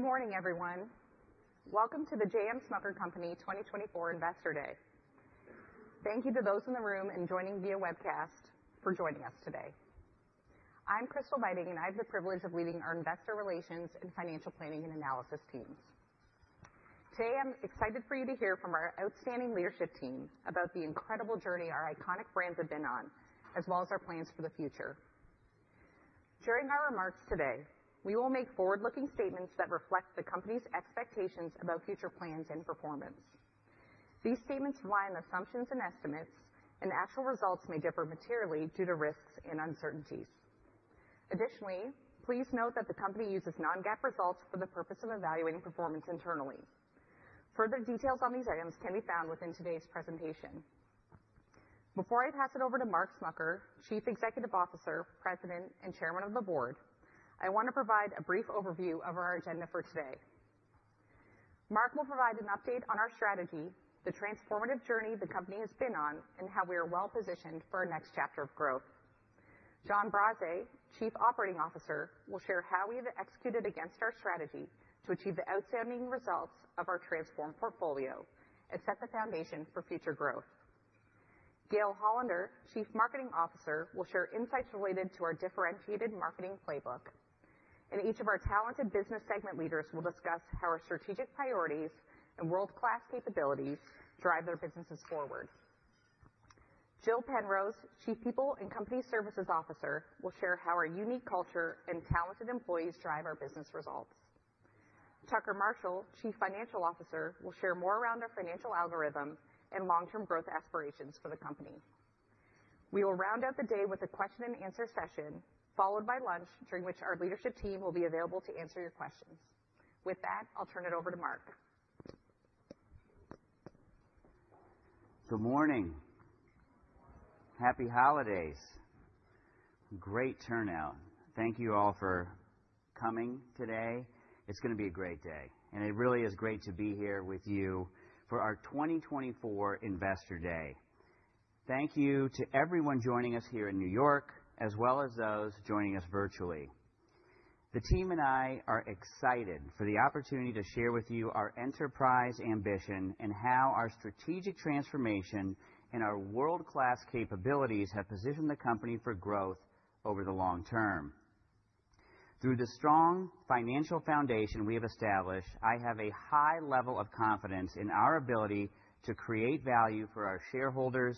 Good morning, everyone. Welcome to the J. M. Smucker Company 2024 Investor Day. Thank you to those in the room and joining via webcast for joining us today. I'm Crystal Beiting, and I have the privilege of leading our Investor Relations and Financial Planning and Analysis teams. Today, I'm excited for you to hear from our outstanding leadership team about the incredible journey our iconic brands have been on, as well as our plans for the future. During our remarks today, we will make forward-looking statements that reflect the company's expectations about future plans and performance. These statements rely on assumptions and estimates, and actual results may differ materially due to risks and uncertainties. Additionally, please note that the company uses Non-GAAP results for the purpose of evaluating performance internally. Further details on these items can be found within today's presentation. Before I pass it over to Mark Smucker, Chief Executive Officer, President, and Chairman of the Board, I want to provide a brief overview of our agenda for today. Mark will provide an update on our strategy, the transformative journey the company has been on, and how we are well-positioned for our next chapter of growth. John Brase, Chief Operating Officer, will share how we have executed against our strategy to achieve the outstanding results of our transformed portfolio and set the foundation for future growth. Gail Hollander, Chief Marketing Officer, will share insights related to our differentiated marketing playbook, and each of our talented business segment leaders will discuss how our strategic priorities and world-class capabilities drive their businesses forward. Jill Penrose, Chief People and Company Services Officer, will share how our unique culture and talented employees drive our business results. Tucker Marshall, Chief Financial Officer, will share more around our financial algorithm and long-term growth aspirations for the company. We will round out the day with a question-and-answer session, followed by lunch, during which our leadership team will be available to answer your questions. With that, I'll turn it over to Mark. Good morning. Happy holidays. Great turnout. Thank you all for coming today. It's going to be a great day. And it really is great to be here with you for our 2024 Investor Day. Thank you to everyone joining us here in New York, as well as those joining us virtually. The team and I are excited for the opportunity to share with you our enterprise ambition and how our strategic transformation and our world-class capabilities have positioned the company for growth over the long term. Through the strong financial foundation we have established, I have a high level of confidence in our ability to create value for our shareholders.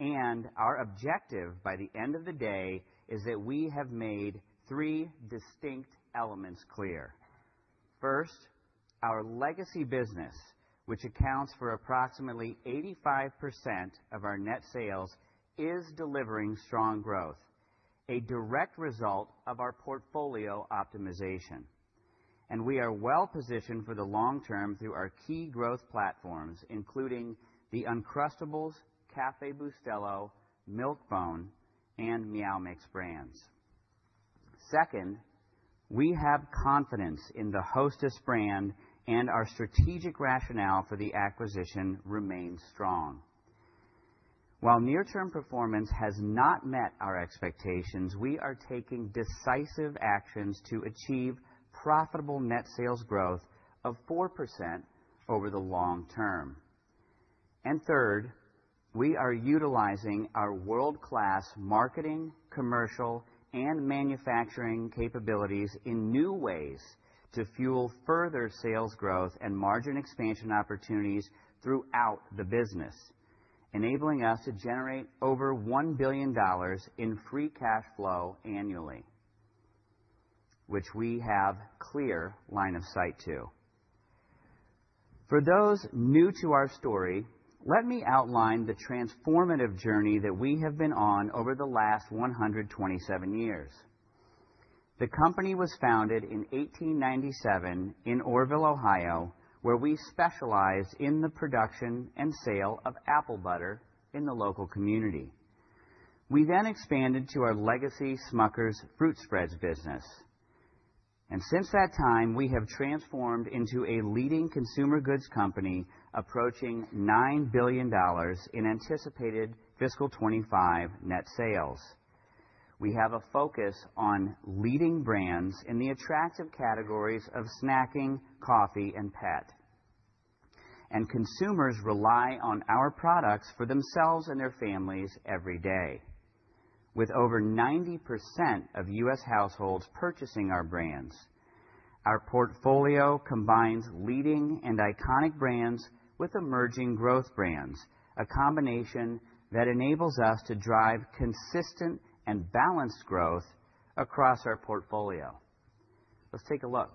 And our objective by the end of the day is that we have made three distinct elements clear. First, our legacy business, which accounts for approximately 85% of our net sales, is delivering strong growth, a direct result of our portfolio optimization, and we are well-positioned for the long term through our key growth platforms, including the Uncrustables, Café Bustelo, Milk-Bone, and Meow Mix brands. Second, we have confidence in the Hostess brand, and our strategic rationale for the acquisition remains strong. While near-term performance has not met our expectations, we are taking decisive actions to achieve profitable net sales growth of 4% over the long term, and third, we are utilizing our world-class marketing, commercial, and manufacturing capabilities in new ways to fuel further sales growth and margin expansion opportunities throughout the business, enabling us to generate over $1 billion in free cash flow annually, which we have a clear line of sight to. For those new to our story, let me outline the transformative journey that we have been on over the last 127 years. The company was founded in 1897 in Orrville, Ohio, where we specialized in the production and sale of apple butter in the local community. We then expanded to our legacy Smucker's Fruit Spreads business. And since that time, we have transformed into a leading consumer goods company, approaching $9 billion in anticipated fiscal 2025 net sales. We have a focus on leading brands in the attractive categories of snacking, coffee, and pet. And consumers rely on our products for themselves and their families every day, with over 90% of U.S. households purchasing our brands. Our portfolio combines leading and iconic brands with emerging growth brands, a combination that enables us to drive consistent and balanced growth across our portfolio. Let's take a look.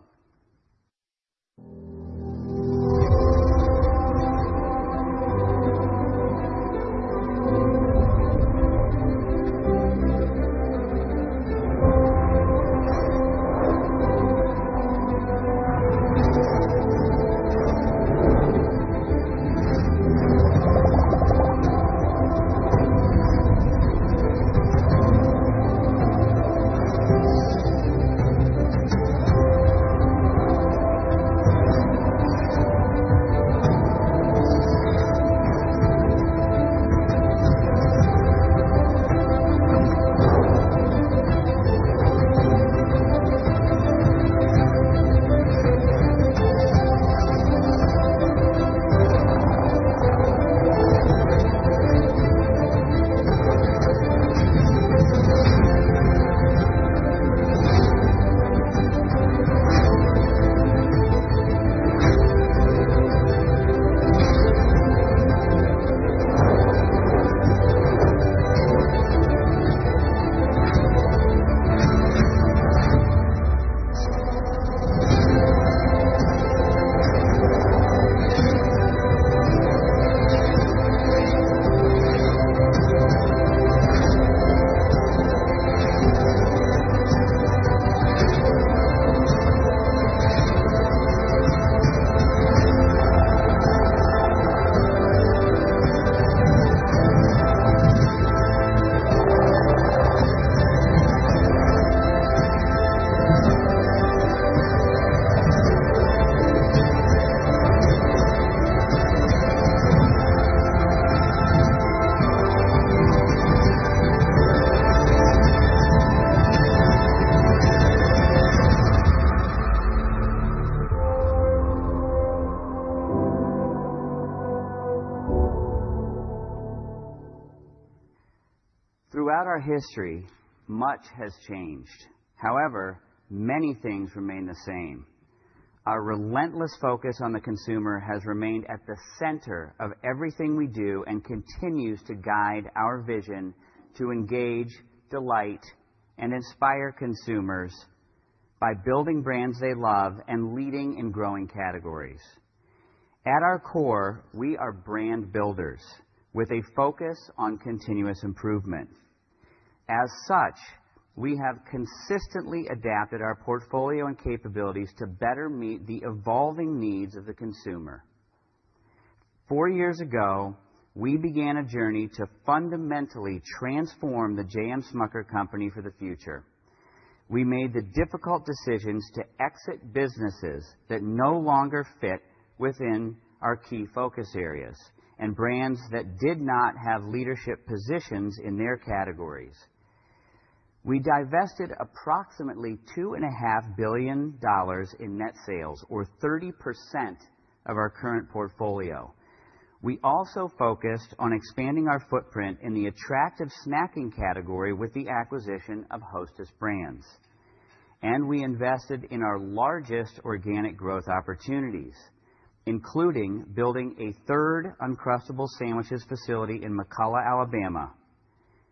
Throughout our history, much has changed. However, many things remain the same. Our relentless focus on the consumer has remained at the center of everything we do and continues to guide our vision to engage, delight, and inspire consumers by building brands they love and leading in growing categories. At our core, we are brand builders with a focus on continuous improvement. As such, we have consistently adapted our portfolio and capabilities to better meet the evolving needs of the consumer. Four years ago, we began a journey to fundamentally transform the J. M. Smucker Company for the future. We made the difficult decisions to exit businesses that no longer fit within our key focus areas and brands that did not have leadership positions in their categories. We divested approximately $2.5 billion in net sales, or 30% of our current portfolio. We also focused on expanding our footprint in the attractive snacking category with the acquisition of Hostess Brands, and we invested in our largest organic growth opportunities, including building a third Uncrustables sandwiches facility in McCalla, Alabama.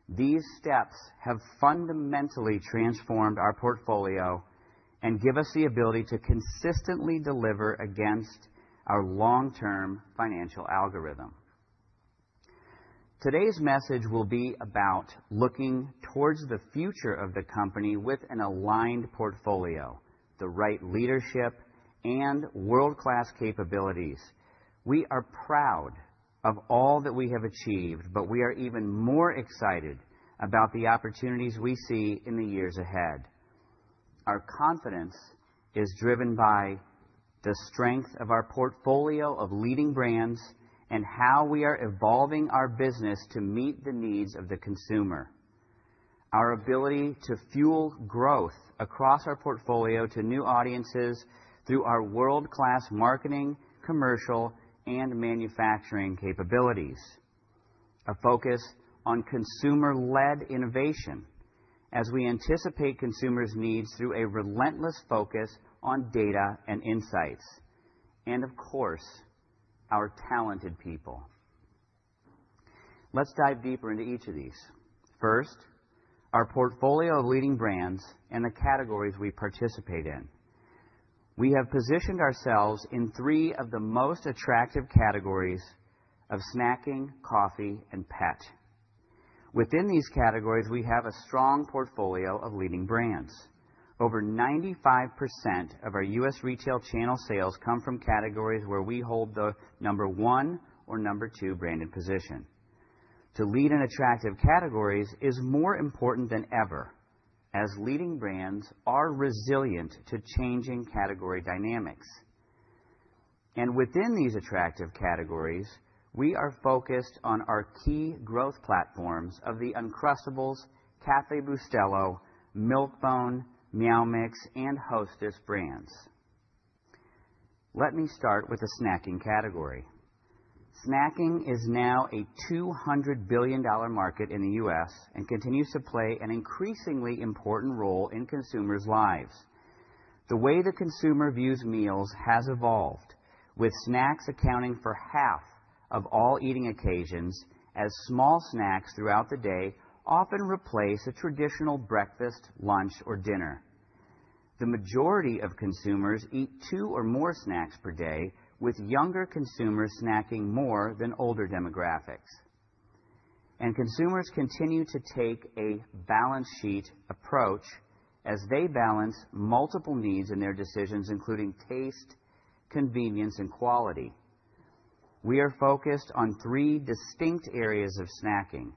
These steps have fundamentally transformed our portfolio and give us the ability to consistently deliver against our long-term financial algorithm. Today's message will be about looking towards the future of the company with an aligned portfolio, the right leadership, and world-class capabilities. We are proud of all that we have achieved, but we are even more excited about the opportunities we see in the years ahead. Our confidence is driven by the strength of our portfolio of leading brands and how we are evolving our business to meet the needs of the consumer. Our ability to fuel growth across our portfolio to new audiences through our world-class marketing, commercial, and manufacturing capabilities, a focus on consumer-led innovation as we anticipate consumers' needs through a relentless focus on data and insights, and of course, our talented people. Let's dive deeper into each of these. First, our portfolio of leading brands and the categories we participate in. We have positioned ourselves in three of the most attractive categories of snacking, coffee, and pet. Within these categories, we have a strong portfolio of leading brands. Over 95% of our U.S. retail channel sales come from categories where we hold the number one or number two branded position. To lead in attractive categories is more important than ever, as leading brands are resilient to changing category dynamics. And within these attractive categories, we are focused on our key growth platforms of the Uncrustables, Café Bustelo, Milk-Bone, Meow Mix, and Hostess brands. Let me start with the snacking category. Snacking is now a $200 billion market in the U.S. and continues to play an increasingly important role in consumers' lives. The way the consumer views meals has evolved, with snacks accounting for half of all eating occasions, as small snacks throughout the day often replace a traditional breakfast, lunch, or dinner. The majority of consumers eat two or more snacks per day, with younger consumers snacking more than older demographics. And consumers continue to take a balance sheet approach as they balance multiple needs in their decisions, including taste, convenience, and quality. We are focused on three distinct areas of snacking: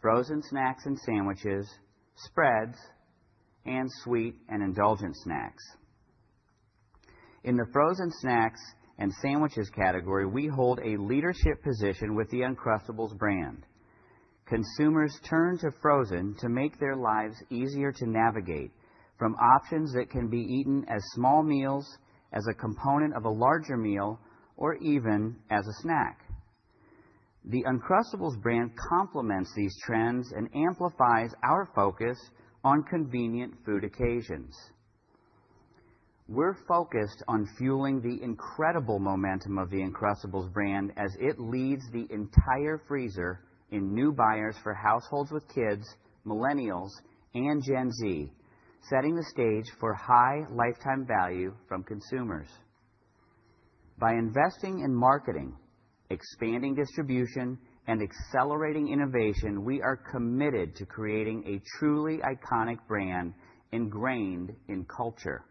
Frozen Snacks and Sandwiches, Spreads, and Sweet and Indulgent Snacks. In the Frozen Snacks and Sandwiches category, we hold a leadership position with the Uncrustables brand. Consumers turn to frozen to make their lives easier to navigate from options that can be eaten as small meals, as a component of a larger meal, or even as a snack. The Uncrustables brand complements these trends and amplifies our focus on convenient food occasions. We're focused on fueling the incredible momentum of the Uncrustables brand as it leads the entire freezer in new buyers for households with kids, millennials, and Gen Z, setting the stage for high lifetime value from consumers. By investing in marketing, expanding distribution, and accelerating innovation, we are committed to creating a truly iconic brand ingrained in culture.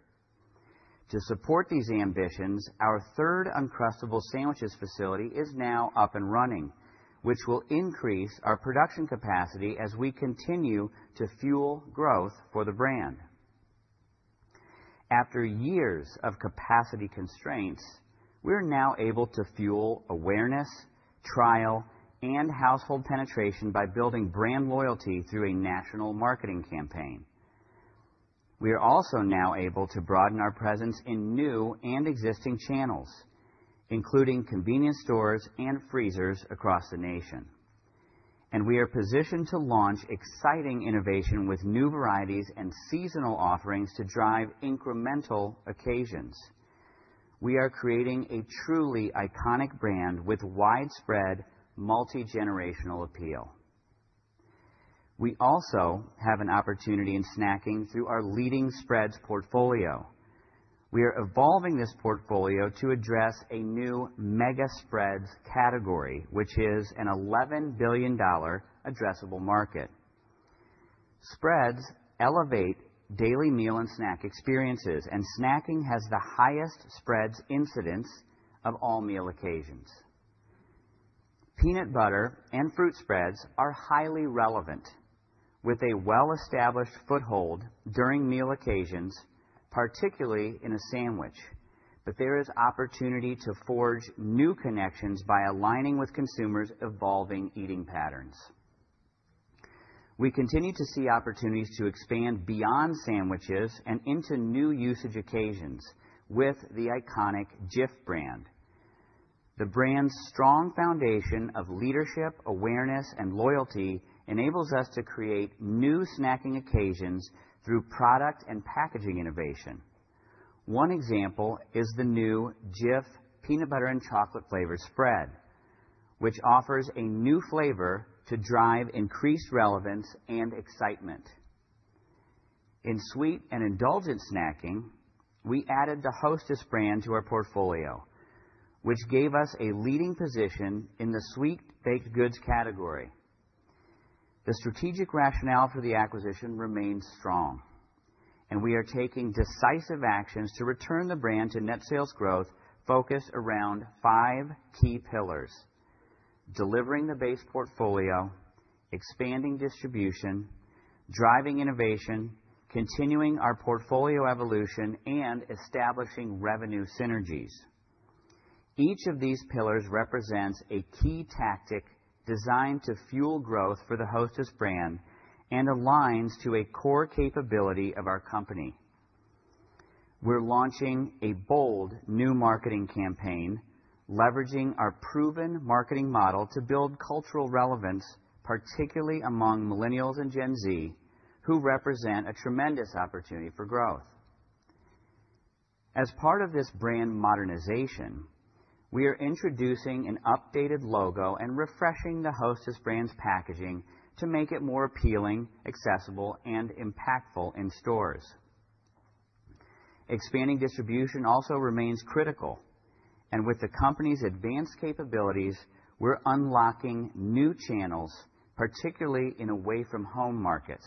To support these ambitions, our third Uncrustables sandwiches facility is now up and running, which will increase our production capacity as we continue to fuel growth for the brand. After years of capacity constraints, we're now able to fuel awareness, trial, and household penetration by building brand loyalty through a national marketing campaign. We are also now able to broaden our presence in new and existing channels, including convenience stores and freezers across the nation, and we are positioned to launch exciting innovation with new varieties and seasonal offerings to drive incremental occasions. We are creating a truly iconic brand with widespread, multi-generational appeal. We also have an opportunity in snacking through our leading spreads portfolio. We are evolving this portfolio to address a new mega spreads category, which is an $11 billion addressable market. Spreads elevate daily meal and snack experiences, and snacking has the highest spreads incidence of all meal occasions. Peanut butter and fruit spreads are highly relevant, with a well-established foothold during meal occasions, particularly in a sandwich. But there is opportunity to forge new connections by aligning with consumers' evolving eating patterns. We continue to see opportunities to expand beyond sandwiches and into new usage occasions with the iconic Jif brand. The brand's strong foundation of leadership, awareness, and loyalty enables us to create new snacking occasions through product and packaging innovation. One example is the new Jif Peanut Butter and Chocolate Flavor Spread, which offers a new flavor to drive increased relevance and excitement. In sweet and indulgent snacking, we added the Hostess brand to our portfolio, which gave us a leading position in the sweet baked goods category. The strategic rationale for the acquisition remains strong, and we are taking decisive actions to return the brand to net sales growth focused around five key pillars: delivering the base portfolio, expanding distribution, driving innovation, continuing our portfolio evolution, and establishing revenue synergies. Each of these pillars represents a key tactic designed to fuel growth for the Hostess brand and aligns to a core capability of our company. We're launching a bold new marketing campaign, leveraging our proven marketing model to build cultural relevance, particularly among millennials and Gen Z, who represent a tremendous opportunity for growth. As part of this brand modernization, we are introducing an updated logo and refreshing the Hostess brand's packaging to make it more appealing, accessible, and impactful in stores. Expanding distribution also remains critical, and with the company's advanced capabilities, we're unlocking new channels, particularly in away-from-home markets.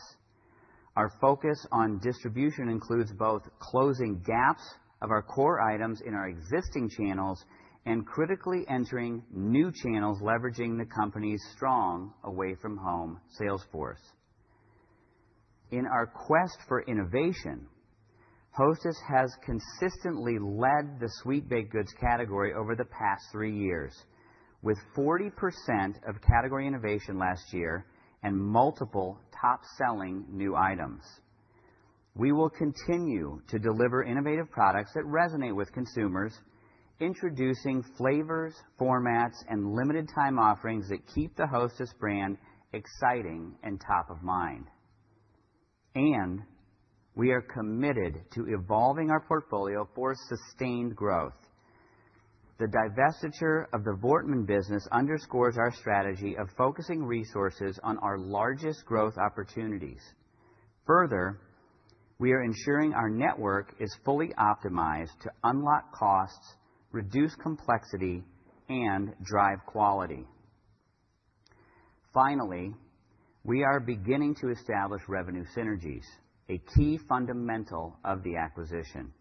Our focus on distribution includes both closing gaps of our core items in our existing channels and critically entering new channels, leveraging the company's strong away-from-home sales force. In our quest for innovation, Hostess has consistently led the sweet baked goods category over the past three years, with 40% of category innovation last year and multiple top-selling new items. We will continue to deliver innovative products that resonate with consumers, introducing flavors, formats, and limited-time offerings that keep the Hostess brand exciting and top of mind, and we are committed to evolving our portfolio for sustained growth. The divestiture of the Voortman business underscores our strategy of focusing resources on our largest growth opportunities. Further, we are ensuring our network is fully optimized to unlock costs, reduce complexity, and drive quality. Finally, we are beginning to establish revenue synergies, a key fundamental of the acquisition.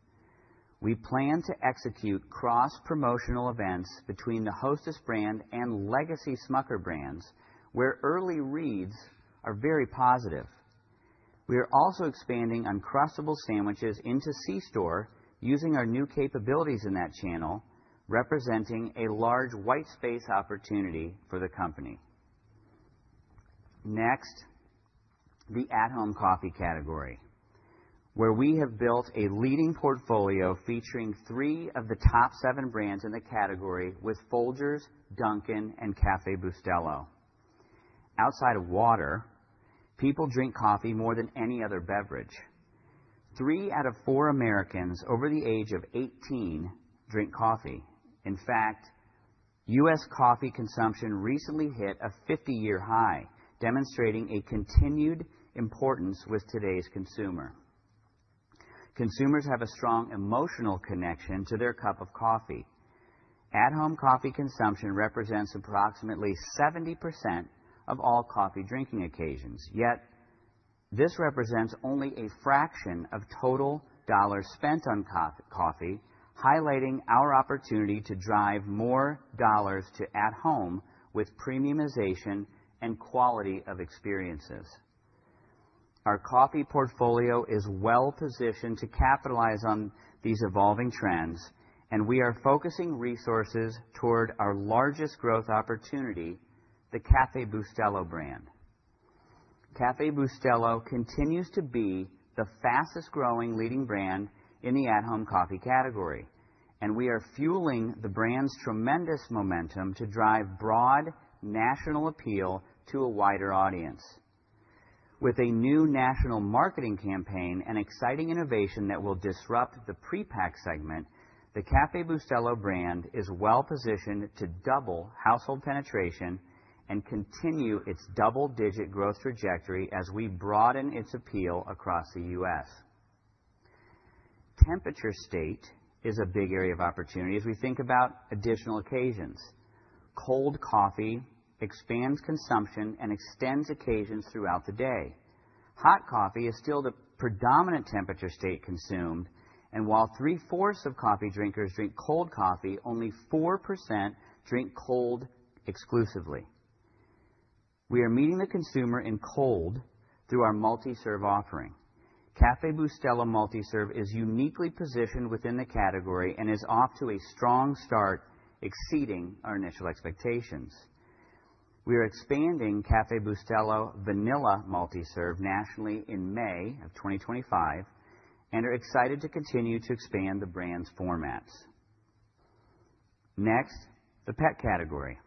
We plan to execute cross-promotional events between the Hostess brand and legacy Smucker brands, where early reads are very positive. We are also expanding Uncrustables Sandwiches into C-store using our new capabilities in that channel, representing a large white space opportunity for the company. Next, the at-home coffee category, where we have built a leading portfolio featuring three of the top seven brands in the category with Folgers, Dunkin', and Café Bustelo. Outside of water, people drink coffee more than any other beverage. Three out of four Americans over the age of 18 drink coffee. In fact, U.S. coffee consumption recently hit a 50-year high, demonstrating a continued importance with today's consumer. Consumers have a strong emotional connection to their cup of coffee. At-home coffee consumption represents approximately 70% of all coffee drinking occasions. Yet this represents only a fraction of total dollars spent on coffee, highlighting our opportunity to drive more dollars to at-home with premiumization and quality of experiences. Our coffee portfolio is well-positioned to capitalize on these evolving trends, and we are focusing resources toward our largest growth opportunity, the Café Bustelo brand. Café Bustelo continues to be the fastest-growing leading brand in the at-home coffee category, and we are fueling the brand's tremendous momentum to drive broad national appeal to a wider audience. With a new national marketing campaign and exciting innovation that will disrupt the prepack segment, the Café Bustelo brand is well-positioned to double household penetration and continue its double-digit growth trajectory as we broaden its appeal across the U.S. Temperature state is a big area of opportunity as we think about additional occasions. Cold coffee expands consumption and extends occasions throughout the day. Hot coffee is still the predominant temperature state consumed, and while three-fourths of coffee drinkers drink cold coffee, only 4% drink cold exclusively. We are meeting the consumer in cold through our multi-serve offering. Café Bustelo multi-serve is uniquely positioned within the category and is off to a strong start, exceeding our initial expectations. We are expanding Café Bustelo Vanilla multi-serve nationally in May of 2025 and are excited to continue to expand the brand's formats. Next, the pet category,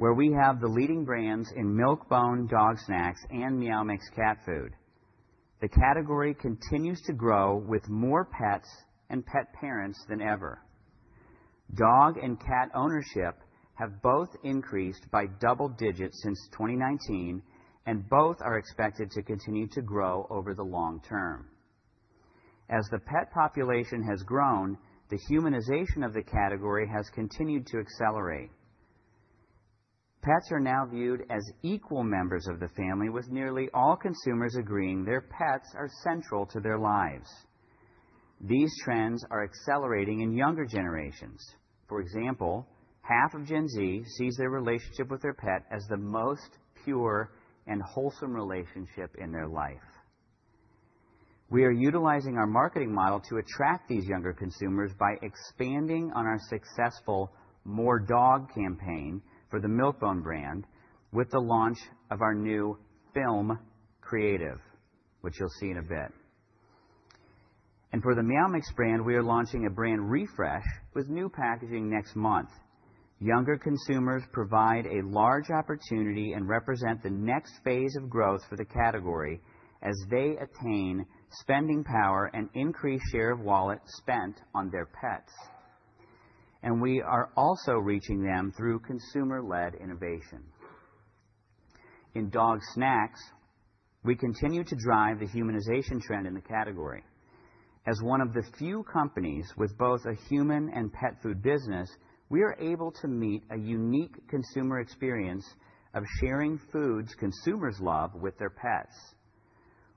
where we have the leading brands in Milk-Bone, Dog Snacks, and Meow Mix Cat Food. The category continues to grow with more pets and pet parents than ever. Dog and cat ownership have both increased by double digits since 2019, and both are expected to continue to grow over the long term. As the pet population has grown, the humanization of the category has continued to accelerate. Pets are now viewed as equal members of the family, with nearly all consumers agreeing their pets are central to their lives. These trends are accelerating in younger generations. For example, half of Gen Z sees their relationship with their pet as the most pure and wholesome relationship in their life. We are utilizing our marketing model to attract these younger consumers by expanding on our successful More Dog campaign for the Milk-Bone brand with the launch of our new film creative, which you'll see in a bit. And for the Meow Mix brand, we are launching a brand refresh with new packaging next month. Younger consumers provide a large opportunity and represent the next phase of growth for the category as they attain spending power and increase share of wallet spent on their pets. And we are also reaching them through consumer-led innovation. In Dog Snacks, we continue to drive the humanization trend in the category. As one of the few companies with both a human and pet food business, we are able to meet a unique consumer experience of sharing foods consumers love with their pets.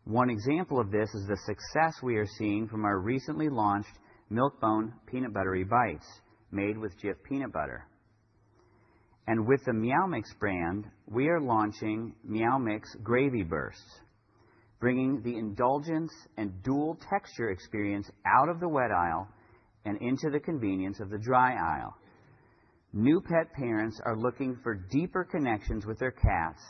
One example of this is the success we are seeing from our recently launched Milk-Bone Peanut Buttery Bites, made with Jif Peanut Butter. And with the Meow Mix brand, we are launching Meow Mix Gravy Bursts, bringing the indulgence and dual texture experience out of the wet aisle and into the convenience of the dry aisle. New pet parents are looking for deeper connections with their cats,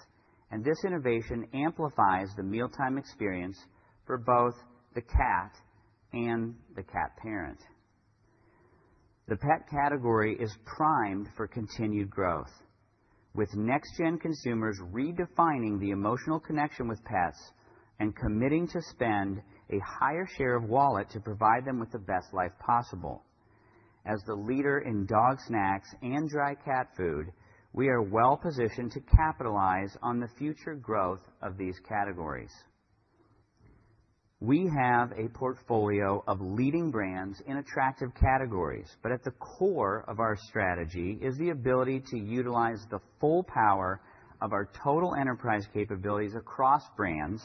and this innovation amplifies the mealtime experience for both the cat and the cat parent. The pet category is primed for continued growth, with next-gen consumers redefining the emotional connection with pets and committing to spend a higher share of wallet to provide them with the best life possible. As the leader in Dog Snacks and Dry Cat Food, we are well-positioned to capitalize on the future growth of these categories. We have a portfolio of leading brands in attractive categories, but at the core of our strategy is the ability to utilize the full power of our total enterprise capabilities across brands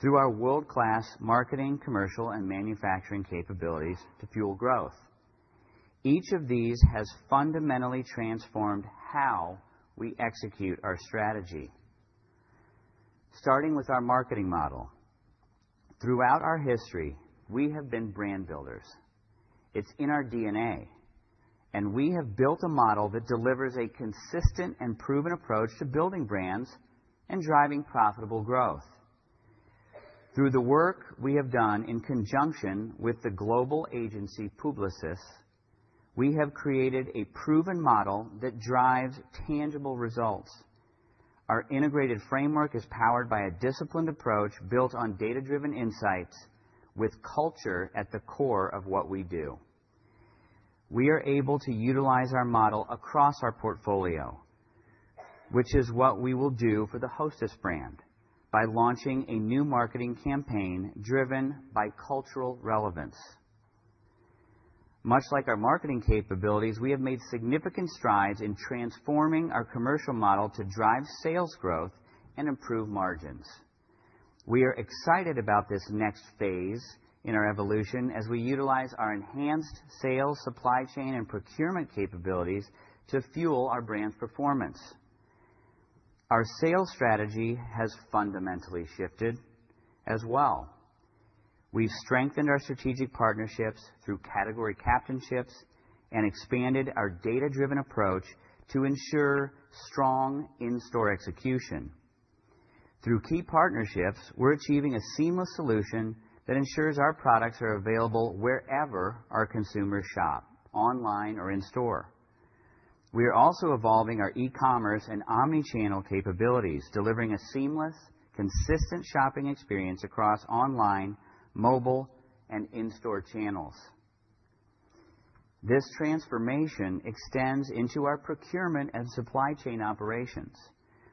through our world-class marketing, commercial, and manufacturing capabilities to fuel growth. Each of these has fundamentally transformed how we execute our strategy. Starting with our marketing model, throughout our history, we have been brand builders. It's in our DNA, and we have built a model that delivers a consistent and proven approach to building brands and driving profitable growth. Through the work we have done in conjunction with the global agency Publicis, we have created a proven model that drives tangible results. Our integrated framework is powered by a disciplined approach built on data-driven insights, with culture at the core of what we do. We are able to utilize our model across our portfolio, which is what we will do for the Hostess brand by launching a new marketing campaign driven by cultural relevance. Much like our marketing capabilities, we have made significant strides in transforming our commercial model to drive sales growth and improve margins. We are excited about this next phase in our evolution as we utilize our enhanced sales, supply chain, and procurement capabilities to fuel our brand's performance. Our sales strategy has fundamentally shifted as well. We've strengthened our strategic partnerships through category captainships and expanded our data-driven approach to ensure strong in-store execution. Through key partnerships, we're achieving a seamless solution that ensures our products are available wherever our consumers shop, online or in store. We are also evolving our e-commerce and omnichannel capabilities, delivering a seamless, consistent shopping experience across online, mobile, and in-store channels. This transformation extends into our procurement and supply chain operations,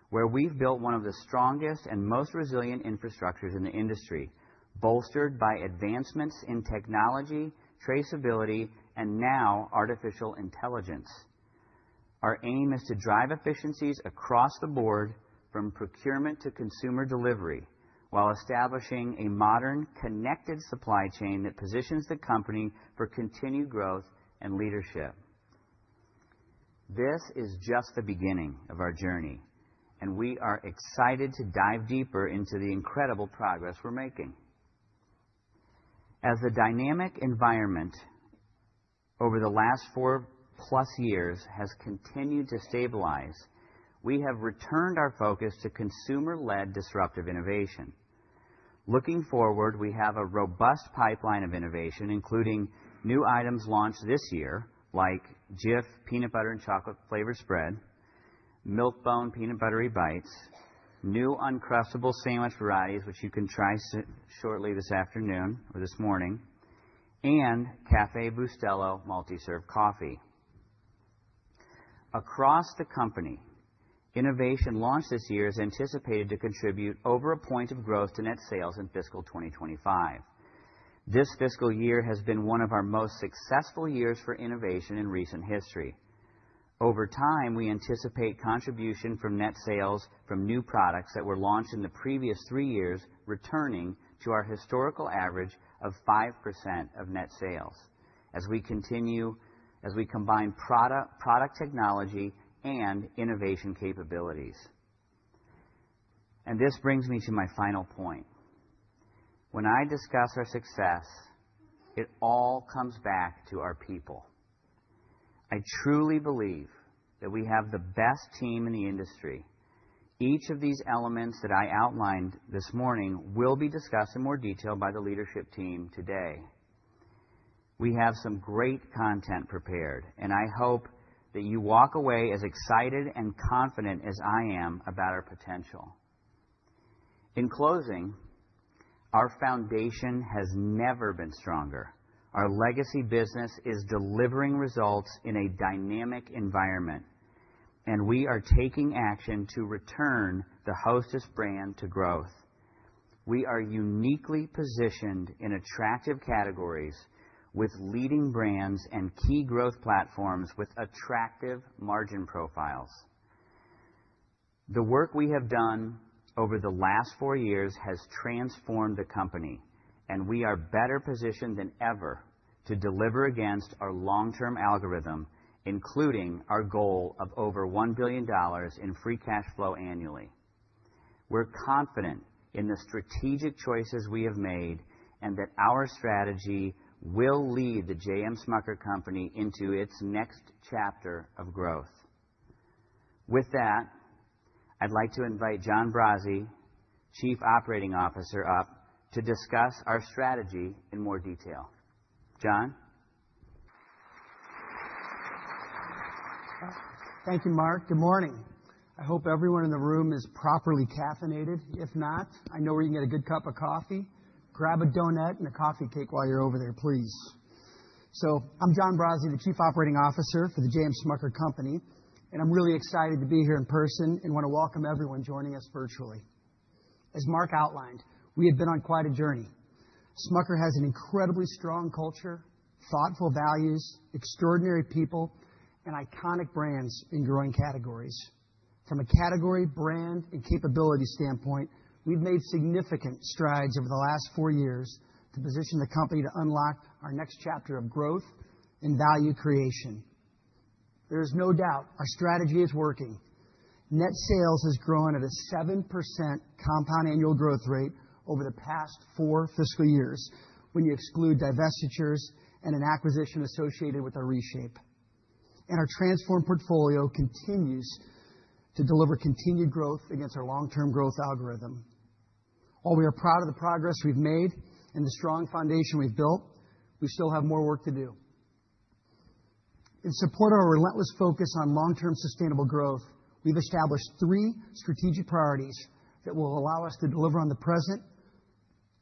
where we've built one of the strongest and most resilient infrastructures in the industry, bolstered by advancements in technology, traceability, and now artificial intelligence. Our aim is to drive efficiencies across the board, from procurement to consumer delivery, while establishing a modern, connected supply chain that positions the company for continued growth and leadership. This is just the beginning of our journey, and we are excited to dive deeper into the incredible progress we're making. As the dynamic environment over the last four-plus years has continued to stabilize, we have returned our focus to consumer-led disruptive innovation. Looking forward, we have a robust pipeline of innovation, including new items launched this year, like Jif Peanut Butter and Chocolate Flavor Spread, Milk-Bone Peanut Buttery Bites, new Uncrustables sandwich varieties, which you can try shortly this afternoon or this morning, and Café Bustelo multi-serve coffee. Across the company, innovation launched this year is anticipated to contribute over a point of growth to net sales in fiscal 2025. This fiscal year has been one of our most successful years for innovation in recent history. Over time, we anticipate contribution from net sales from new products that were launched in the previous three years, returning to our historical average of 5% of net sales as we combine product technology and innovation capabilities. And this brings me to my final point. When I discuss our success, it all comes back to our people. I truly believe that we have the best team in the industry. Each of these elements that I outlined this morning will be discussed in more detail by the leadership team today. We have some great content prepared, and I hope that you walk away as excited and confident as I am about our potential. In closing, our foundation has never been stronger. Our legacy business is delivering results in a dynamic environment, and we are taking action to return the Hostess brand to growth. We are uniquely positioned in attractive categories with leading brands and key growth platforms with attractive margin profiles. The work we have done over the last four years has transformed the company, and we are better positioned than ever to deliver against our long-term algorithm, including our goal of over $1 billion in free cash flow annually. We're confident in the strategic choices we have made and that our strategy will lead the J. M. Smucker Company into its next chapter of growth. With that, I'd like to invite John Brase, Chief Operating Officer, up to discuss our strategy in more detail. John? Thank you, Mark. Good morning. I hope everyone in the room is properly caffeinated. If not, I know we can get a good cup of coffee. Grab a donut and a coffee cake while you're over there, please. So I'm John Brase, the Chief Operating Officer for the J. M. Smucker Company, and I'm really excited to be here in person and want to welcome everyone joining us virtually. As Mark outlined, we have been on quite a journey. Smucker has an incredibly strong culture, thoughtful values, extraordinary people, and iconic brands in growing categories. From a category, brand, and capability standpoint, we've made significant strides over the last four years to position the company to unlock our next chapter of growth and value creation. There is no doubt our strategy is working. Net sales has grown at a 7% compound annual growth rate over the past four fiscal years when you exclude divestitures and an acquisition associated with our reshape, and our transformed portfolio continues to deliver continued growth against our long-term growth algorithm. While we are proud of the progress we've made and the strong foundation we've built, we still have more work to do. In support of our relentless focus on long-term sustainable growth, we've established three strategic priorities that will allow us to deliver on the present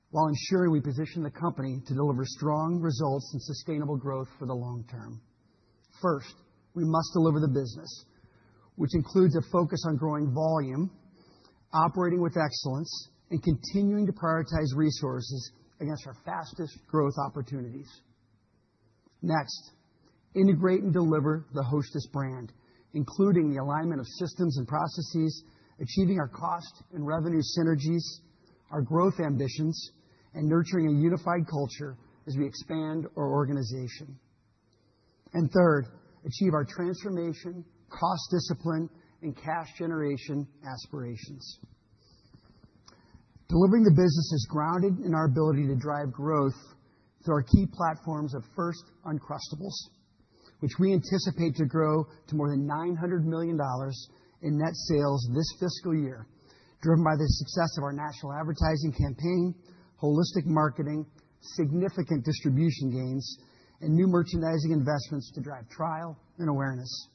while ensuring we position the company to deliver strong results and sustainable growth for the long term. First, we must deliver the business, which includes a focus on growing volume, operating with excellence, and continuing to prioritize resources against our fastest growth opportunities. Next, integrate and deliver the Hostess brand, including the alignment of systems and processes, achieving our cost and revenue synergies, our growth ambitions, and nurturing a unified culture as we expand our organization. Third, achieve our transformation, cost discipline, and cash generation aspirations. Delivering the business is grounded in our ability to drive growth through our key platforms of Uncrustables, which we anticipate to grow to more than $900 million in net sales this fiscal year, driven by the success of our national advertising campaign, holistic marketing, significant distribution gains, and new merchandising investments to drive trial and awareness.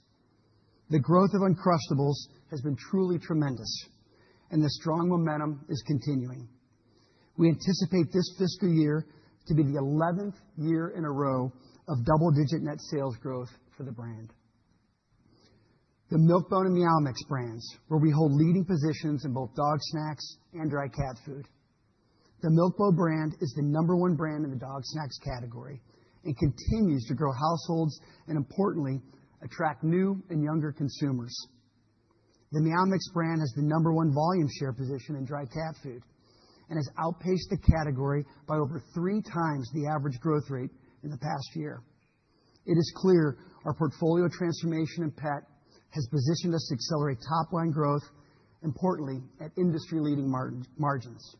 The growth of Uncrustables has been truly tremendous, and the strong momentum is continuing. We anticipate this fiscal year to be the 11th year in a row of double-digit net sales growth for the brand. The Milk-Bone and Meow Mix brands, where we hold leading positions in both dog snacks and dry cat food. The Milk-Bone brand is the number one brand in the dog snacks category and continues to grow households and, importantly, attract new and younger consumers. The Meow Mix brand has the number one volume share position in dry cat food and has outpaced the category by over three times the average growth rate in the past year. It is clear our portfolio transformation in pet has positioned us to accelerate top-line growth, importantly, at industry-leading margins.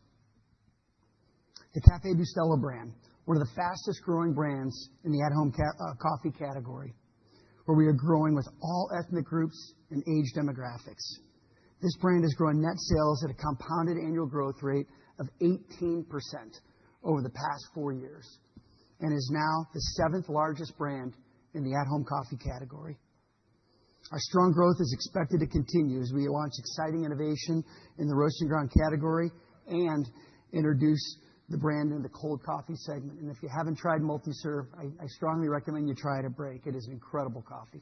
The Café Bustelo brand, one of the fastest growing brands in the at-home coffee category, where we are growing with all ethnic groups and age demographics. This brand has grown net sales at a compounded annual growth rate of 18% over the past four years and is now the seventh largest brand in the at-home coffee category. Our strong growth is expected to continue as we launch exciting innovation in the roast and ground category and introduce the brand in the cold coffee segment. And if you haven't tried multi-serve, I strongly recommend you try it at a break. It is incredible coffee.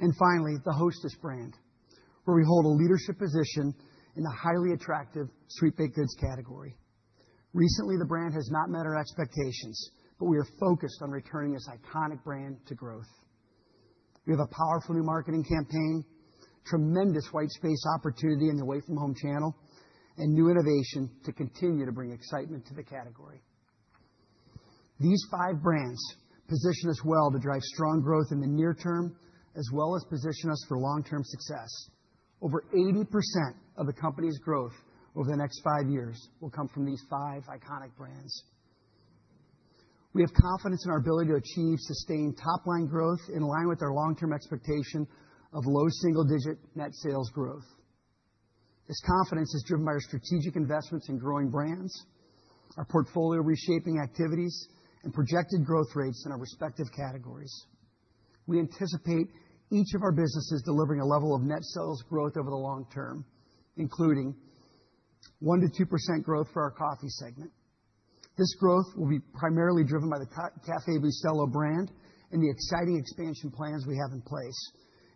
And finally, the Hostess brand, where we hold a leadership position in the highly attractive sweet baked goods category. Recently, the brand has not met our expectations, but we are focused on returning this iconic brand to growth. We have a powerful new marketing campaign, tremendous white space opportunity in the away-from-home channel, and new innovation to continue to bring excitement to the category. These five brands position us well to drive strong growth in the near term as well as position us for long-term success. Over 80% of the company's growth over the next five years will come from these five iconic brands. We have confidence in our ability to achieve sustained top-line growth in line with our long-term expectation of low single-digit net sales growth. This confidence is driven by our strategic investments in growing brands, our portfolio reshaping activities, and projected growth rates in our respective categories. We anticipate each of our businesses delivering a level of net sales growth over the long term, including 1%-2% growth for our coffee segment. This growth will be primarily driven by the Café Bustelo brand and the exciting expansion plans we have in place,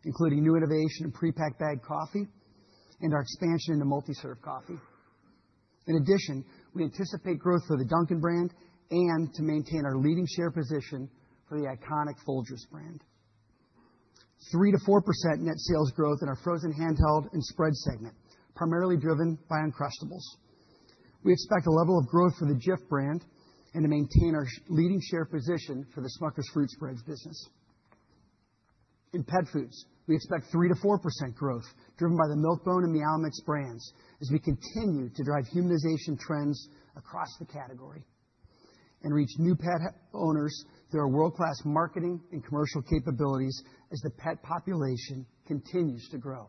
including new innovation in pre-packed bag coffee and our expansion into multi-serve coffee. In addition, we anticipate growth for the Dunkin' brand and to maintain our leading share position for the iconic Folgers brand. 3%-4% net sales growth in our Frozen Handheld and Spreads segment, primarily driven by Uncrustables. We expect a level of growth for the Jif brand and to maintain our leading share position for the Smucker's Fruit Spreads business. In pet foods, we expect 3%-4% growth driven by the Milk-Bone and Meow Mix brands as we continue to drive humanization trends across the category and reach new pet owners through our world-class marketing and commercial capabilities as the pet population continues to grow.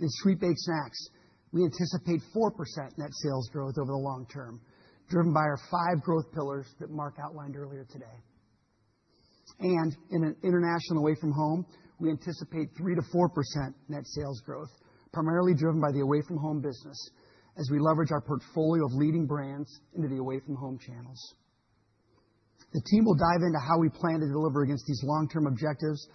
In Sweet Baked Snacks, we anticipate 4% net sales growth over the long term, driven by our five growth pillars that Mark outlined earlier today. In an International and Away From Home, we anticipate 3%-4% net sales growth, primarily driven by the away-from-home business as we leverage our portfolio of leading brands into the Away From Home channels. The team will dive into how we plan to deliver against these long-term objectives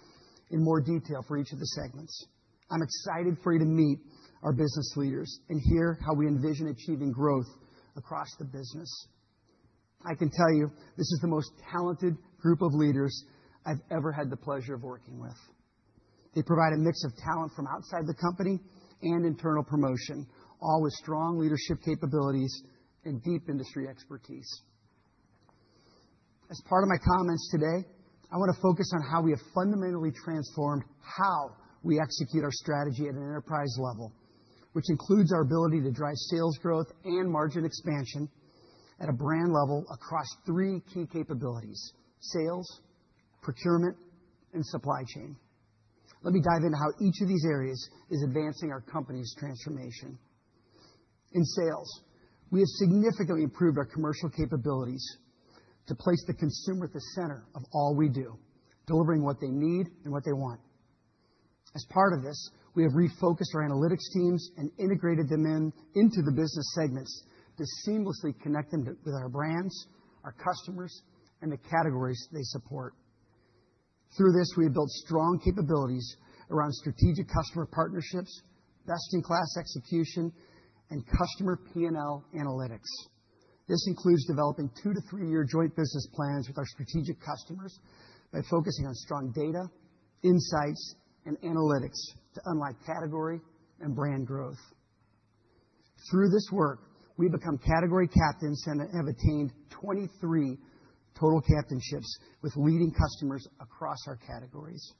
in more detail for each of the segments. I'm excited for you to meet our business leaders and hear how we envision achieving growth across the business. I can tell you this is the most talented group of leaders I've ever had the pleasure of working with. They provide a mix of talent from outside the company and internal promotion, all with strong leadership capabilities and deep industry expertise. As part of my comments today, I want to focus on how we have fundamentally transformed how we execute our strategy at an enterprise level, which includes our ability to drive sales growth and margin expansion at a brand level across three key capabilities: sales, procurement, and supply chain. Let me dive into how each of these areas is advancing our company's transformation. In sales, we have significantly improved our commercial capabilities to place the consumer at the center of all we do, delivering what they need and what they want. As part of this, we have refocused our analytics teams and integrated them into the business segments to seamlessly connect them with our brands, our customers, and the categories they support. Through this, we have built strong capabilities around strategic customer partnerships, best-in-class execution, and customer P&L analytics. This includes developing two- to three-year joint business plans with our strategic customers by focusing on strong data, insights, and analytics to unlock category and brand growth. Through this work, we have become category captains and have attained 23 total captainships with leading customers across our categories.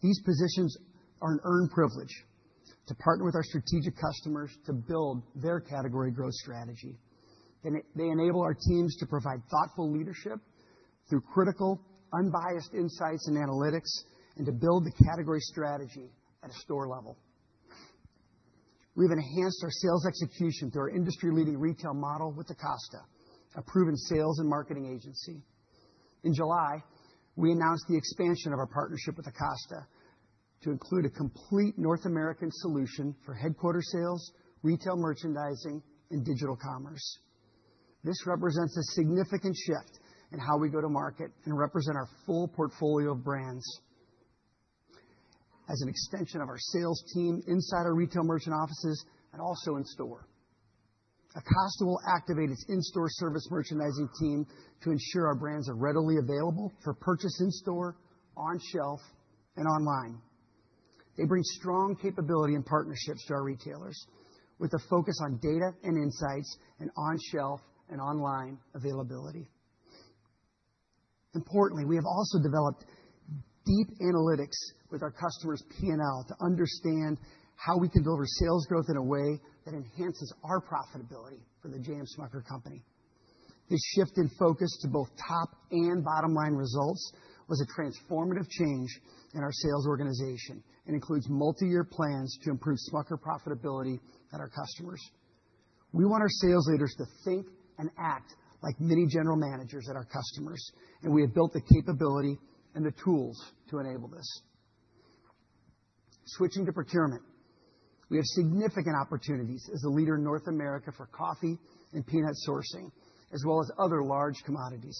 These positions are an earned privilege to partner with our strategic customers to build their category growth strategy. They enable our teams to provide thoughtful leadership through critical, unbiased insights and analytics and to build the category strategy at a store level. We have enhanced our sales execution through our industry-leading retail model with Acosta, a proven sales and marketing agency. In July, we announced the expansion of our partnership with Acosta to include a complete North American solution for headquarters sales, retail merchandising, and digital commerce. This represents a significant shift in how we go to market and represent our full portfolio of brands as an extension of our sales team inside our retail merchant offices and also in store. Acosta will activate its in-store service merchandising team to ensure our brands are readily available for purchase in store, on shelf, and online. They bring strong capability and partnerships to our retailers with a focus on data and insights and on-shelf and online availability. Importantly, we have also developed deep analytics with our customers' P&L to understand how we can deliver sales growth in a way that enhances our profitability for the J. M. Smucker Company. This shift in focus to both top and bottom line results was a transformative change in our sales organization and includes multi-year plans to improve Smucker profitability at our customers. We want our sales leaders to think and act like many general managers at our customers, and we have built the capability and the tools to enable this. Switching to procurement, we have significant opportunities as a leader in North America for coffee and peanut sourcing, as well as other large commodities.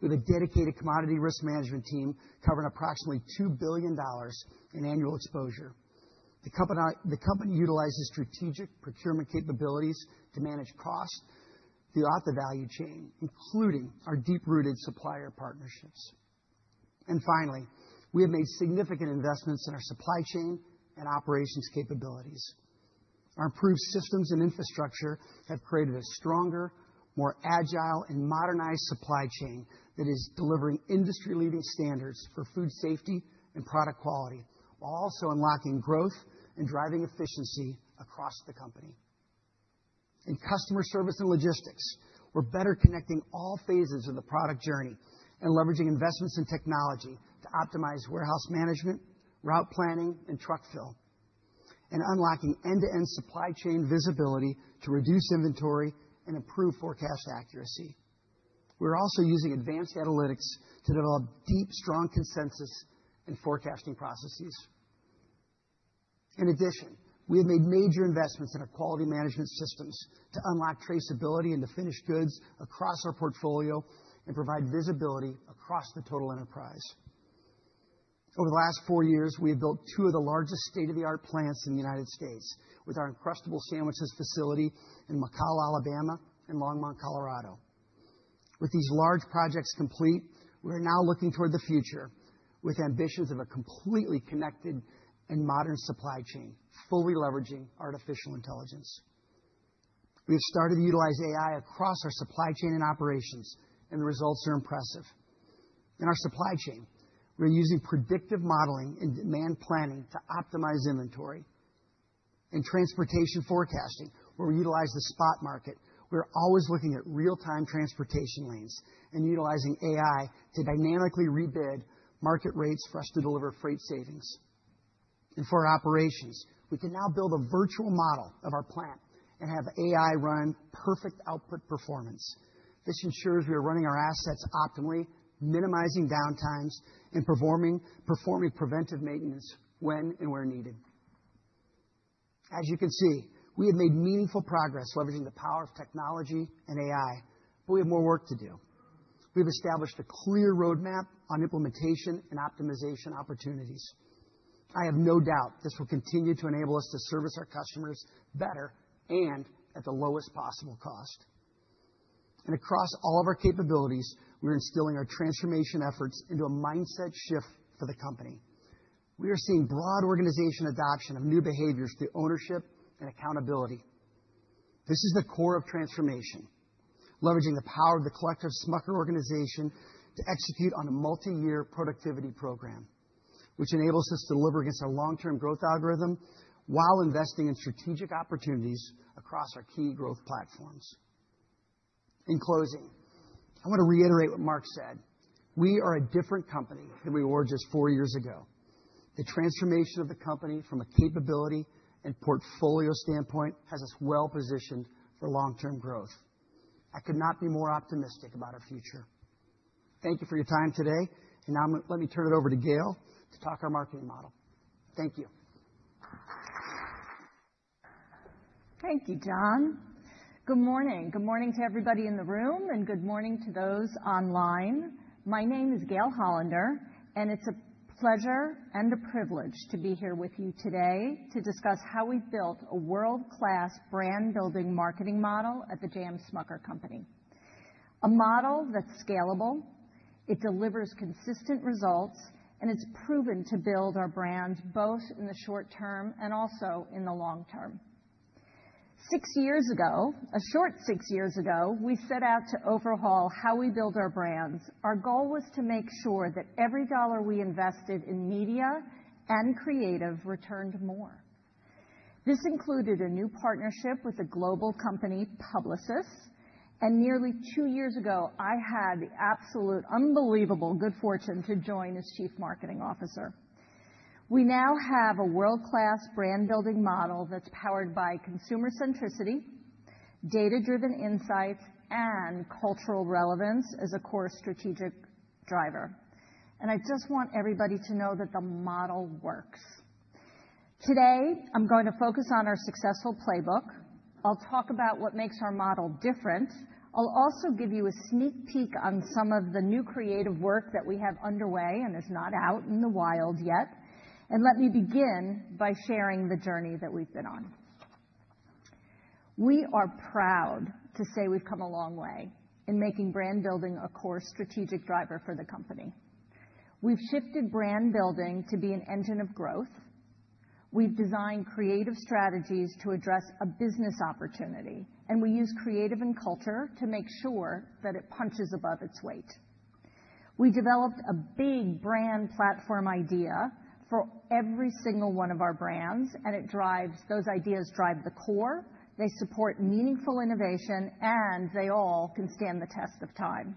We have a dedicated commodity risk management team covering approximately $2 billion in annual exposure. The company utilizes strategic procurement capabilities to manage cost throughout the value chain, including our deep-rooted supplier partnerships. And finally, we have made significant investments in our supply chain and operations capabilities. Our improved systems and infrastructure have created a stronger, more agile, and modernized supply chain that is delivering industry-leading standards for food safety and product quality while also unlocking growth and driving efficiency across the company. In customer service and logistics, we're better connecting all phases of the product journey and leveraging investments in technology to optimize warehouse management, route planning, and truck fill, and unlocking end-to-end supply chain visibility to reduce inventory and improve forecast accuracy. We're also using advanced analytics to develop deep, strong consensus and forecasting processes. In addition, we have made major investments in our quality management systems to unlock traceability and to finished goods across our portfolio and provide visibility across the total enterprise. Over the last four years, we have built two of the largest state-of-the-art plants in the United States with our Uncrustables facility in McCalla, Alabama, and Longmont, Colorado. With these large projects complete, we are now looking toward the future with ambitions of a completely connected and modern supply chain, fully leveraging artificial intelligence. We have started to utilize AI across our supply chain and operations, and the results are impressive. In our supply chain, we're using predictive modeling and demand planning to optimize inventory. In transportation forecasting, where we utilize the spot market, we're always looking at real-time transportation lanes and utilizing AI to dynamically rebid market rates for us to deliver freight savings, and for our operations, we can now build a virtual model of our plant and have AI run perfect output performance. This ensures we are running our assets optimally, minimizing downtimes and performing preventive maintenance when and where needed. As you can see, we have made meaningful progress leveraging the power of technology and AI, but we have more work to do. We've established a clear roadmap on implementation and optimization opportunities. I have no doubt this will continue to enable us to service our customers better and at the lowest possible cost. And across all of our capabilities, we're instilling our transformation efforts into a mindset shift for the company. We are seeing broad organization adoption of new behaviors through ownership and accountability. This is the core of transformation, leveraging the power of the collective Smucker organization to execute on a multi-year productivity program, which enables us to deliver against our long-term growth algorithm while investing in strategic opportunities across our key growth platforms. In closing, I want to reiterate what Mark said. We are a different company than we were just four years ago. The transformation of the company from a capability and portfolio standpoint has us well positioned for long-term growth. I could not be more optimistic about our future. Thank you for your time today. And now let me turn it over to Gail to talk about our marketing model. Thank you. Thank you, John. Good morning. Good morning to everybody in the room and good morning to those online. My name is Gail Hollander, and it's a pleasure and a privilege to be here with you today to discuss how we built a world-class brand-building marketing model at The J. M. Smucker Company. A model that's scalable, it delivers consistent results, and it's proven to build our brand both in the short term and also in the long term. Six years ago, a short six years ago, we set out to overhaul how we build our brands. Our goal was to make sure that every dollar we invested in media and creative returned more. This included a new partnership with a global company, Publicis, and nearly two years ago, I had the absolute unbelievable good fortune to join as Chief Marketing Officer. We now have a world-class brand-building model that's powered by consumer centricity, data-driven insights, and cultural relevance as a core strategic driver, and I just want everybody to know that the model works. Today, I'm going to focus on our successful playbook. I'll talk about what makes our model different. I'll also give you a sneak peek on some of the new creative work that we have underway and is not out in the wild yet, and let me begin by sharing the journey that we've been on. We are proud to say we've come a long way in making brand building a core strategic driver for the company. We've shifted brand building to be an engine of growth. We've designed creative strategies to address a business opportunity, and we use creative and culture to make sure that it punches above its weight. We developed a big brand platform idea for every single one of our brands, and those ideas drive the core. They support meaningful innovation, and they all can stand the test of time.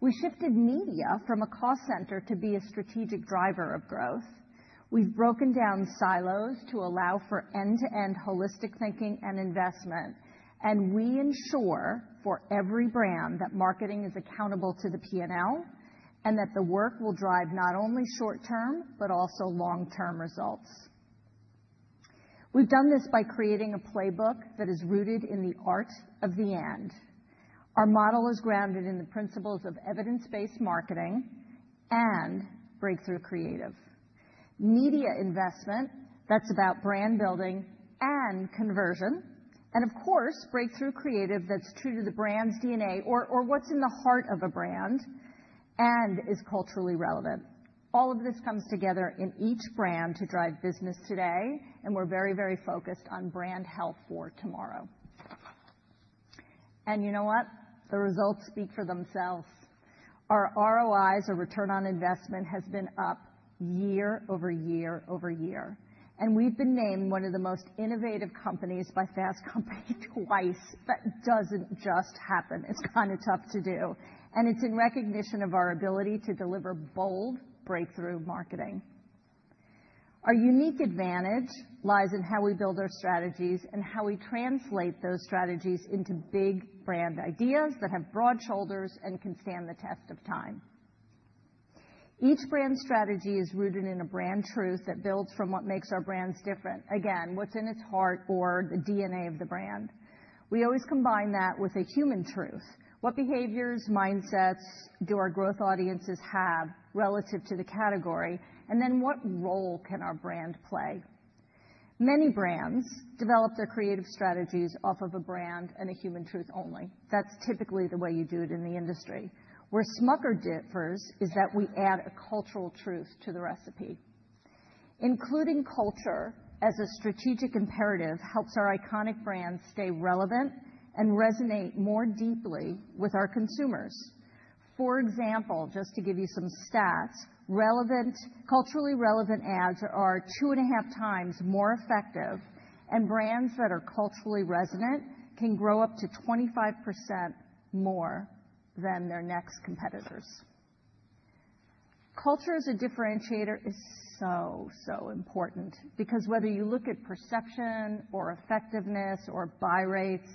We shifted media from a cost center to be a strategic driver of growth. We've broken down silos to allow for end-to-end holistic thinking and investment, and we ensure for every brand that marketing is accountable to the P&L and that the work will drive not only short-term but also long-term results. We've done this by creating a playbook that is rooted in the art of the end. Our model is grounded in the principles of evidence-based marketing and breakthrough creative. Media investment that's about brand building and conversion, and of course, breakthrough creative that's true to the brand's DNA or what's in the heart of a brand and is culturally relevant. All of this comes together in each brand to drive business today, and we're very, very focused on brand health for tomorrow. And you know what? The results speak for themselves. Our ROIs, our return on investment, has been up year over year over year. And we've been named one of the most innovative companies by Fast Company twice, but it doesn't just happen. It's kind of tough to do. And it's in recognition of our ability to deliver bold breakthrough marketing. Our unique advantage lies in how we build our strategies and how we translate those strategies into big brand ideas that have broad shoulders and can stand the test of time. Each brand strategy is rooted in a brand truth that builds from what makes our brands different. Again, what's in its heart or the DNA of the brand. We always combine that with a human truth. What behaviors, mindsets do our growth audiences have relative to the category, and then what role can our brand play? Many brands develop their creative strategies off of a brand and a human truth only. That's typically the way you do it in the industry. Where Smucker differs is that we add a cultural truth to the recipe. Including culture as a strategic imperative helps our iconic brands stay relevant and resonate more deeply with our consumers. For example, just to give you some stats, culturally relevant ads are two and a half times more effective, and brands that are culturally resonant can grow up to 25% more than their next competitors. Culture as a differentiator is so, so important because whether you look at perception or effectiveness or buy rates,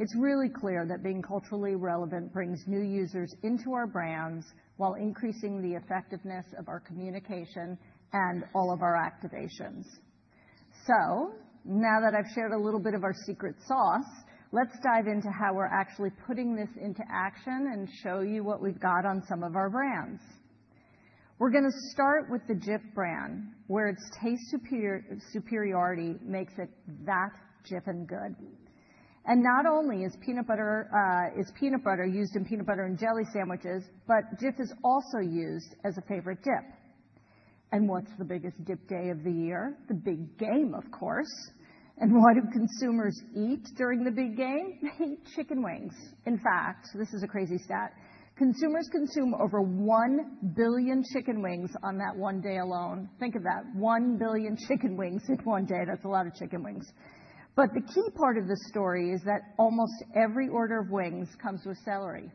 it's really clear that being culturally relevant brings new users into our brands while increasing the effectiveness of our communication and all of our activations. So now that I've shared a little bit of our secret sauce, let's dive into how we're actually putting this into action and show you what we've got on some of our brands. We're going to start with the Jif brand, where its taste superiority makes it That Jif'ing Good. And not only is peanut butter used in peanut butter and jelly sandwiches, but Jif is also used as a favorite dip. And what's the biggest dip day of the year? The big game, of course. And what do consumers eat during the big game? Chicken wings. In fact, this is a crazy stat. Consumers consume over 1 billion chicken wings on that one day alone. Think of that. 1 billion chicken wings in one day. That's a lot of chicken wings. But the key part of the story is that almost every order of wings comes with celery,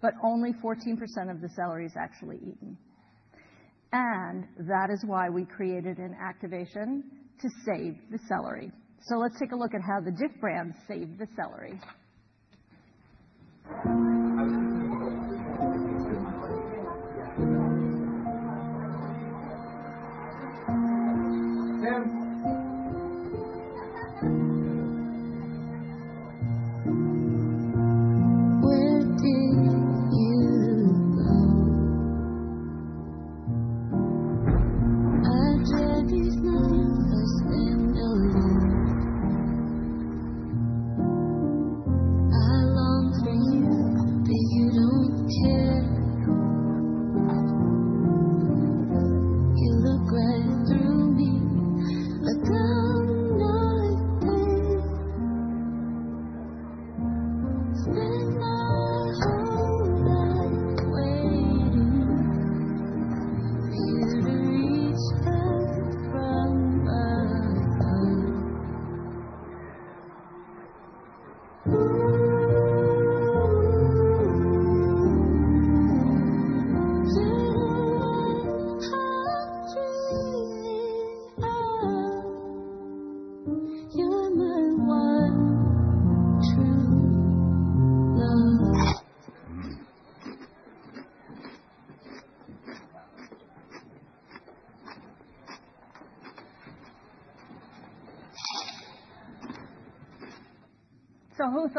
but only 14% of the celery is actually eaten. And that is why we created an activation to Save the Celery. So let's take a look at how the Jif brand saved the celery. Where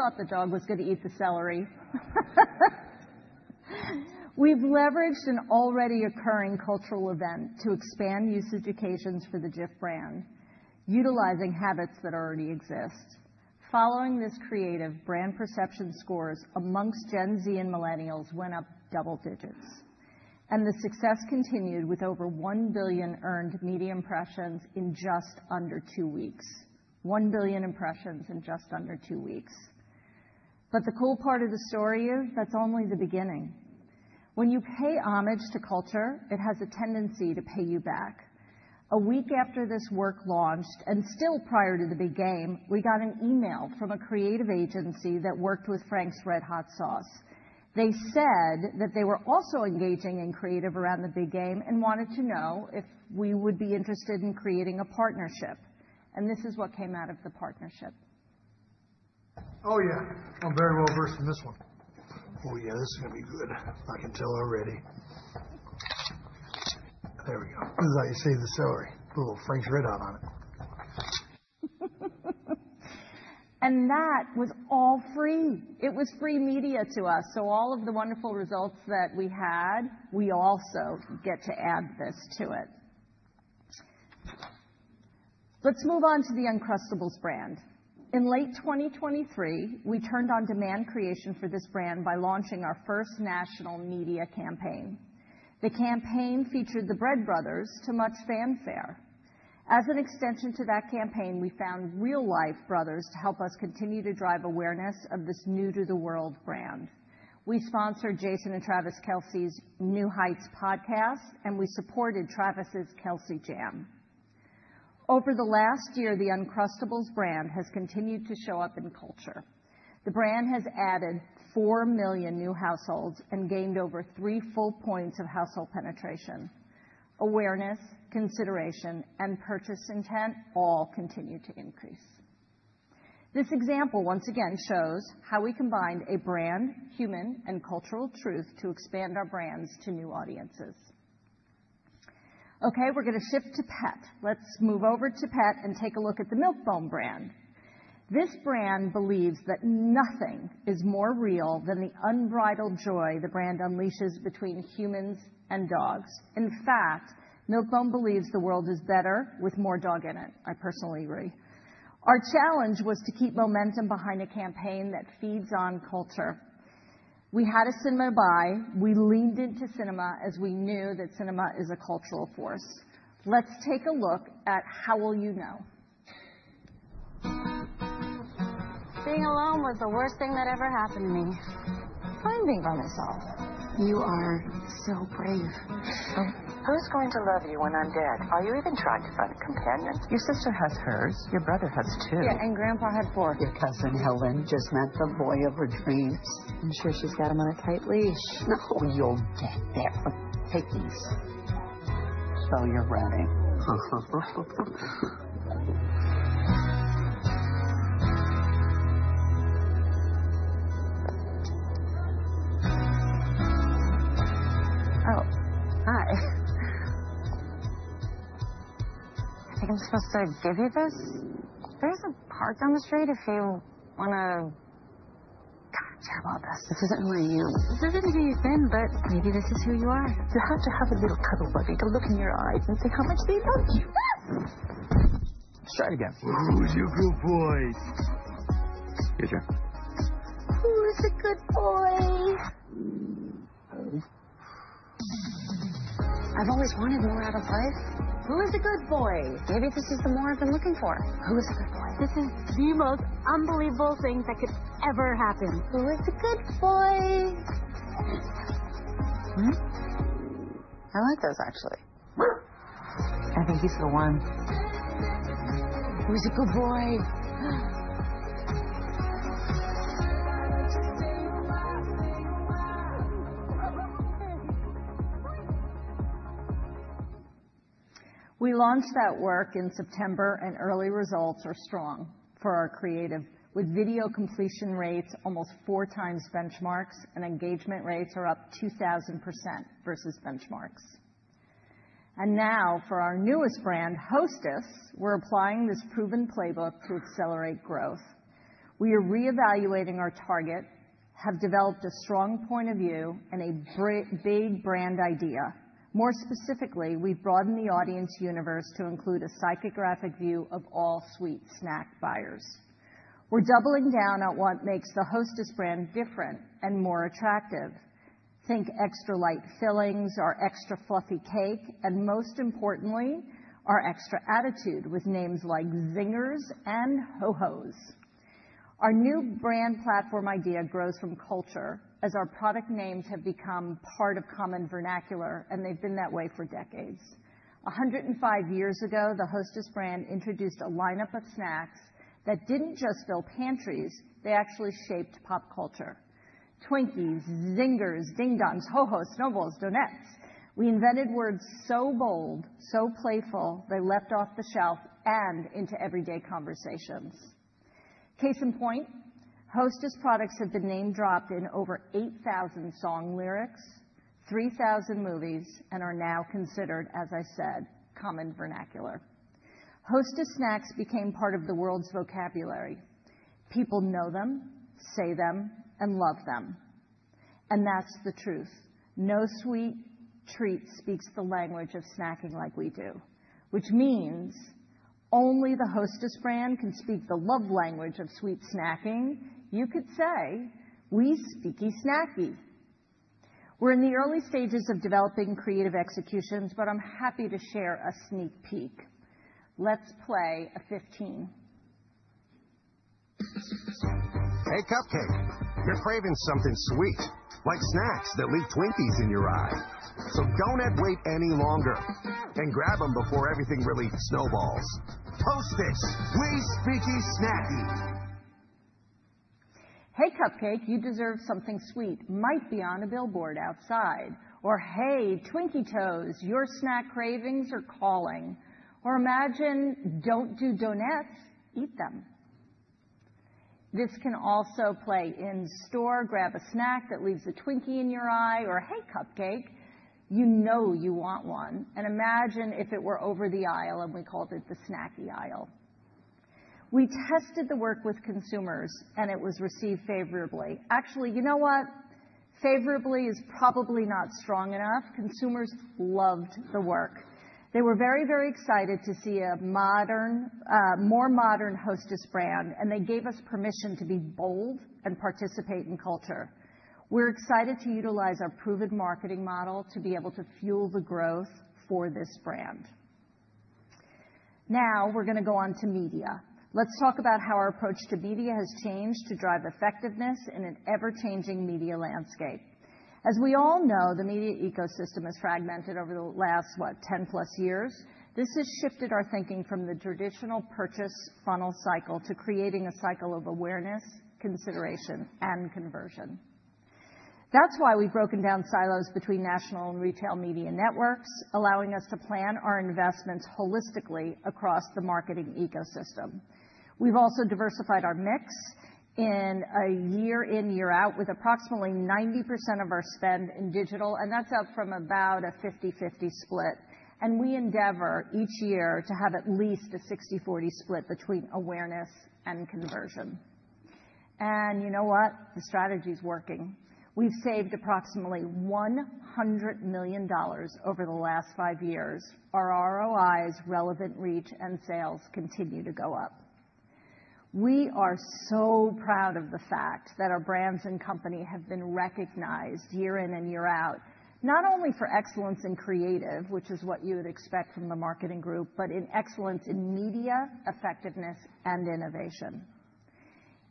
did you go? I drag these nights like candles. I long for you, but you don't care. You look right through me like I'm not there. Spent my whole life waiting for you to reach back from behind. You're the one I'm dreaming of. You're my one true love. So who thought the dog was going to eat the celery? We've leveraged an already occurring cultural event to expand usage occasions for the Jif brand, utilizing habits that already exist. Following this creative, brand perception scores among Gen Z and millennials went up double digits, and the success continued with over 1 billion earned media impressions in just under two weeks. 1 billion impressions in just under two weeks, but the cool part of the story is that's only the beginning. When you pay homage to culture, it has a tendency to pay you back. A week after this work launched, and still prior to the big game, we got an email from a creative agency that worked with Frank's RedHot. They said that they were also engaging in creative around the big game and wanted to know if we would be interested in creating a partnership, and this is what came out of the partnership. Oh, yeah. I'm very well versed in this one. Oh, yeah. This is going to be good. I can tell already. There we go. This is how you Save the Celery. Put a little Frank's RedHot on it. That was all free. It was free media to us. All of the wonderful results that we had, we also get to add this to it. Let's move on to the Uncrustables brand. In late 2023, we turned on demand creation for this brand by launching our first national media campaign. The campaign featured the Bread Brothers to much fanfare. As an extension to that campaign, we found real-life brothers to help us continue to drive awareness of this new-to-the-world brand. We sponsored Jason and Travis Kelce's New Heights podcast, and we supported Travis's Kelce Jam. Over the last year, the Uncrustables brand has continued to show up in culture. The brand has added four million new households and gained over three full points of household penetration. Awareness, consideration, and purchase intent all continue to increase. This example once again shows how we combined a brand, human, and cultural truth to expand our brands to new audiences. Okay, we're going to shift to pet. Let's move over to pet and take a look at the Milk-Bone brand. This brand believes that nothing is more real than the unbridled joy the brand unleashes between humans and dogs. In fact, Milk-Bone believes the world is better with more dog in it. I personally agree. Our challenge was to keep momentum behind a campaign that feeds on culture. We had a cinema buy. We leaned into cinema as we knew that cinema is a cultural force. Let's take a look at how will you know. Being alone was the worst thing that ever happened to me. I'm being by myself. You are so brave. Who's going to love you when I'm dead? Are you even trying to find a companion? Your sister has hers. Your brother has two. Yeah, and grandpa had four. Your cousin Helen just met the boy of her dreams. I'm sure she's got him on a tight leash. No, you'll get there. Take these. You're running. Oh, hi. I think I'm supposed to give you this. There's a park down the street if you want to... God, I'm terrible at this. This isn't who I am. This isn't who you've been, but maybe this is who you are. You have to have a little cuddle buddy to look in your eyes and say how much they love you. Let's try it again. Who's your good boy? You're trying. Who is a good boy? I've always wanted more out of life. Who is a good boy? Maybe this is the more I've been looking for. Who is a good boy? This is the most unbelievable thing that could ever happen. Who is a good boy? What? I like those, actually. I think he's the one. Who's a good boy? We launched that work in September, and early results are strong for our creative, with video completion rates almost four times benchmarks, and engagement rates are up 2,000% versus benchmarks. And now, for our newest brand, Hostess, we're applying this proven playbook to accelerate growth. We are reevaluating our target, have developed a strong point of view, and a big brand idea. More specifically, we've broadened the audience universe to include a psychographic view of all sweet snack buyers. We're doubling down on what makes the Hostess brand different and more attractive. Think extra light fillings, our extra fluffy cake, and most importantly, our extra attitude with names like Zingers and Ho Hos. Our new brand platform idea grows from culture as our product names have become part of common vernacular, and they've been that way for decades. 105 years ago, the Hostess brand introduced a lineup of snacks that didn't just fill pantries. They actually shaped pop culture. Twinkies, Zingers, Ding Dongs, Ho Hos, Sno Balls, Donettes. We invented words so bold, so playful, they left off the shelf and into everyday conversations. Case in point, Hostess products have been name-dropped in over 8,000 song lyrics, 3,000 movies, and are now considered, as I said, common vernacular. Hostess snacks became part of the world's vocabulary. People know them, say them, and love them. And that's the truth. No sweet treat speaks the language of snacking like we do, which means only the Hostess brand can speak the love language of sweet snacking. You could say, "We speaky snacky." We're in the early stages of developing creative executions, but I'm happy to share a sneak peek. Let's play a 15. Hey, Cupcake. You're craving something sweet, like snacks that leave Twinkies in your eye. So don't add weight any longer and grab them before everything really snowballs. Hostess, we speaky snacky. Hey, cupcake. You deserve something sweet. Might be on a billboard outside. Or hey, Twinkietoes, your snack cravings are calling, or imagine don't do donuts, eat them. This can also play in store, grab a snack that leaves a Twinkie in your eye, or hey, Cupcake, you know you want one, and imagine if it were over the aisle and we called it the snacky aisle. We tested the work with consumers, and it was received favorably. Actually, you know what? Favorably is probably not strong enough. Consumers loved the work. They were very, very excited to see a more modern Hostess brand, and they gave us permission to be bold and participate in culture. We're excited to utilize our proven marketing model to be able to fuel the growth for this brand. Now we're going to go on to media. Let's talk about how our approach to media has changed to drive effectiveness in an ever-changing media landscape. As we all know, the media ecosystem is fragmented over the last, what, 10+ years. This has shifted our thinking from the traditional purchase funnel cycle to creating a cycle of awareness, consideration, and conversion. That's why we've broken down silos between national and retail media networks, allowing us to plan our investments holistically across the marketing ecosystem. We've also diversified our mix in a year in, year out, with approximately 90% of our spend in digital, and that's up from about a 50-50 split. And we endeavor each year to have at least a 60-40 split between awareness and conversion. And you know what? The strategy is working. We've saved approximately $100 million over the last five years. Our ROIs, relevant reach, and sales continue to go up. We are so proud of the fact that our brands and company have been recognized year in and year out, not only for excellence in creative, which is what you would expect from the marketing group, but in excellence in media, effectiveness, and innovation.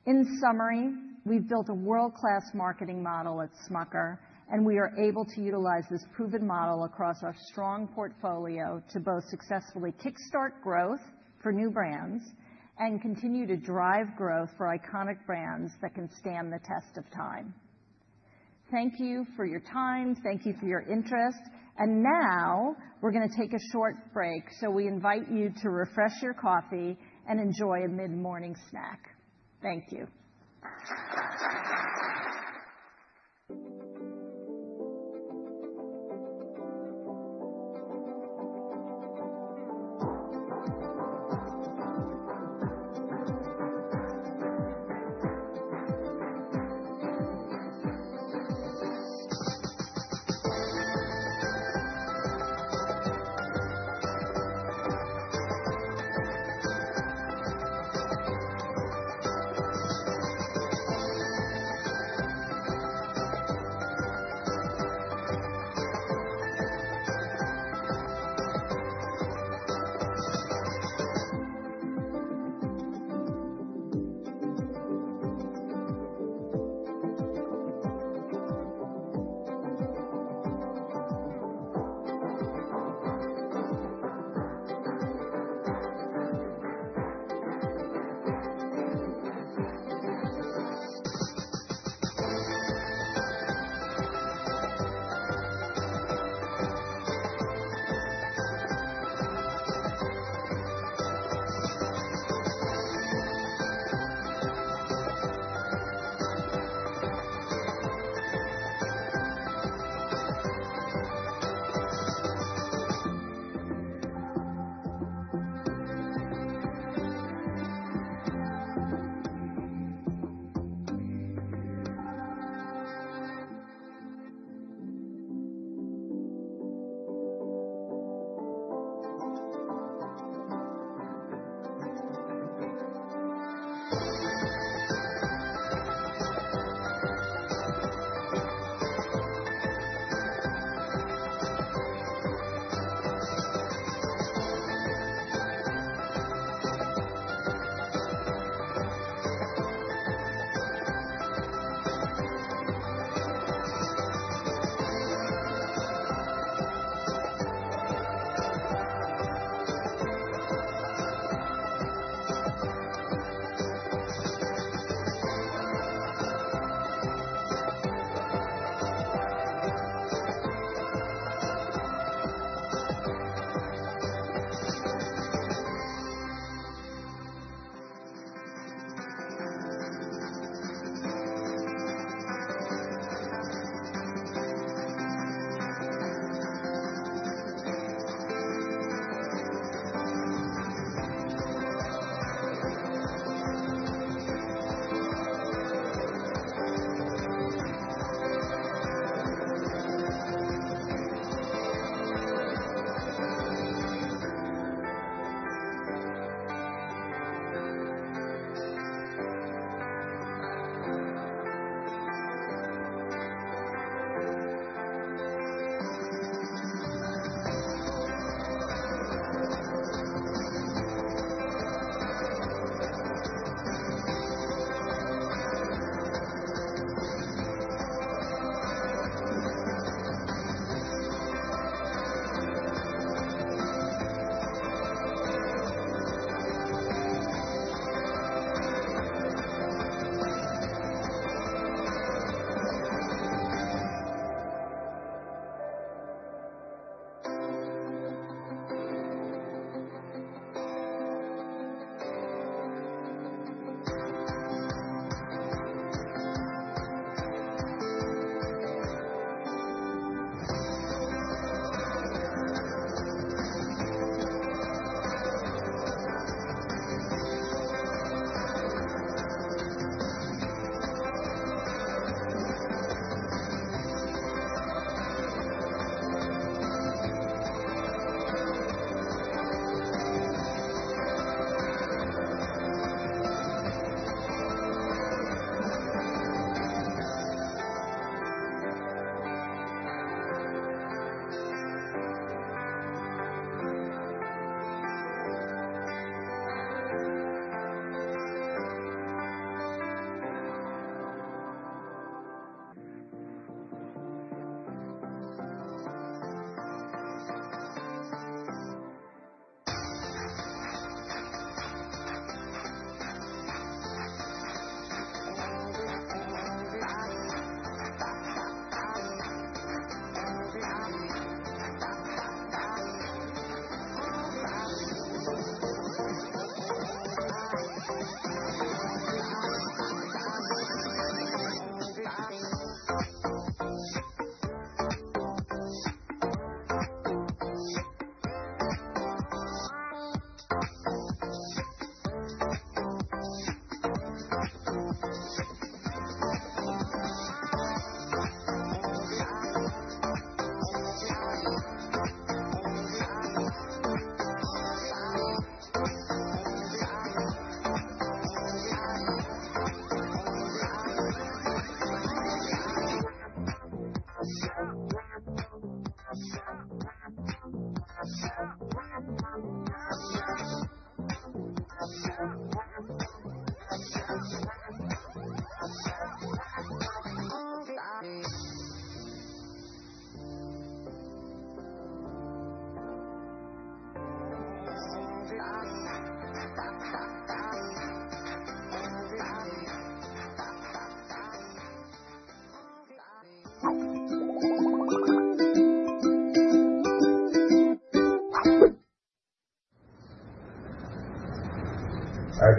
In summary, we've built a world-class marketing model at Smucker, and we are able to utilize this proven model across our strong portfolio to both successfully kickstart growth for new brands and continue to drive growth for iconic brands that can stand the test of time. Thank you for your time. Thank you for your interest, and now we're going to take a short break, so we invite you to refresh your coffee and enjoy a mid-morning snack. Thank you.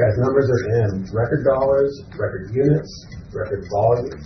All right, guys. Numbers are in. Record dollars, record units, record volume.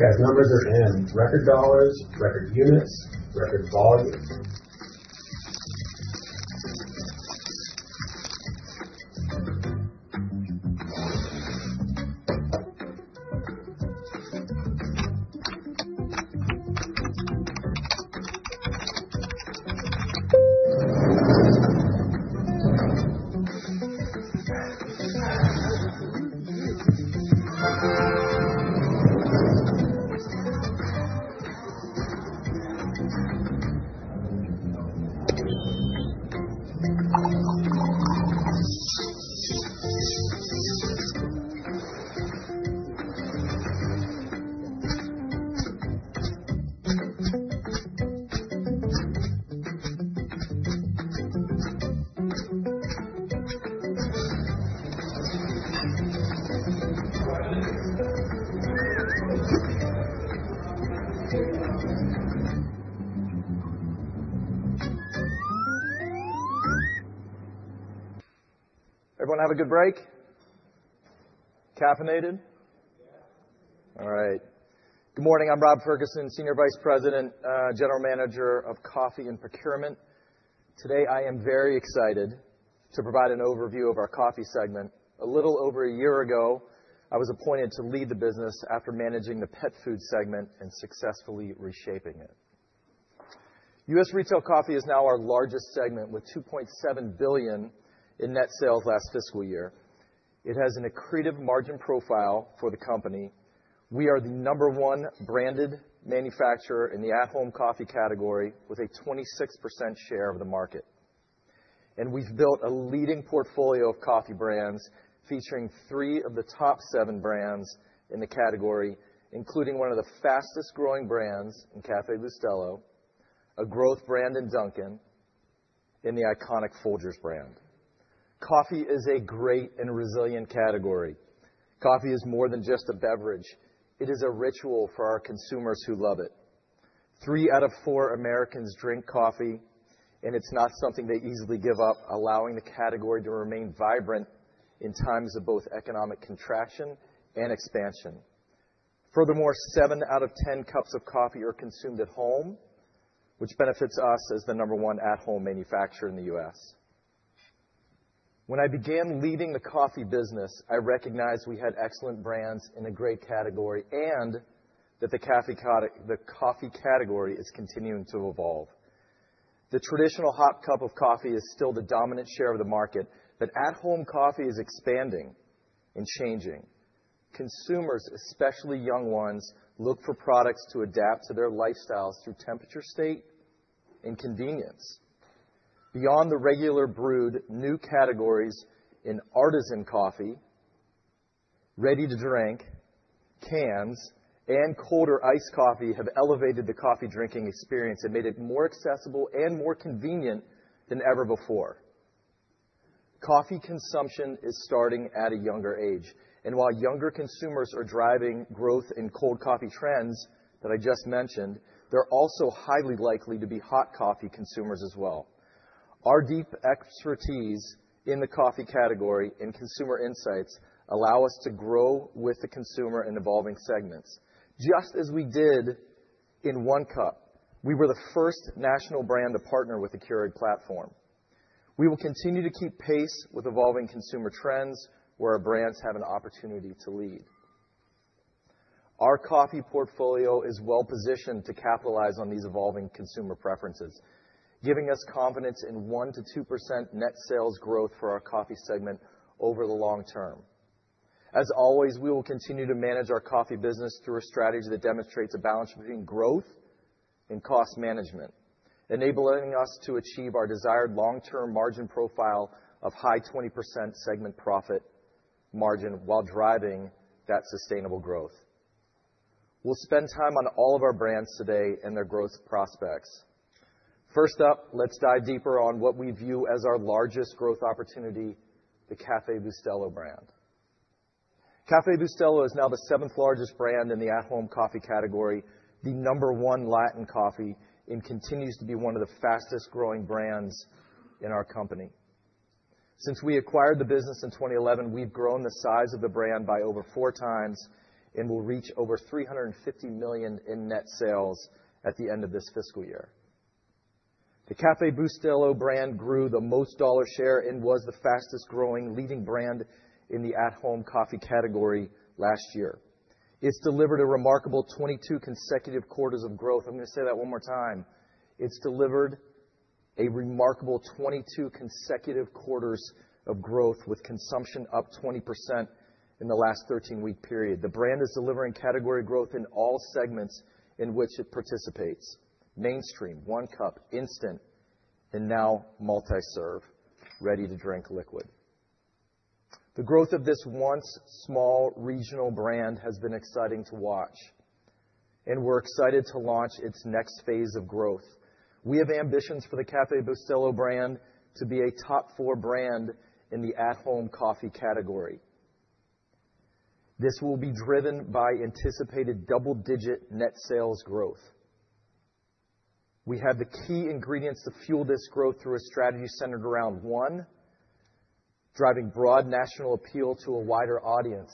Everyone have a good break? Caffeinated? Yes. All right. Good morning. I'm Rob Ferguson, Senior Vice President, General Manager of Coffee and Procurement. Today, I am very excited to provide an overview of our coffee segment. A little over a year ago, I was appointed to lead the business after managing the pet food segment and successfully reshaping it. U.S. retail coffee is now our largest segment with $2.7 billion in net sales last fiscal year. It has an accretive margin profile for the company. We are the number one branded manufacturer in the at-home coffee category with a 26% share of the market, and we've built a leading portfolio of coffee brands featuring three of the top seven brands in the category, including one of the fastest growing brands in Café Bustelo, a growth brand in Dunkin', and the iconic Folgers brand. Coffee is a great and resilient category. Coffee is more than just a beverage. It is a ritual for our consumers who love it. Three out of four Americans drink coffee, and it's not something they easily give up, allowing the category to remain vibrant in times of both economic contraction and expansion. Furthermore, seven out of ten cups of coffee are consumed at home, which benefits us as the number one at-home manufacturer in the U.S. When I began leading the coffee business, I recognized we had excellent brands in a great category and that the coffee category is continuing to evolve. The traditional hot cup of coffee is still the dominant share of the market, but at-home coffee is expanding and changing. Consumers, especially young ones, look for products to adapt to their lifestyles through temperature, state, and convenience. Beyond the regular brewed, new categories in artisan coffee, ready-to-drink, cans, and cold or iced coffee have elevated the coffee drinking experience and made it more accessible and more convenient than ever before. Coffee consumption is starting at a younger age, and while younger consumers are driving growth in cold coffee trends that I just mentioned, they're also highly likely to be hot coffee consumers as well. Our deep expertise in the coffee category and consumer insights allow us to grow with the consumer in evolving segments. Just as we did in K-Cup, we were the first national brand to partner with the Keurig platform. We will continue to keep pace with evolving consumer trends where our brands have an opportunity to lead. Our coffee portfolio is well-positioned to capitalize on these evolving consumer preferences, giving us confidence in 1%-2% net sales growth for our coffee segment over the long term. As always, we will continue to manage our coffee business through a strategy that demonstrates a balance between growth and cost management, enabling us to achieve our desired long-term margin profile of high 20% segment profit margin while driving that sustainable growth. We'll spend time on all of our brands today and their growth prospects. First up, let's dive deeper on what we view as our largest growth opportunity, the Café Bustelo brand. Café Bustelo is now the seventh largest brand in the at-home coffee category, the number one Latin coffee, and continues to be one of the fastest growing brands in our company. Since we acquired the business in 2011, we've grown the size of the brand by over four times and will reach over $350 million in net sales at the end of this fiscal year. The Café Bustelo brand grew the most dollar share and was the fastest growing leading brand in the at-home coffee category last year. It's delivered a remarkable 22 consecutive quarters of growth. I'm going to say that one more time. It's delivered a remarkable 22 consecutive quarters of growth with consumption up 20% in the last 13-week period. The brand is delivering category growth in all segments in which it participates: mainstream, one cup, instant, and now multi-serve, ready-to-drink liquid. The growth of this once small regional brand has been exciting to watch, and we're excited to launch its next phase of growth. We have ambitions for the Café Bustelo brand to be a top four brand in the at-home coffee category. This will be driven by anticipated double-digit net sales growth. We have the key ingredients to fuel this growth through a strategy centered around, one, driving broad national appeal to a wider audience,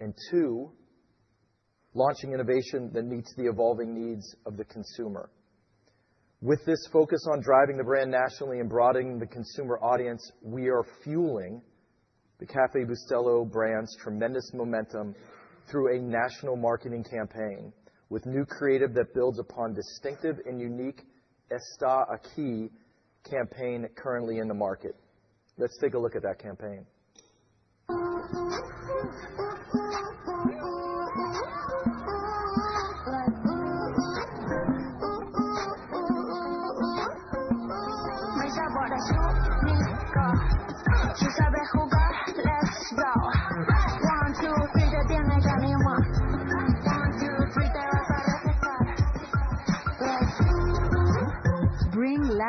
and two, launching innovation that meets the evolving needs of the consumer. With this focus on driving the brand nationally and broadening the consumer audience, we are fueling the Café Bustelo brand's tremendous momentum through a national marketing campaign with new creative that builds upon distinctive and unique Está Aquí campaign currently in the market. Let's take a look at that campaign.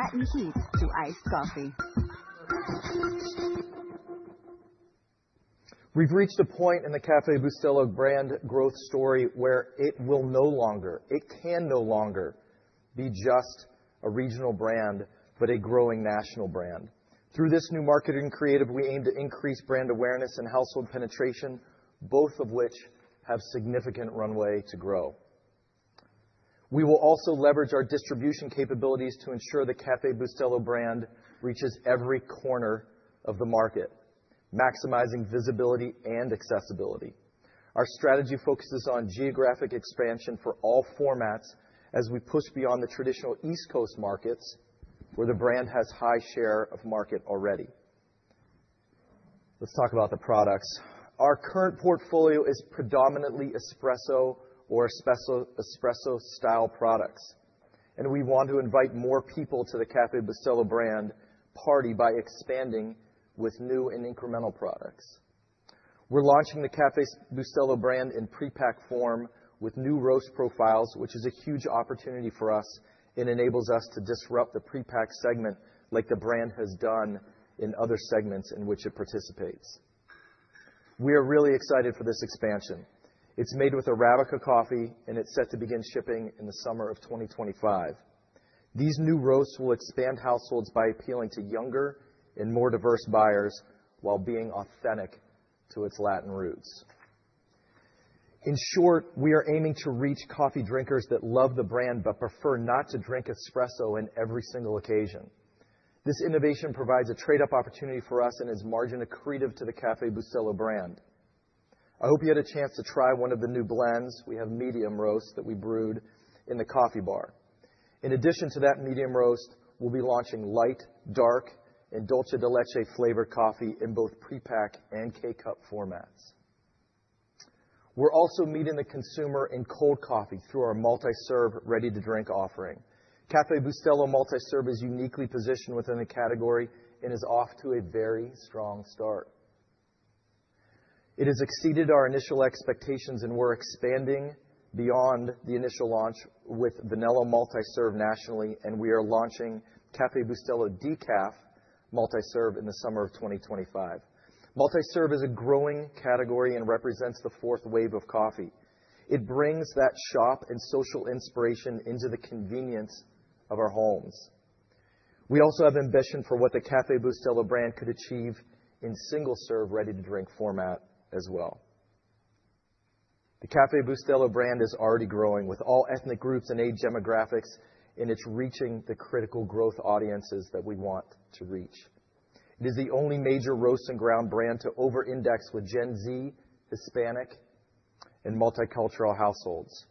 Voy a borrachónico, si sabe jugar, let's go. One, two, three, the beat make a new one. One, two, three, te vas a refrescar. Let's go. Bring Latin hits to iced coffee. We've reached a point in the Café Bustelo brand growth story where it can no longer be just a regional brand, but a growing national brand. Through this new marketing creative, we aim to increase brand awareness and household penetration, both of which have significant runway to grow. We will also leverage our distribution capabilities to ensure the Café Bustelo brand reaches every corner of the market, maximizing visibility and accessibility. Our strategy focuses on geographic expansion for all formats as we push beyond the traditional East Coast markets where the brand has a high share of market already. Let's talk about the products. Our current portfolio is predominantly espresso or espresso-style products, and we want to invite more people to the Café Bustelo brand party by expanding with new and incremental products. We're launching the Café Bustelo brand in prepack form with new roast profiles, which is a huge opportunity for us and enables us to disrupt the prepack segment like the brand has done in other segments in which it participates. We are really excited for this expansion. It's made with Arabica coffee, and it's set to begin shipping in the summer of 2025. These new roasts will expand households by appealing to younger and more diverse buyers while being authentic to its Latin roots. In short, we are aiming to reach coffee drinkers that love the brand but prefer not to drink espresso on every single occasion. This innovation provides a trade-off opportunity for us and is margin accretive to the Café Bustelo brand. I hope you had a chance to try one of the new blends. We have medium roasts that we brewed in the coffee bar. In addition to that medium roast, we'll be launching light, dark, and dulce de leche flavored coffee in both prepack and K-Cup formats. We're also meeting the consumer in cold coffee through our multi-serve, ready-to-drink offering. Café Bustelo multi-serve is uniquely positioned within the category and is off to a very strong start. It has exceeded our initial expectations, and we're expanding beyond the initial launch with vanilla multi-serve nationally, and we are launching Café Bustelo decaf multi-serve in the summer of 2025. Multi-serve is a growing category and represents the fourth wave of coffee. It brings that shop and social inspiration into the convenience of our homes. We also have ambition for what the Café Bustelo brand could achieve in single-serve, ready-to-drink format as well. The Café Bustelo brand is already growing with all ethnic groups and age demographics, and it's reaching the critical growth audiences that we want to reach. It is the only major roast and ground brand to over-index with Gen Z, Hispanic, and multicultural households.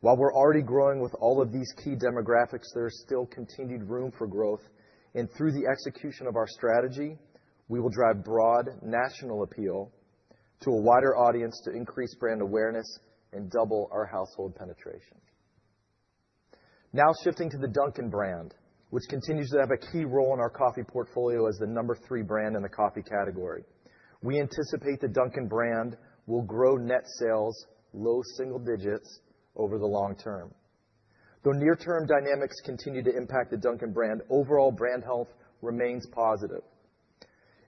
While we're already growing with all of these key demographics, there is still continued room for growth, and through the execution of our strategy, we will drive broad national appeal to a wider audience to increase brand awareness and double our household penetration. Now shifting to the Dunkin' brand, which continues to have a key role in our coffee portfolio as the number three brand in the coffee category. We anticipate the Dunkin' brand will grow net sales low single digits over the long term. Though near-term dynamics continue to impact the Dunkin' brand, overall brand health remains positive,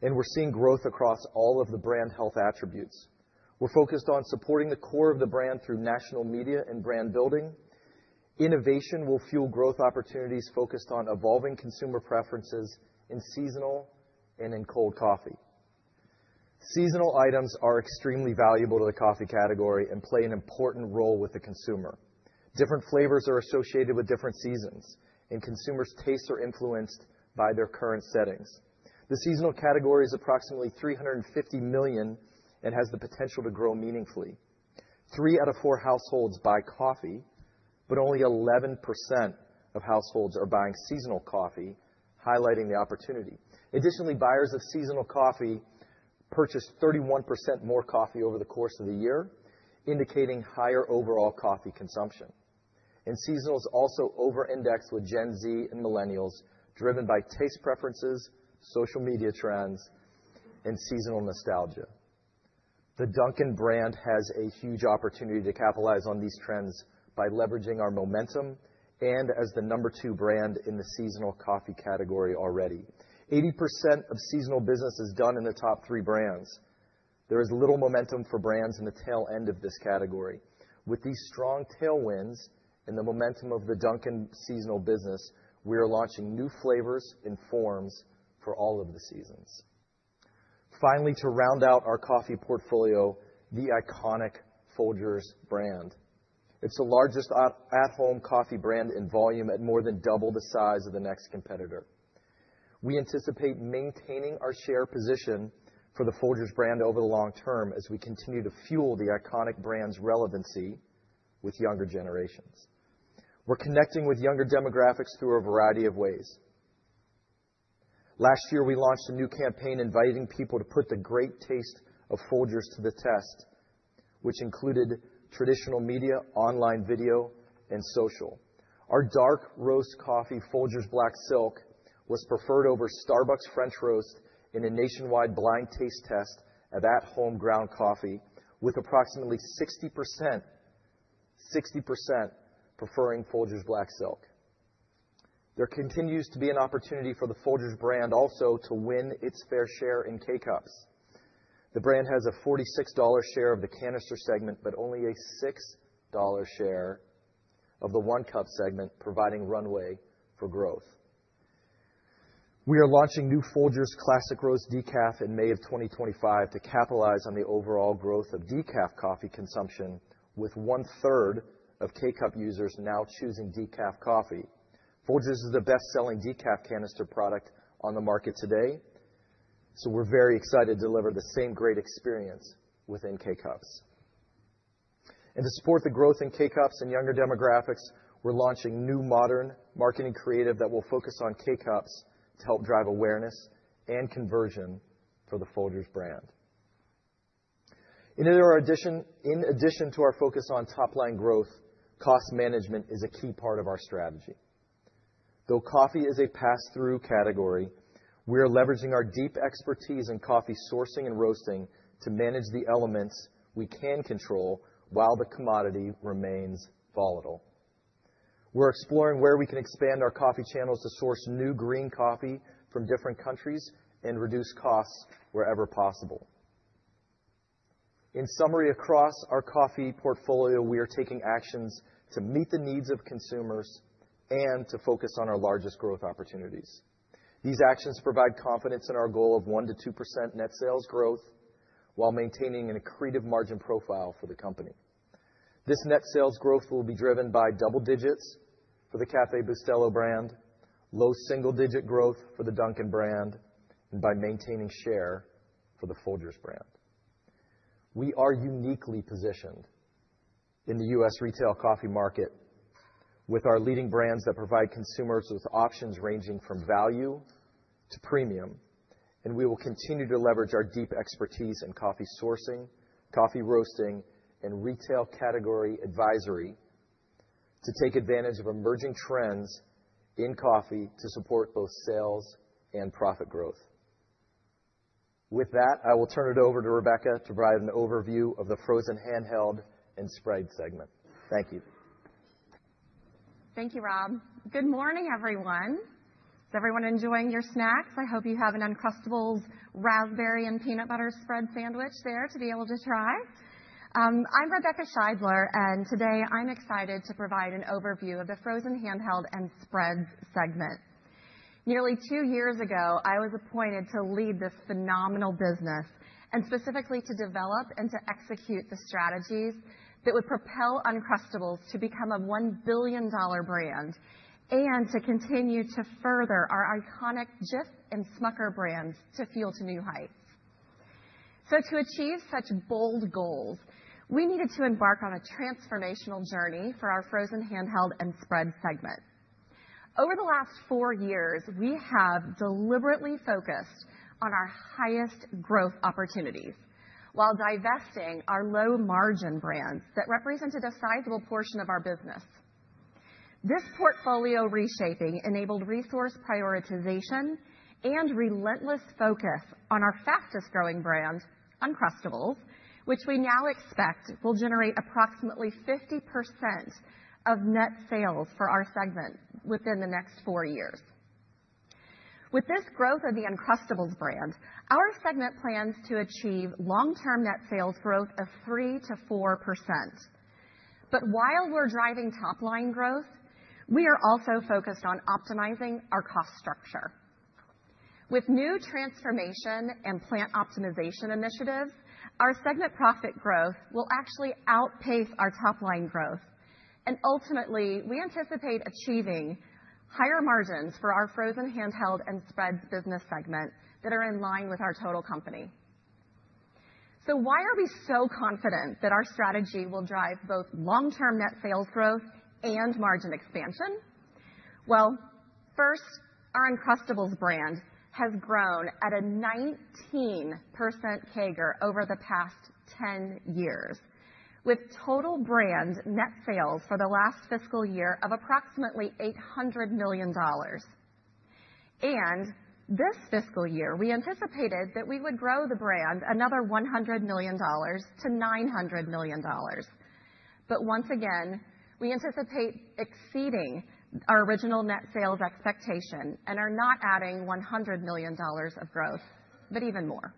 and we're seeing growth across all of the brand health attributes. We're focused on supporting the core of the brand through national media and brand building. Innovation will fuel growth opportunities focused on evolving consumer preferences in seasonal and in cold coffee. Seasonal items are extremely valuable to the coffee category and play an important role with the consumer. Different flavors are associated with different seasons, and consumers' tastes are influenced by their current settings. The seasonal category is approximately 350 million and has the potential to grow meaningfully. Three out of four households buy coffee, but only 11% of households are buying seasonal coffee, highlighting the opportunity. Additionally, buyers of seasonal coffee purchase 31% more coffee over the course of the year, indicating higher overall coffee consumption. Seasonal is also over-indexed with Gen Z and millennials, driven by taste preferences, social media trends, and seasonal nostalgia. The Dunkin' brand has a huge opportunity to capitalize on these trends by leveraging our momentum and as the number two brand in the seasonal coffee category already. 80% of seasonal business is done in the top three brands. There is little momentum for brands in the tail end of this category. With these strong tailwinds and the momentum of the Dunkin' seasonal business, we are launching new flavors and forms for all of the seasons. Finally, to round out our coffee portfolio, the iconic Folgers brand. It's the largest at-home coffee brand in volume at more than double the size of the next competitor. We anticipate maintaining our share position for the Folgers brand over the long term as we continue to fuel the iconic brand's relevancy with younger generations. We're connecting with younger demographics through a variety of ways. Last year, we launched a new campaign inviting people to put the great taste of Folgers to the test, which included traditional media, online video, and social. Our dark roast coffee, Folgers Black Silk, was preferred over Starbucks French Roast in a nationwide blind taste test of at-home ground coffee, with approximately 60% preferring Folgers Black Silk. There continues to be an opportunity for the Folgers brand also to win its fair share in K-cups. The brand has a $46 share of the canister segment, but only a $6 share of the one cup segment, providing runway for growth. We are launching new Folgers Classic Roast decaf in May of 2025 to capitalize on the overall growth of decaf coffee consumption, with 1/3 of K-Cup users now choosing decaf coffee. Folgers is the best-selling decaf canister product on the market today, so we're very excited to deliver the same great experience within K-Cups, and to support the growth in K-Cups and younger demographics, we're launching new modern marketing creative that will focus on K-Cups to help drive awareness and conversion for the Folgers brand. In addition to our focus on top-line growth, cost management is a key part of our strategy. Though coffee is a pass-through category, we are leveraging our deep expertise in coffee sourcing and roasting to manage the elements we can control while the commodity remains volatile. We're exploring where we can expand our coffee channels to source new green coffee from different countries and reduce costs wherever possible. In summary, across our coffee portfolio, we are taking actions to meet the needs of consumers and to focus on our largest growth opportunities. These actions provide confidence in our goal of 1%-2% net sales growth while maintaining an accretive margin profile for the company. This net sales growth will be driven by double digits for the Café Bustelo brand, low single-digit growth for the Dunkin' brand, and by maintaining share for the Folgers brand. We are uniquely positioned in the U.S.. Retail coffee market with our leading brands that provide consumers with options ranging from value to premium, and we will continue to leverage our deep expertise in coffee sourcing, coffee roasting, and retail category advisory to take advantage of emerging trends in coffee to support both sales and profit growth. With that, I will turn it over to Rebecca to provide an overview of the frozen handheld and spread segment. Thank you. Thank you, Rob. Good morning, everyone. Is everyone enjoying your snacks? I hope you have an Uncrustables raspberry and peanut butter spread sandwich there to be able to try. I'm Rebecca Scheidler, and today I'm excited to provide an overview of the Frozen Handheld and Spreads segment. Nearly two years ago, I was appointed to lead this phenomenal business and specifically to develop and to execute the strategies that would propel Uncrustables to become a $1 billion brand and to continue to further our iconic Jif and Smucker brands to fuel to new heights, so to achieve such bold goals, we needed to embark on a transformational journey for our frozen handheld and spread segment. Over the last four years, we have deliberately focused on our highest growth opportunities while divesting our low-margin brands that represented a sizable portion of our business. This portfolio reshaping enabled resource prioritization and relentless focus on our fastest-growing brand, Uncrustables, which we now expect will generate approximately 50% of net sales for our segment within the next four years. With this growth of the Uncrustables brand, our segment plans to achieve long-term net sales growth of 3%-4%. But while we're driving top-line growth, we are also focused on optimizing our cost structure. With new transformation and plant optimization initiatives, our segment profit growth will actually outpace our top-line growth, and ultimately, we anticipate achieving higher margins for our Frozen Handheld and Spreads business segment that are in line with our total company. So why are we so confident that our strategy will drive both long-term net sales growth and margin expansion? First, our Uncrustables brand has grown at a 19% CAGR over the past 10 years, with total brand net sales for the last fiscal year of approximately $800 million. And this fiscal year, we anticipated that we would grow the brand another $100 million-$900 million. But once again, we anticipate exceeding our original net sales expectation and are not adding $100 million of growth, but even more.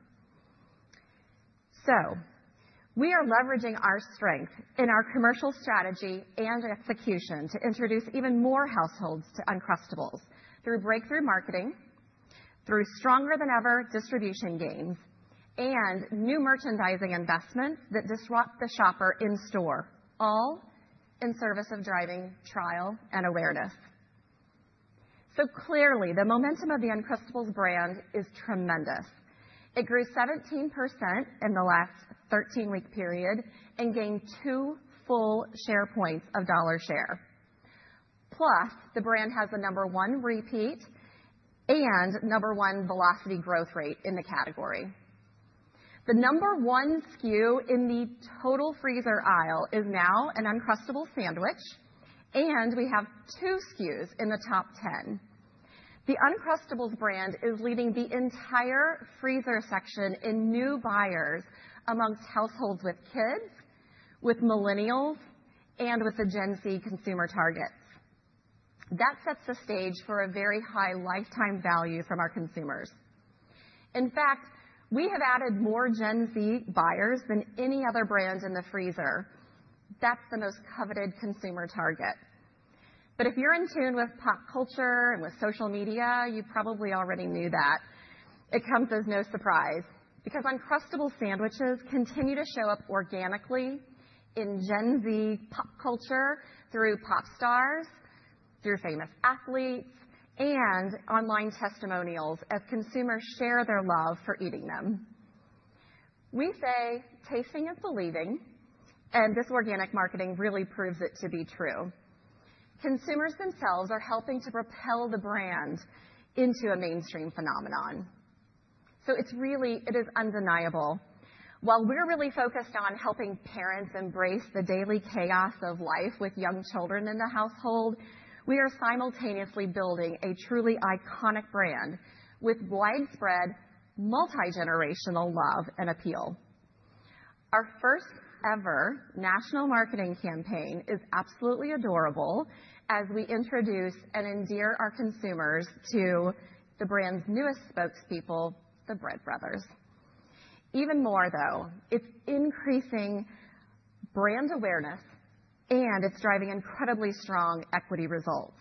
So we are leveraging our strength in our commercial strategy and execution to introduce even more households to Uncrustables through breakthrough marketing, through stronger-than-ever distribution gains, and new merchandising investment that disrupts the shopper in store, all in service of driving trial and awareness. So clearly, the momentum of the Uncrustables brand is tremendous. It grew 17% in the last 13-week period and gained two full share points of dollar share. Plus, the brand has the number one repeat and number one velocity growth rate in the category. The number one SKU in the total freezer aisle is now an Uncrustables sandwich, and we have two SKUs in the top 10. The Uncrustables brand is leading the entire freezer section in new buyers amongst households with kids, with millennials, and with the Gen Z consumer targets. That sets the stage for a very high lifetime value from our consumers. In fact, we have added more Gen Z buyers than any other brand in the freezer. That's the most coveted consumer target. But if you're in tune with pop culture and with social media, you probably already knew that. It comes as no surprise because Uncrustables sandwiches continue to show up organically in Gen Z pop culture through pop stars, through famous athletes, and online testimonials as consumers share their love for eating them. We say tasting is believing, and this organic marketing really proves it to be true. Consumers themselves are helping to propel the brand into a mainstream phenomenon. So it's really, it is undeniable. While we're really focused on helping parents embrace the daily chaos of life with young children in the household, we are simultaneously building a truly iconic brand with widespread multi-generational love and appeal. Our first-ever national marketing campaign is absolutely adorable as we introduce and endear our consumers to the brand's newest spokespeople, the Bread Brothers. Even more, though, it's increasing brand awareness, and it's driving incredibly strong equity results.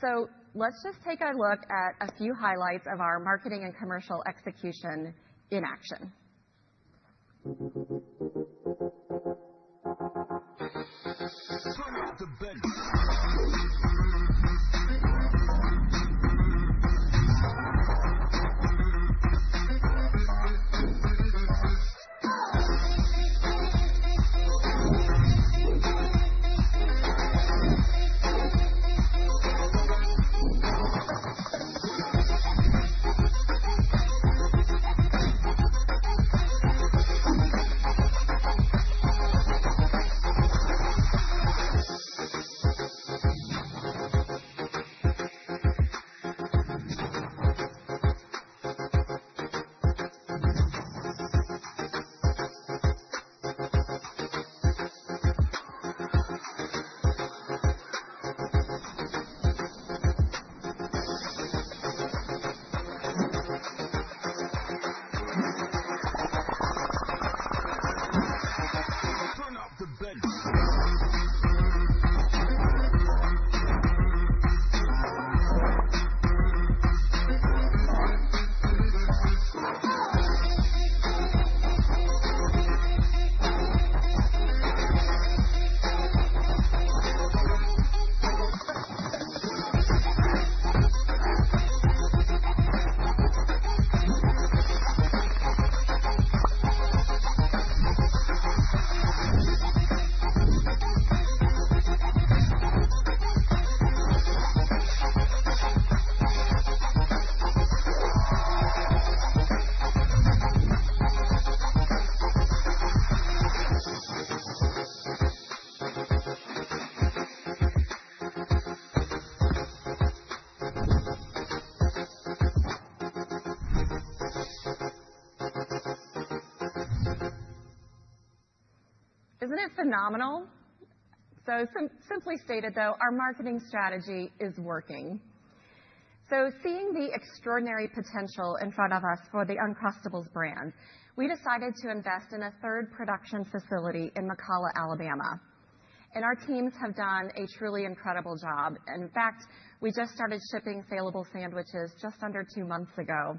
So let's just take a look at a few highlights of our marketing and commercial execution in action. Isn't it phenomenal? So simply stated, though, our marketing strategy is working. So seeing the extraordinary potential in front of us for the Uncrustables brand, we decided to invest in a third production facility in McCalla, Alabama. And our teams have done a truly incredible job. In fact, we just started shipping salable sandwiches just under two months ago.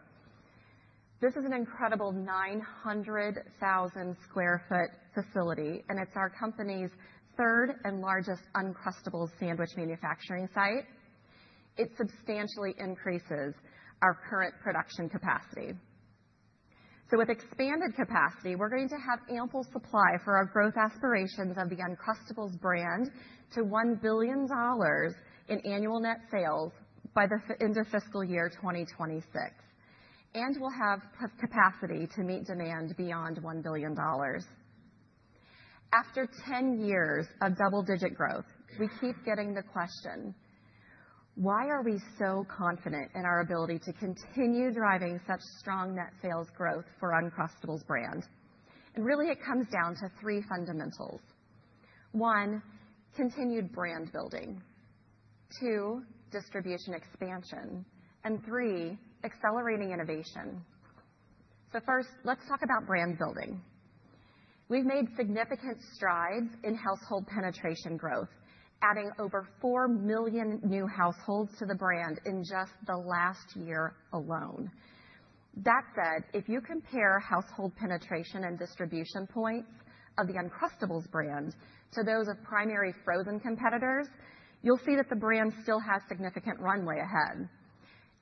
This is an incredible 900,000 sq ft facility, and it's our company's third and largest Uncrustables sandwich manufacturing site. It substantially increases our current production capacity. So with expanded capacity, we're going to have ample supply for our growth aspirations of the Uncrustables brand to $1 billion in annual net sales by the end of fiscal year 2026. And we'll have capacity to meet demand beyond $1 billion. After 10 years of double-digit growth, we keep getting the question, why are we so confident in our ability to continue driving such strong net sales growth for Uncrustables brand, and really, it comes down to three fundamentals. One, continued brand building. Two, distribution expansion. And three, accelerating innovation, so first, let's talk about brand building. We've made significant strides in household penetration growth, adding over four million new households to the brand in just the last year alone. That said, if you compare household penetration and distribution points of the Uncrustables brand to those of primary frozen competitors, you'll see that the brand still has significant runway ahead,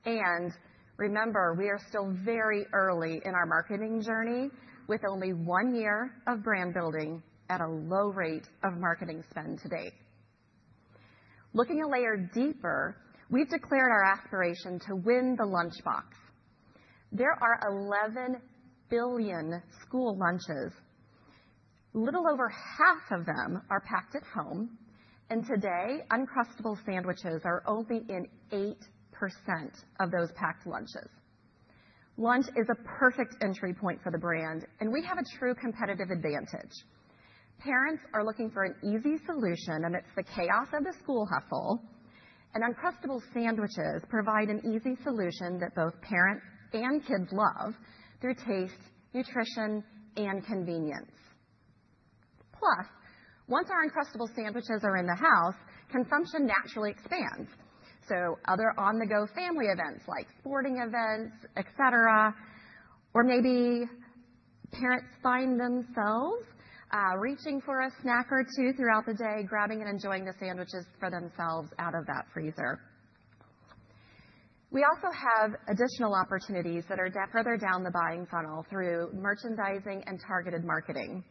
and remember, we are still very early in our marketing journey with only one year of brand building at a low rate of marketing spend to date. Looking a layer deeper, we've declared our aspiration to win the lunchbox. There are 11 billion school lunches. Little over half of them are packed at home, and today, Uncrustables sandwiches are only in 8% of those packed lunches. Lunch is a perfect entry point for the brand, and we have a true competitive advantage. Parents are looking for an easy solution amidst the chaos of the school hustle, and Uncrustables sandwiches provide an easy solution that both parents and kids love through taste, nutrition, and convenience. Plus, once our Uncrustables sandwiches are in the house, consumption naturally expands, so other on-the-go family events like sporting events, et cetera, or maybe parents find themselves reaching for a snack or two throughout the day, grabbing and enjoying the sandwiches for themselves out of that freezer. We also have additional opportunities that are further down the buying funnel through merchandising and targeted marketing.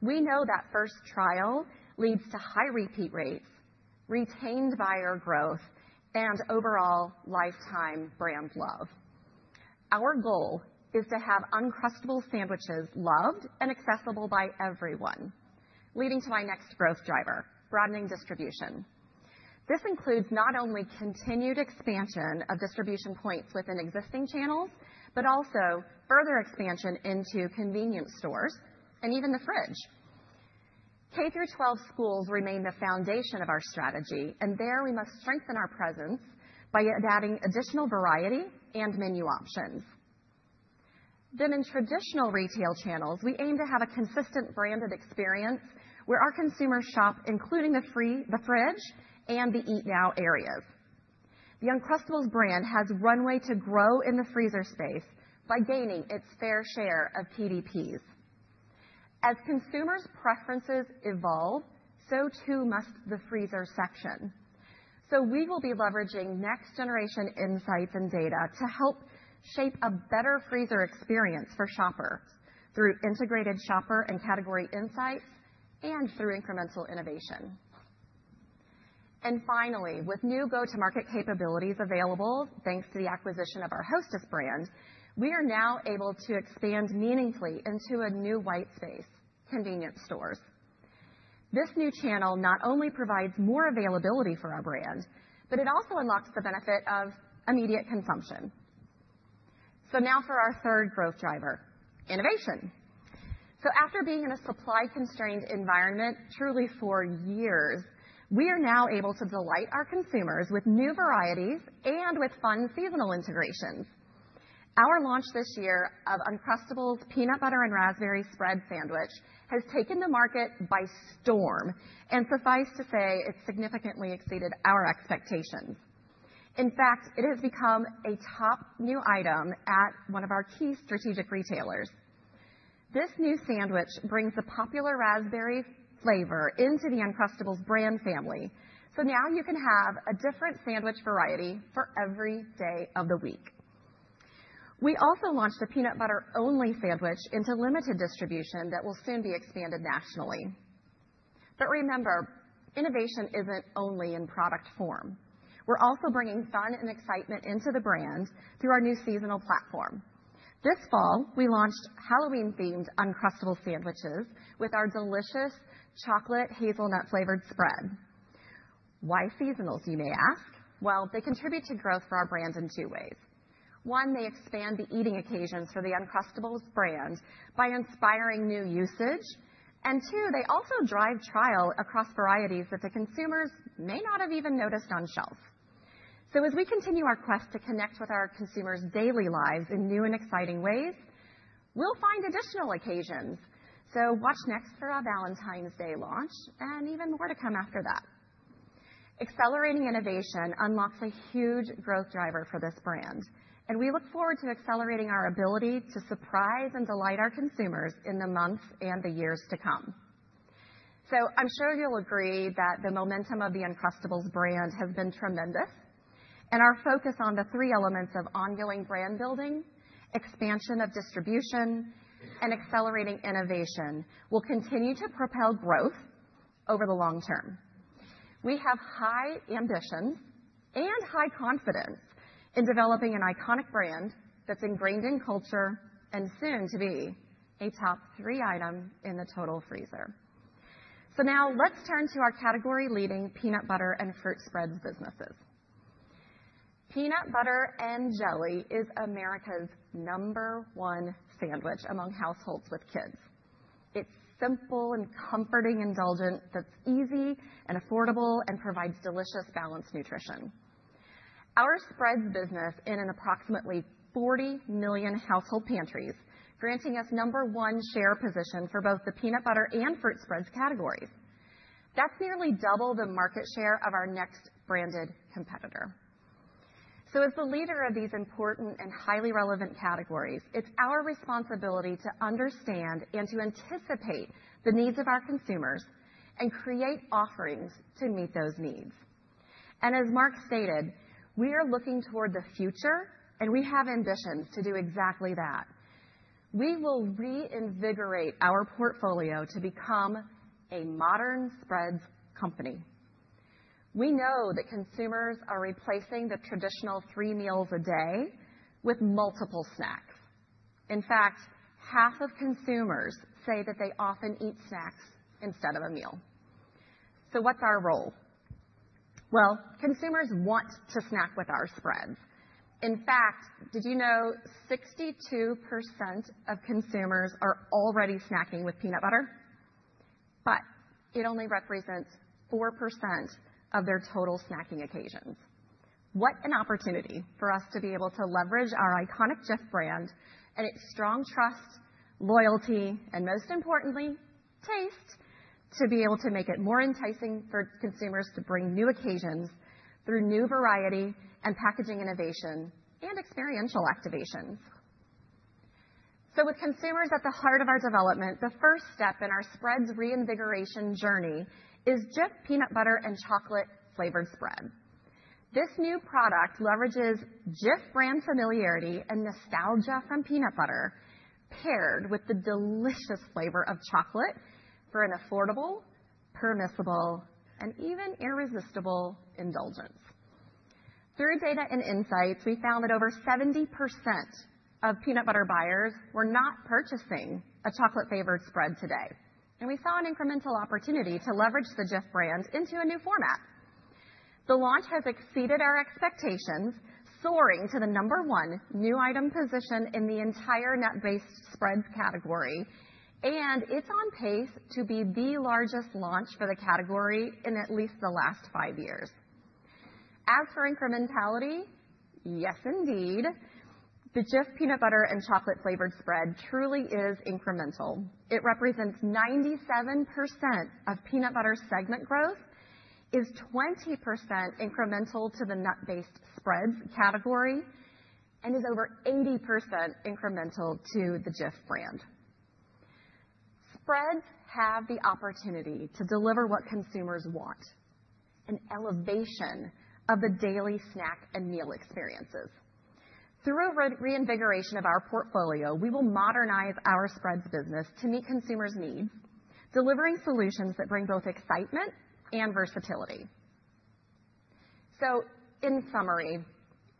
We know that first trial leads to high repeat rates, retained buyer growth, and overall lifetime brand love. Our goal is to have Uncrustables sandwiches loved and accessible by everyone, leading to our next growth driver, broadening distribution. This includes not only continued expansion of distribution points within existing channels, but also further expansion into convenience stores and even the fridge. K-12 schools remain the foundation of our strategy, and there we must strengthen our presence by adding additional variety and menu options. Then in traditional retail channels, we aim to have a consistent branded experience where our consumers shop, including the fridge, the fridge, and the eat now areas. The Uncrustables brand has runway to grow in the freezer space by gaining its fair share of TDPs. As consumers' preferences evolve, so too must the freezer section. So we will be leveraging next-generation insights and data to help shape a better freezer experience for shoppers through integrated shopper and category insights and through incremental innovation. And finally, with new go-to-market capabilities available thanks to the acquisition of our Hostess brand, we are now able to expand meaningfully into a new white space, convenience stores. This new channel not only provides more availability for our brand, but it also unlocks the benefit of immediate consumption. So now for our third growth driver, innovation. So after being in a supply-constrained environment truly for years, we are now able to delight our consumers with new varieties and with fun seasonal integrations. Our launch this year of Uncrustables peanut butter and raspberry spread sandwich has taken the market by storm, and suffice to say, it's significantly exceeded our expectations. In fact, it has become a top new item at one of our key strategic retailers. This new sandwich brings the popular raspberry flavor into the Uncrustables brand family. So now you can have a different sandwich variety for every day of the week. We also launched a peanut butter-only sandwich into limited distribution that will soon be expanded nationally. But remember, innovation isn't only in product form. We're also bringing fun and excitement into the brand through our new seasonal platform. This fall, we launched Halloween-themed Uncrustables sandwiches with our delicious chocolate hazelnut-flavored spread. Why seasonals, you may ask? Well, they contribute to growth for our brand in two ways. One, they expand the eating occasions for the Uncrustables brand by inspiring new usage. And two, they also drive trial across varieties that the consumers may not have even noticed on shelf. So as we continue our quest to connect with our consumers' daily lives in new and exciting ways, we'll find additional occasions. So watch next for our Valentine's Day launch and even more to come after that. Accelerating innovation unlocks a huge growth driver for this brand, and we look forward to accelerating our ability to surprise and delight our consumers in the months and the years to come. So I'm sure you'll agree that the momentum of the Uncrustables brand has been tremendous, and our focus on the three elements of ongoing brand building, expansion of distribution, and accelerating innovation will continue to propel growth over the long term. We have high ambition and high confidence in developing an iconic brand that's ingrained in culture and soon to be a top three item in the total freezer. So now let's turn to our category-leading peanut butter and fruit spreads businesses. Peanut butter and jelly is America's number one sandwich among households with kids. It's simple and comforting, indulgent, that's easy and affordable and provides delicious balanced nutrition. Our spreads business is in approximately 40 million household pantries, granting us number one share position for both the peanut butter and fruit spreads categories. That's nearly double the market share of our next branded competitor. So as the leader of these important and highly relevant categories, it's our responsibility to understand and to anticipate the needs of our consumers and create offerings to meet those needs. And as Mark stated, we are looking toward the future, and we have ambitions to do exactly that. We will reinvigorate our portfolio to become a modern spreads company. We know that consumers are replacing the traditional three meals a day with multiple snacks. In fact, half of consumers say that they often eat snacks instead of a meal. So what's our role? Well, consumers want to snack with our spreads. In fact, did you know 62% of consumers are already snacking with peanut butter? But it only represents 4% of their total snacking occasions. What an opportunity for us to be able to leverage our iconic Jif brand and its strong trust, loyalty, and most importantly, taste, to be able to make it more enticing for consumers to bring new occasions through new variety and packaging innovation and experiential activations. So with consumers at the heart of our development, the first step in our spreads reinvigoration journey is Jif peanut butter and chocolate flavored spread. This new product leverages Jif brand familiarity and nostalgia from peanut butter, paired with the delicious flavor of chocolate for an affordable, permissible, and even irresistible indulgence. Through data and insights, we found that over 70% of peanut butter buyers were not purchasing a chocolate-flavored spread today, and we saw an incremental opportunity to leverage the Jif brand into a new format. The launch has exceeded our expectations, soaring to the number one new item position in the entire nut-based spreads category, and it's on pace to be the largest launch for the category in at least the last five years. As for incrementality, yes, indeed, the Jif peanut butter and chocolate-flavored spread truly is incremental. It represents 97% of peanut butter segment growth, is 20% incremental to the nut-based spreads category, and is over 80% incremental to the Jif brand. Spreads have the opportunity to deliver what consumers want: an elevation of the daily snack and meal experiences. Through a reinvigoration of our portfolio, we will modernize our spreads business to meet consumers' needs, delivering solutions that bring both excitement and versatility. So in summary,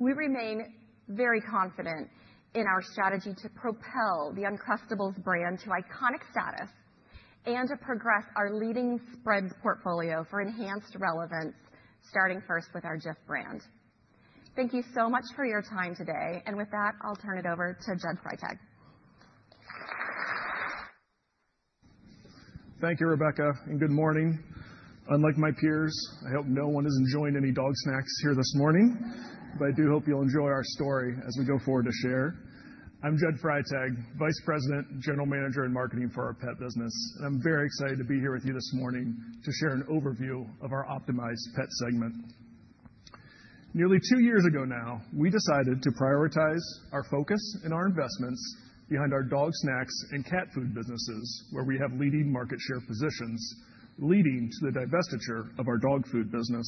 we remain very confident in our strategy to propel the Uncrustables brand to iconic status and to progress our leading spreads portfolio for enhanced relevance, starting first with our Jif brand. Thank you so much for your time today. And with that, I'll turn it over to Judd Freitag. Thank you, Rebecca, and good morning. Unlike my peers, I hope no one is enjoying any dog snacks here this morning, but I do hope you'll enjoy our story as we go forward to share. I'm Judd Freitag, Vice President, General Manager, and Marketing for our Pet business, and I'm very excited to be here with you this morning to share an overview of our optimized Pet segment. Nearly two years ago now, we decided to prioritize our focus and our investments behind our Dog Snacks and Cat food businesses, where we have leading market share positions, leading to the divestiture of our dog food business.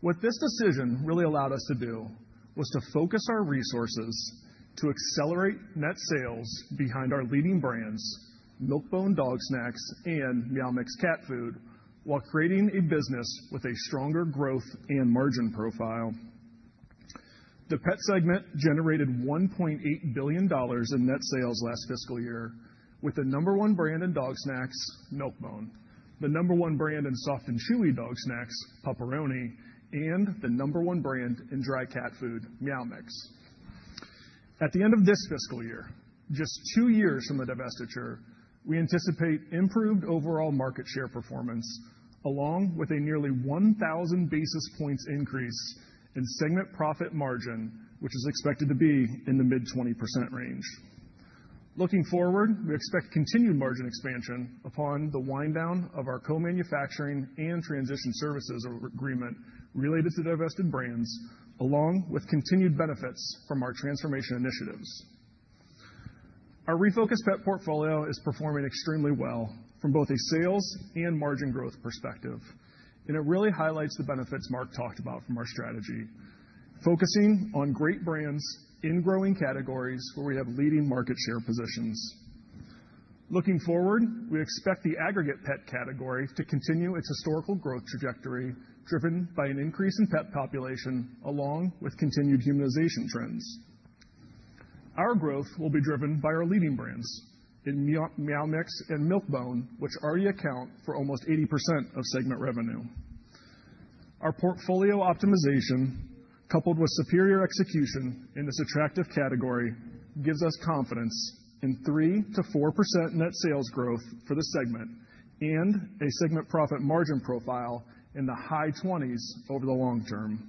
What this decision really allowed us to do was to focus our resources to accelerate net sales behind our leading brands, Milk-Bone Dog Snacks and Meow Mix Cat Food, while creating a business with a stronger growth and margin profile. The pet segment generated $1.8 billion in net sales last fiscal year, with the number one brand in dog snacks, Milk-Bone, the number one brand in soft and chewy dog snacks, Pup-Peroni, and the number one brand in dry cat food, Meow Mix. At the end of this fiscal year, just two years from the divestiture, we anticipate improved overall market share performance, along with a nearly 1,000 basis points increase in segment profit margin, which is expected to be in the mid-20% range. Looking forward, we expect continued margin expansion upon the wind down of our co-manufacturing and transition services agreement related to divested brands, along with continued benefits from our transformation initiatives. Our refocused pet portfolio is performing extremely well from both a sales and margin growth perspective, and it really highlights the benefits Mark talked about from our strategy, focusing on great brands in growing categories where we have leading market share positions. Looking forward, we expect the aggregate pet category to continue its historical growth trajectory driven by an increase in pet population along with continued humanization trends. Our growth will be driven by our leading brands in Meow Mix and Milk-Bone, which already account for almost 80% of segment revenue. Our portfolio optimization, coupled with superior execution in this attractive category, gives us confidence in 3%-4% net sales growth for the segment and a segment profit margin profile in the high 20s over the long term.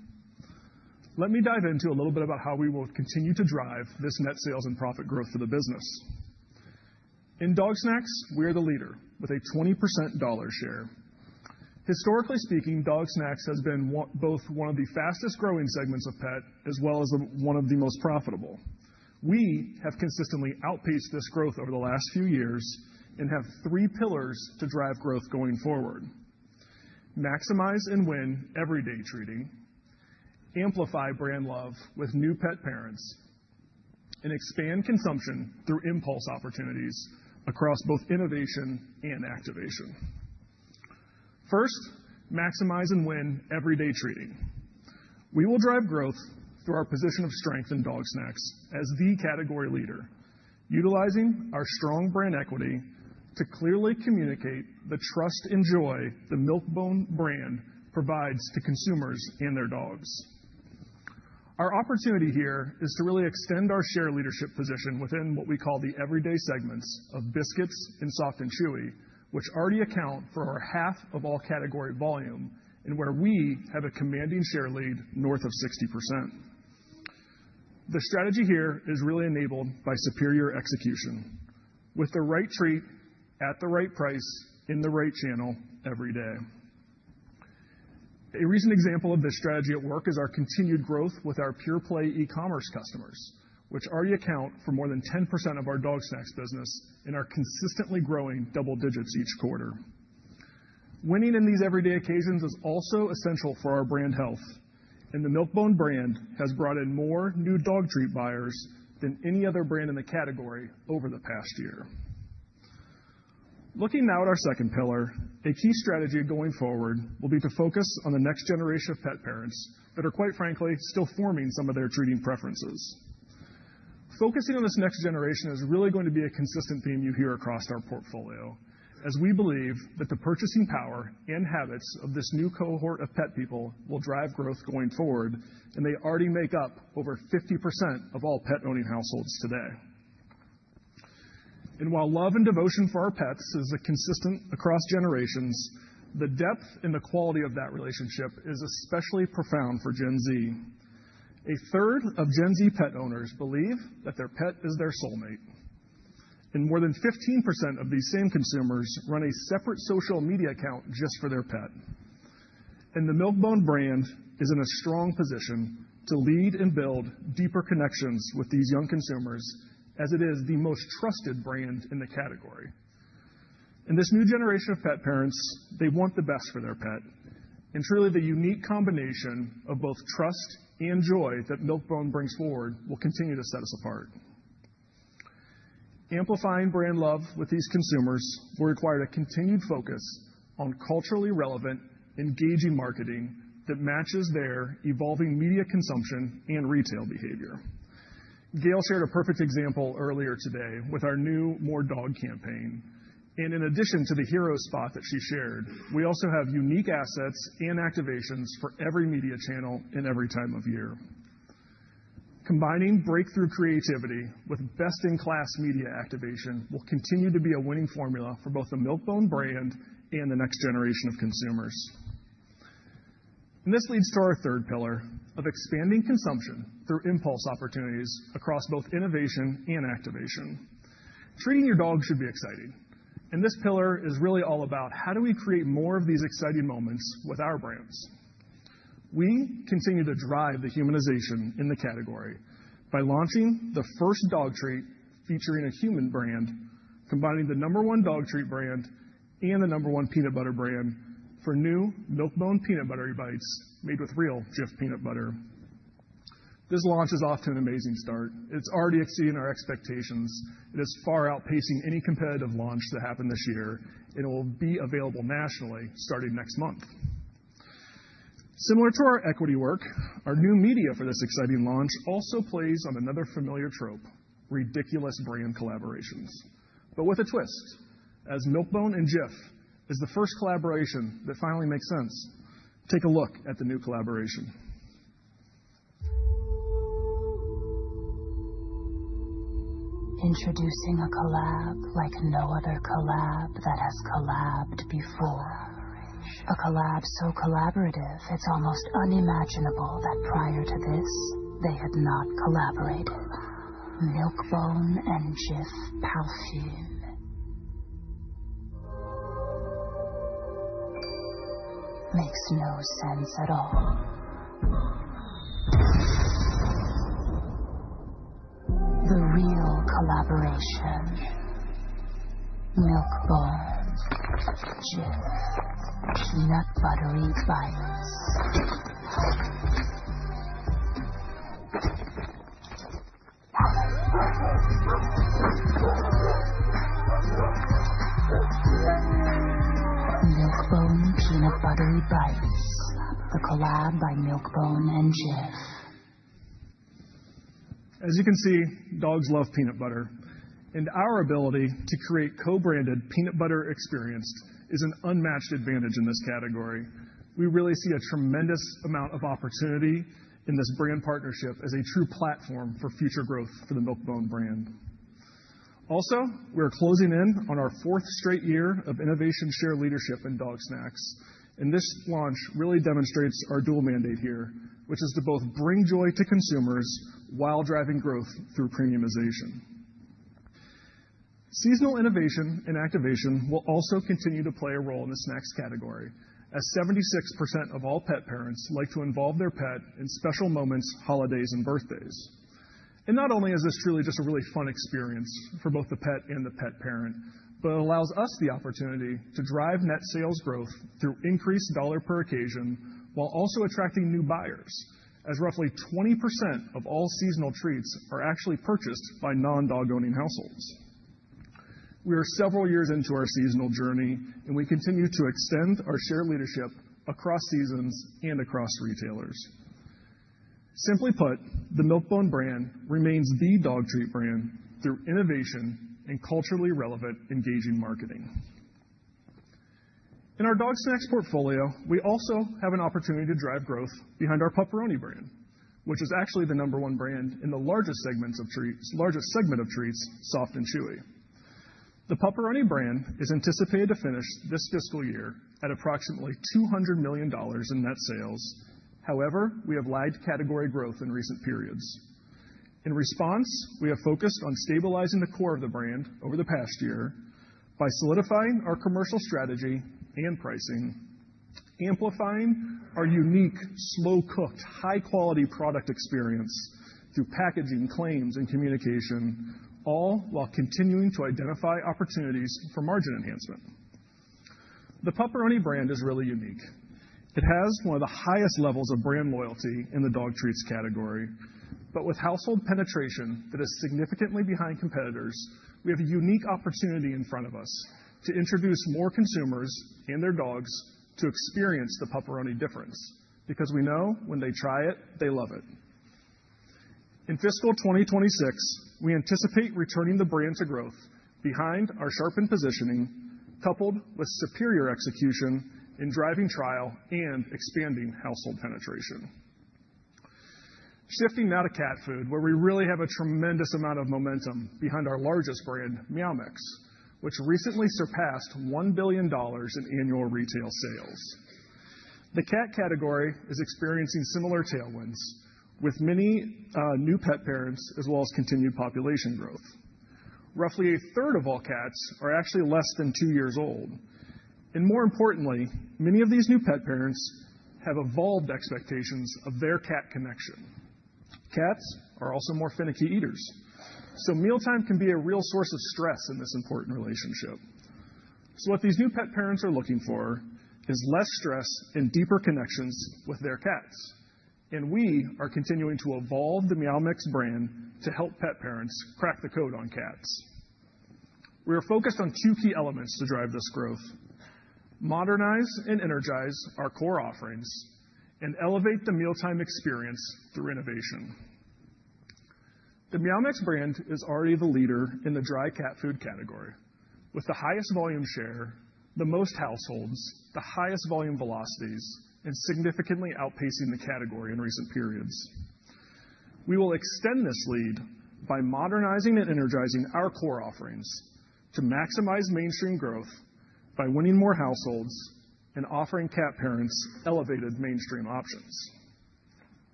Let me dive into a little bit about how we will continue to drive this net sales and profit growth for the business. In dog snacks, we are the leader with a 20% dollar share. Historically speaking, dog snacks has been both one of the fastest growing segments of pet as well as one of the most profitable. We have consistently outpaced this growth over the last few years and have three pillars to drive growth going forward: maximize and win everyday treating, amplify brand love with new pet parents, and expand consumption through impulse opportunities across both innovation and activation. First, maximize and win everyday treating. We will drive growth through our position of strength in dog snacks as the category leader, utilizing our strong brand equity to clearly communicate the trust and joy the Milk-Bone brand provides to consumers and their dogs. Our opportunity here is to really extend our share leadership position within what we call the everyday segments of biscuits and soft and chewy, which already account for half of all category volume and where we have a commanding share lead north of 60%. The strategy here is really enabled by superior execution with the right treat at the right price in the right channel every day. A recent example of this strategy at work is our continued growth with our pure-play e-commerce customers, which already account for more than 10% of our dog snacks business and are consistently growing double digits each quarter. Winning in these everyday occasions is also essential for our brand health, and the Milk-Bone brand has brought in more new dog treat buyers than any other brand in the category over the past year. Looking now at our second pillar, a key strategy going forward will be to focus on the next generation of pet parents that are, quite frankly, still forming some of their treating preferences. Focusing on this next generation is really going to be a consistent theme you hear across our portfolio, as we believe that the purchasing power and habits of this new cohort of pet people will drive growth going forward, and they already make up over 50% of all pet-owning households today. While love and devotion for our pets is consistent across generations, the depth and the quality of that relationship is especially profound for Gen Z. A third of Gen Z pet owners believe that their pet is their soulmate, and more than 15% of these same consumers run a separate social media account just for their pet. And the Milk-Bone brand is in a strong position to lead and build deeper connections with these young consumers, as it is the most trusted brand in the category. In this new generation of pet parents, they want the best for their pet, and truly, the unique combination of both trust and joy that Milk-Bone brings forward will continue to set us apart. Amplifying brand love with these consumers will require a continued focus on culturally relevant, engaging marketing that matches their evolving media consumption and retail behavior. Gail shared a perfect example earlier today with our new More Dog campaign, and in addition to the hero spot that she shared, we also have unique assets and activations for every media channel and every time of year. Combining breakthrough creativity with best-in-class media activation will continue to be a winning formula for both the Milk-Bone brand and the next generation of consumers. And this leads to our third pillar of expanding consumption through impulse opportunities across both innovation and activation. Treating your dog should be exciting, and this pillar is really all about how do we create more of these exciting moments with our brands. We continue to drive the humanization in the category by launching the first dog treat featuring a human brand, combining the number one dog treat brand and the number one peanut butter brand for new Milk-Bone Peanut Buttery Bites made with real Jif peanut butter. This launch is off to an amazing start. It's already exceeding our expectations. It is far outpacing any competitive launch that happened this year, and it will be available nationally starting next month. Similar to our equity work, our new media for this exciting launch also plays on another familiar trope: ridiculous brand collaborations, but with a twist. As Milk-Bone and Jif is the first collaboration that finally makes sense, take a look at the new collaboration. Introducing a collab like no other collab that has collabed before. A collab so collaborative it's almost unimaginable that prior to this, they had not collaborated. Milk-Bone and Jif parfum makes no sense at all. The real collaboration: Milk-Bone, Jif Peanut Buttery Bites. Milk-Bone Peanut Buttery Bites, the collab by Milk-Bone and Jif. As you can see, dogs love peanut butter, and our ability to create co-branded peanut butter experience is an unmatched advantage in this category. We really see a tremendous amount of opportunity in this brand partnership as a true platform for future growth for the Milk-Bone brand. Also, we're closing in on our fourth straight year of innovation share leadership in dog snacks, and this launch really demonstrates our dual mandate here, which is to both bring joy to consumers while driving growth through premiumization. Seasonal innovation and activation will also continue to play a role in the snacks category, as 76% of all pet parents like to involve their pet in special moments, holidays, and birthdays, and not only is this truly just a really fun experience for both the pet and the pet parent, but it allows us the opportunity to drive net sales growth through increased dollar per occasion while also attracting new buyers, as roughly 20% of all seasonal treats are actually purchased by non-dog-owning households. We are several years into our seasonal journey, and we continue to extend our shared leadership across seasons and across retailers. Simply put, the Milk-Bone brand remains the dog treat brand through innovation and culturally relevant, engaging marketing. In our dog snacks portfolio, we also have an opportunity to drive growth behind our Pup-Peroni brand, which is actually the number one brand in the largest segment of treats, soft and chewy. The Pup-Peroni brand is anticipated to finish this fiscal year at approximately $200 million in net sales. However, we have lagged category growth in recent periods. In response, we have focused on stabilizing the core of the brand over the past year by solidifying our commercial strategy and pricing, amplifying our unique, slow-cooked, high-quality product experience through packaging, claims, and communication, all while continuing to identify opportunities for margin enhancement. The Pup-Peroni brand is really unique. It has one of the highest levels of brand loyalty in the dog treats category, but with household penetration that is significantly behind competitors, we have a unique opportunity in front of us to introduce more consumers and their dogs to experience the Pup-Peroni difference because we know when they try it, they love it. In fiscal 2026, we anticipate returning the brand to growth behind our sharpened positioning, coupled with superior execution in driving trial and expanding household penetration. Shifting now to cat food, where we really have a tremendous amount of momentum behind our largest brand, Meow Mix, which recently surpassed $1 billion in annual retail sales. The cat category is experiencing similar tailwinds with many new pet parents as well as continued population growth. Roughly a third of all cats are actually less than two years old. And more importantly, many of these new pet parents have evolved expectations of their cat connection. Cats are also more finicky eaters, so mealtime can be a real source of stress in this important relationship. So what these new pet parents are looking for is less stress and deeper connections with their cats. And we are continuing to evolve the Meow Mix brand to help pet parents crack the code on cats. We are focused on two key elements to drive this growth: modernize and energize our core offerings and elevate the mealtime experience through innovation. The Meow Mix brand is already the leader in the dry cat food category, with the highest volume share, the most households, the highest volume velocities, and significantly outpacing the category in recent periods. We will extend this lead by modernizing and energizing our core offerings to maximize mainstream growth by winning more households and offering cat parents elevated mainstream options.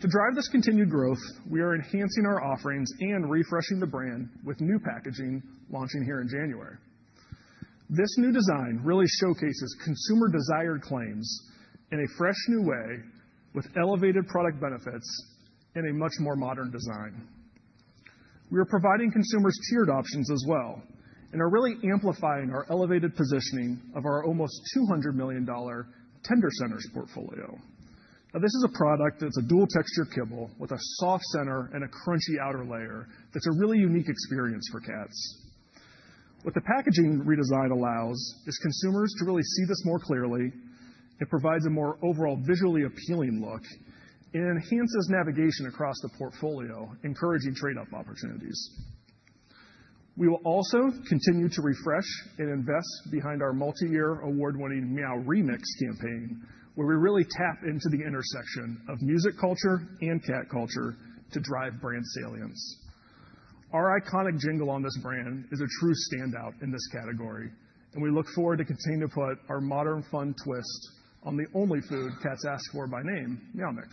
To drive this continued growth, we are enhancing our offerings and refreshing the brand with new packaging launching here in January. This new design really showcases consumer-desired claims in a fresh new way with elevated product benefits and a much more modern design. We are providing consumers tiered options as well and are really amplifying our elevated positioning of our almost $200 million Tender Centers portfolio. Now, this is a product that's a dual-texture kibble with a soft center and a crunchy outer layer that's a really unique experience for cats. What the packaging redesign allows is consumers to really see this more clearly. It provides a more overall visually appealing look and enhances navigation across the portfolio, encouraging trade-off opportunities. We will also continue to refresh and invest behind our multi-year award-winning Meow Mix campaign, where we really tap into the intersection of music culture and cat culture to drive brand salience. Our iconic jingle on this brand is a true standout in this category, and we look forward to continuing to put our modern, fun twist on the only food cats ask for by name, Meow Mix.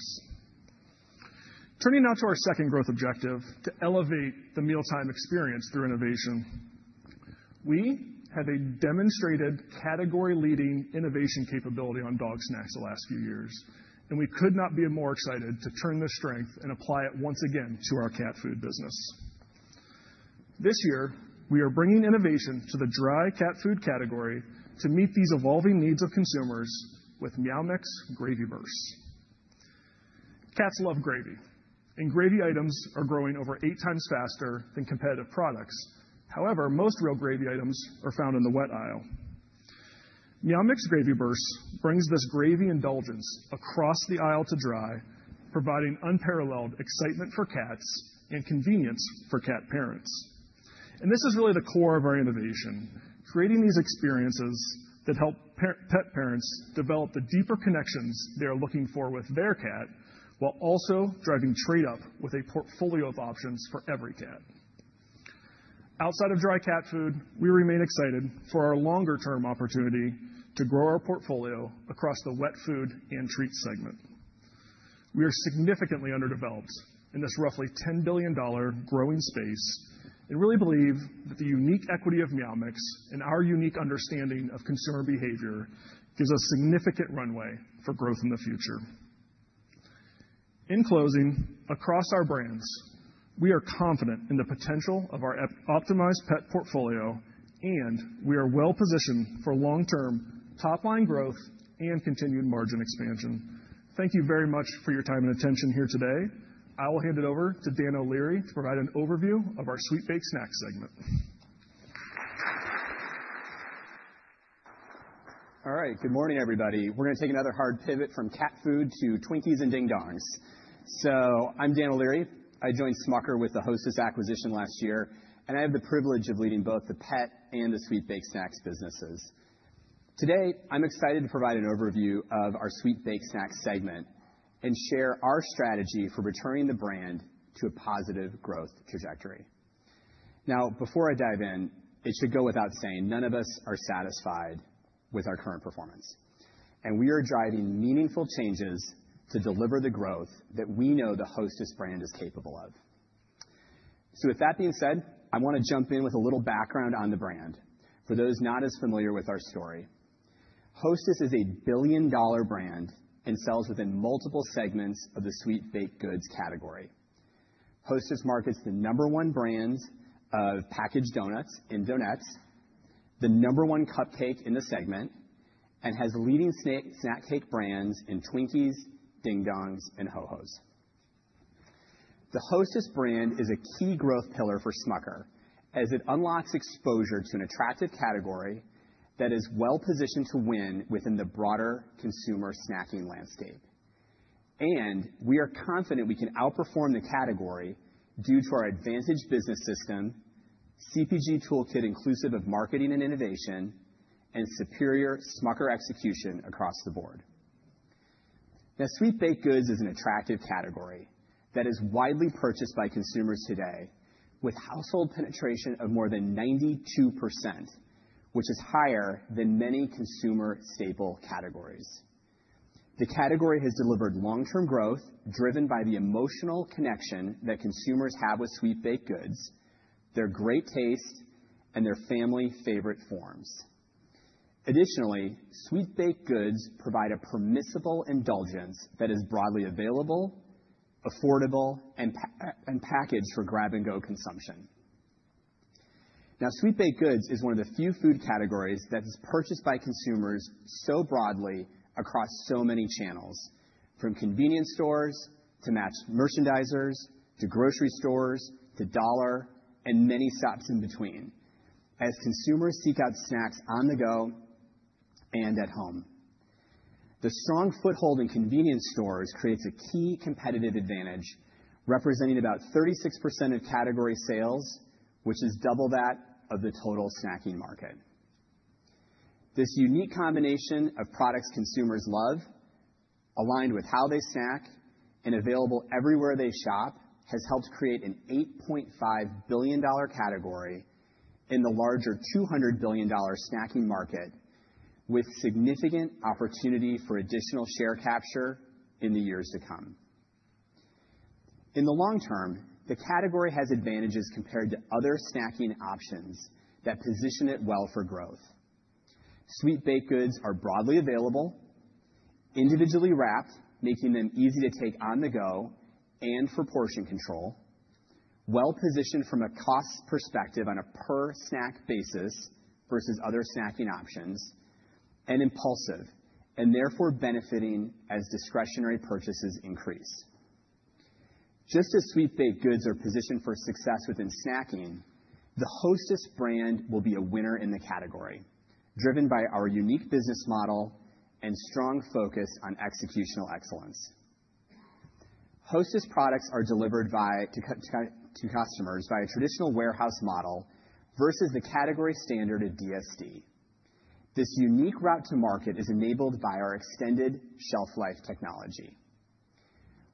Turning now to our second growth objective to elevate the mealtime experience through innovation. We have a demonstrated category-leading innovation capability on dog snacks the last few years, and we could not be more excited to turn this strength and apply it once again to our cat food business. This year, we are bringing innovation to the dry cat food category to meet these evolving needs of consumers with Meow Mix Gravy Bursts. Cats love gravy, and gravy items are growing over eight times faster than competitive products. However, most real gravy items are found in the wet aisle. Meow Mix Gravy Bursts brings this gravy indulgence across the aisle to dry, providing unparalleled excitement for cats and convenience for cat parents. And this is really the core of our innovation, creating these experiences that help pet parents develop the deeper connections they are looking for with their cat while also driving trade-off with a portfolio of options for every cat. Outside of dry cat food, we remain excited for our longer-term opportunity to grow our portfolio across the wet food and treat segment. We are significantly underdeveloped in this roughly $10 billion growing space and really believe that the unique equity of Meow Mix and our unique understanding of consumer behavior gives us a significant runway for growth in the future. In closing, across our brands, we are confident in the potential of our optimized pet portfolio, and we are well-positioned for long-term top-line growth and continued margin expansion. Thank you very much for your time and attention here today. I will hand it over to Dan O'Leary to provide an overview of our Sweet Baked Snacks segment. All right, good morning, everybody. We're going to take another hard pivot from cat food to Twinkies and Ding Dongs. So I'm Dan O'Leary. I joined Smucker with the Hostess acquisition last year, and I have the privilege of leading both the pet and the Sweet Baked Snacks businesses. Today, I'm excited to provide an overview of our Sweet Baked Snacks segment and share our strategy for returning the brand to a positive growth trajectory. Now, before I dive in, it should go without saying, none of us are satisfied with our current performance, and we are driving meaningful changes to deliver the growth that we know the Hostess brand is capable of. So with that being said, I want to jump in with a little background on the brand. For those not as familiar with our story, Hostess is a billion-dollar brand and sells within multiple segments of the Sweet Baked Goods category. Hostess markets the number one brands of packaged donuts and Donettes, the number one cupcake in the segment, and has leading snack cake brands in Twinkies, Ding Dongs, and Ho Hos. The Hostess brand is a key growth pillar for Smucker as it unlocks exposure to an attractive category that is well-positioned to win within the broader consumer snacking landscape. We are confident we can outperform the category due to our advantaged business system, CPG toolkit inclusive of marketing and innovation, and superior Smucker execution across the board. Now, Sweet Baked Goods is an attractive category that is widely purchased by consumers today with household penetration of more than 92%, which is higher than many consumer staple categories. The category has delivered long-term growth driven by the emotional connection that consumers have with Sweet Baked Goods, their great taste, and their family favorite forms. Additionally, Sweet Baked Goods provide a permissible indulgence that is broadly available, affordable, and packaged for grab-and-go consumption. Now, Sweet Baked Goods is one of the few food categories that is purchased by consumers so broadly across so many channels, from convenience stores to mass merchandisers to grocery stores to dollar stores and many stops in between, as consumers seek out snacks on the go and at home. The strong foothold in convenience stores creates a key competitive advantage, representing about 36% of category sales, which is double that of the total snacking market. This unique combination of products consumers love, aligned with how they snack and available everywhere they shop, has helped create an $8.5 billion category in the larger $200 billion snacking market, with significant opportunity for additional share capture in the years to come. In the long term, the category has advantages compared to other snacking options that position it well for growth. Sweet Baked Goods are broadly available, individually wrapped, making them easy to take on the go and for portion control, well-positioned from a cost perspective on a per-snack basis versus other snacking options, and impulsive, and therefore benefiting as discretionary purchases increase. Just as Sweet Baked Goods are positioned for success within snacking, the Hostess brand will be a winner in the category, driven by our unique business model and strong focus on executional excellence. Hostess products are delivered to customers by a traditional warehouse model versus the category standard of DSD. This unique route to market is enabled by our extended shelf-life technology.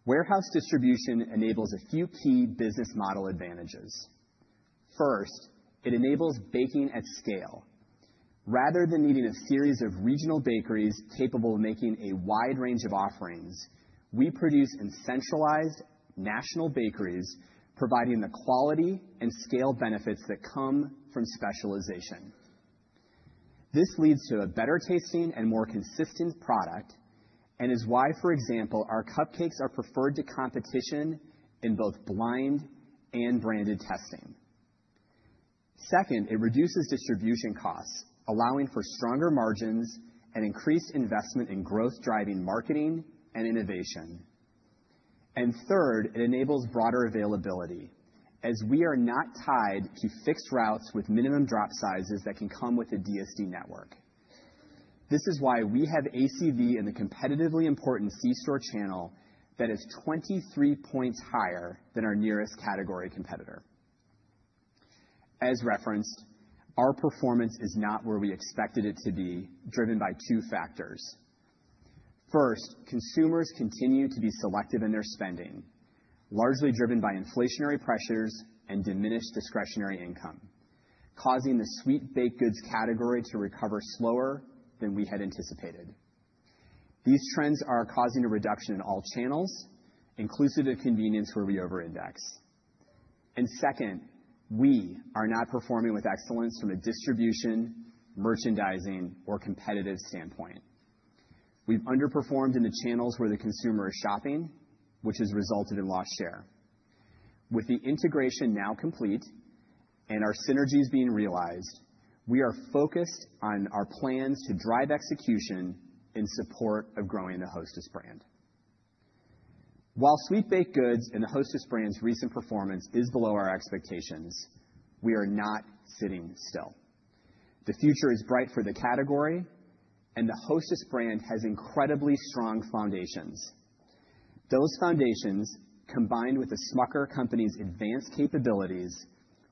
Warehouse distribution enables a few key business model advantages. First, it enables baking at scale. Rather than needing a series of regional bakeries capable of making a wide range of offerings, we produce in centralized national bakeries, providing the quality and scale benefits that come from specialization. This leads to a better tasting and more consistent product and is why, for example, our cupcakes are preferred to competition in both blind and branded testing. Second, it reduces distribution costs, allowing for stronger margins and increased investment in growth-driving marketing and innovation, and third, it enables broader availability as we are not tied to fixed routes with minimum drop sizes that can come with the DSD network. This is why we have ACV in the competitively important C-store channel that is 23 points higher than our nearest category competitor. As referenced, our performance is not where we expected it to be, driven by two factors. First, consumers continue to be selective in their spending, largely driven by inflationary pressures and diminished discretionary income, causing the Sweet Baked Goods category to recover slower than we had anticipated. These trends are causing a reduction in all channels, inclusive of convenience where we over-index. And second, we are not performing with excellence from a distribution, merchandising, or competitive standpoint. We've underperformed in the channels where the consumer is shopping, which has resulted in lost share. With the integration now complete and our synergies being realized, we are focused on our plans to drive execution in support of growing the Hostess brand. While Sweet Baked Goods and the Hostess brand's recent performance is below our expectations, we are not sitting still. The future is bright for the category, and the Hostess brand has incredibly strong foundations. Those foundations, combined with the Smucker Company's advanced capabilities,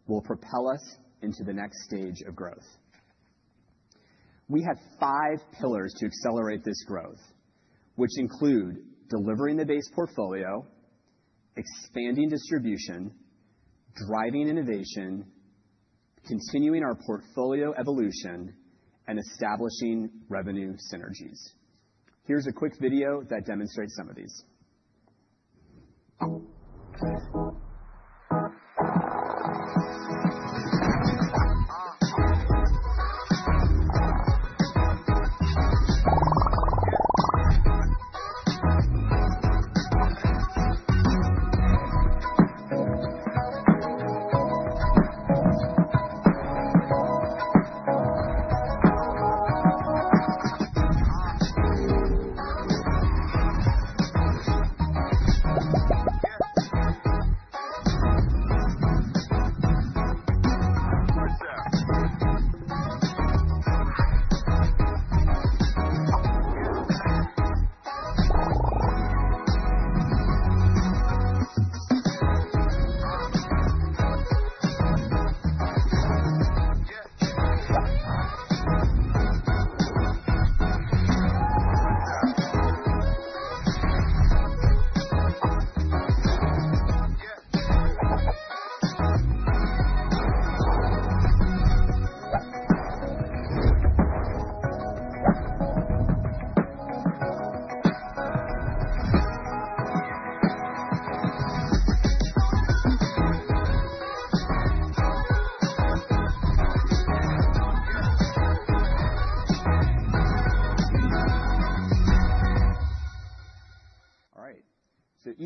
will propel us into the next stage of growth. We have five pillars to accelerate this growth, which include delivering the base portfolio, expanding distribution, driving innovation, continuing our portfolio evolution, and establishing revenue synergies. Here's a quick video that demonstrates some of these.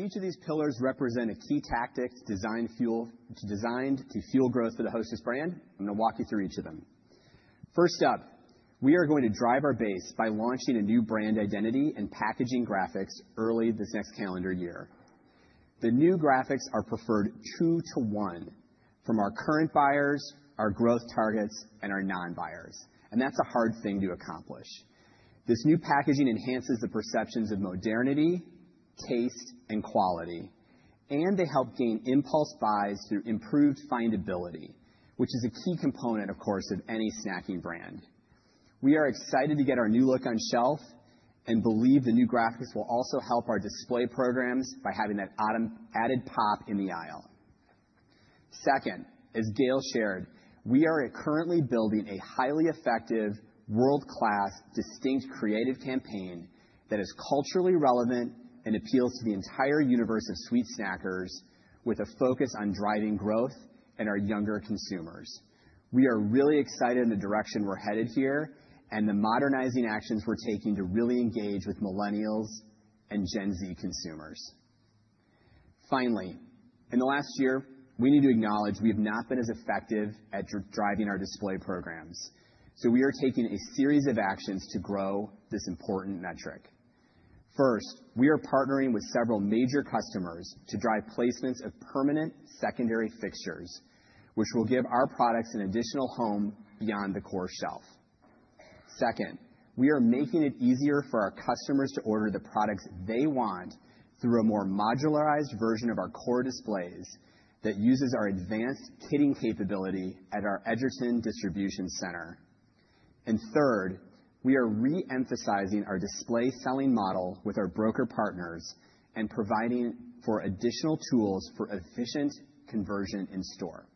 All right, so each of these pillars represent a key tactic designed to fuel growth for the Hostess brand. I'm going to walk you through each of them. First up, we are going to drive our base by launching a new brand identity and packaging graphics early this next calendar year. The new graphics are preferred two-to-one from our current buyers, our growth targets, and our non-buyers, and that's a hard thing to accomplish. This new packaging enhances the perceptions of modernity, taste, and quality, and they help gain impulse buys through improved findability, which is a key component, of course, of any snacking brand. We are excited to get our new look on shelf and believe the new graphics will also help our display programs by having that added pop in the aisle. Second, as Gail shared, we are currently building a highly effective, world-class, distinct creative campaign that is culturally relevant and appeals to the entire universe of sweet snackers, with a focus on driving growth and our younger consumers. We are really excited in the direction we're headed here and the modernizing actions we're taking to really engage with millennials and Gen Z consumers. Finally, in the last year, we need to acknowledge we have not been as effective at driving our display programs. We are taking a series of actions to grow this important metric. First, we are partnering with several major customers to drive placements of permanent secondary fixtures, which will give our products an additional home beyond the core shelf. Second, we are making it easier for our customers to order the products they want through a more modularized version of our core displays that uses our advanced kitting capability at our Edgerton Distribution Center. And third, we are re-emphasizing our display selling model with our broker partners and providing for additional tools for efficient conversion in store.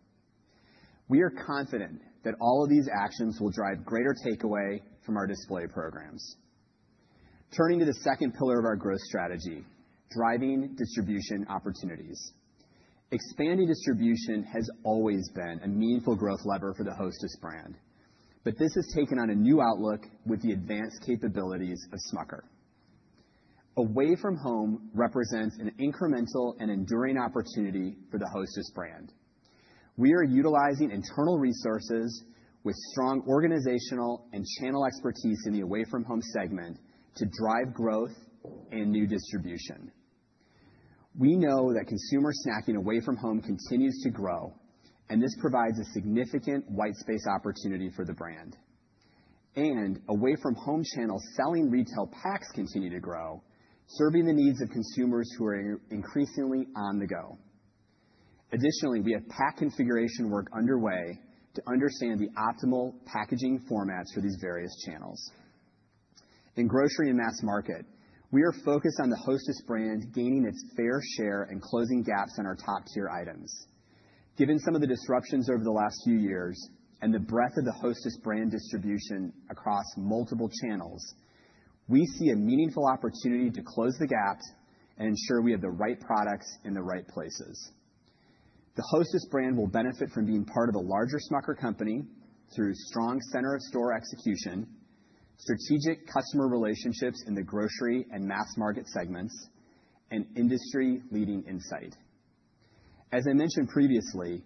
We are confident that all of these actions will drive greater takeaway from our display programs. Turning to the second pillar of our growth strategy, driving distribution opportunities. Expanding distribution has always been a meaningful growth lever for the Hostess brand, but this has taken on a new outlook with the advanced capabilities of Smucker. Away From Home represents an incremental and enduring opportunity for the Hostess brand. We are utilizing internal resources with strong organizational and channel expertise in the Away From Home segment to drive growth and new distribution. We know that consumer snacking Away From Home continues to grow, and this provides a significant white space opportunity for the brand. And Away From Home channel selling retail packs continue to grow, serving the needs of consumers who are increasingly on the go. Additionally, we have pack configuration work underway to understand the optimal packaging formats for these various channels. In grocery and mass market, we are focused on the Hostess brand gaining its fair share and closing gaps on our top-tier items. Given some of the disruptions over the last few years and the breadth of the Hostess brand distribution across multiple channels, we see a meaningful opportunity to close the gaps and ensure we have the right products in the right places. The Hostess brand will benefit from being part of a larger Smucker Company through strong center-of-store execution, strategic customer relationships in the grocery and mass market segments, and industry-leading insight. As I mentioned previously,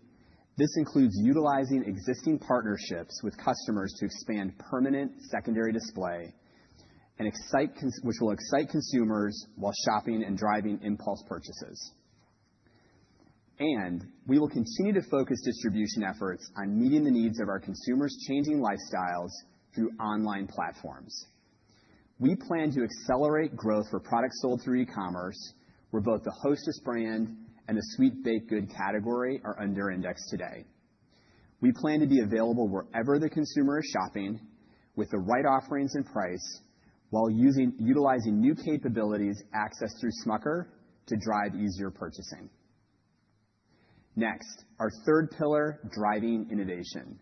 this includes utilizing existing partnerships with customers to expand permanent secondary display, which will excite consumers while shopping and driving impulse purchases. We will continue to focus distribution efforts on meeting the needs of our consumers' changing lifestyles through online platforms. We plan to accelerate growth for products sold through e-commerce, where both the Hostess brand and the Sweet Baked Goods category are under index today. We plan to be available wherever the consumer is shopping with the right offerings and price while utilizing new capabilities accessed through Smucker's to drive easier purchasing. Next, our third pillar, driving innovation.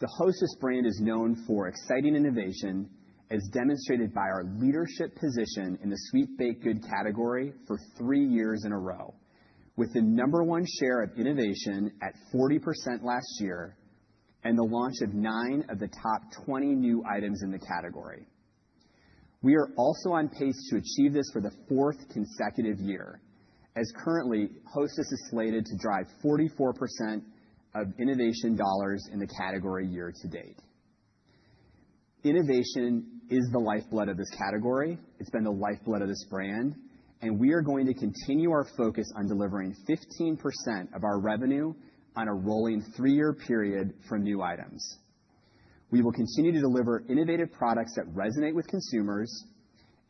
The Hostess brand is known for exciting innovation, as demonstrated by our leadership position in the sweet baked goods category for three years in a row, with the number one share of innovation at 40% last year and the launch of nine of the top 20 new items in the category. We are also on pace to achieve this for the fourth consecutive year, as currently, Hostess is slated to drive 44% of innovation dollars in the category year to date. Innovation is the lifeblood of this category. It's been the lifeblood of this brand, and we are going to continue our focus on delivering 15% of our revenue on a rolling three-year period for new items. We will continue to deliver innovative products that resonate with consumers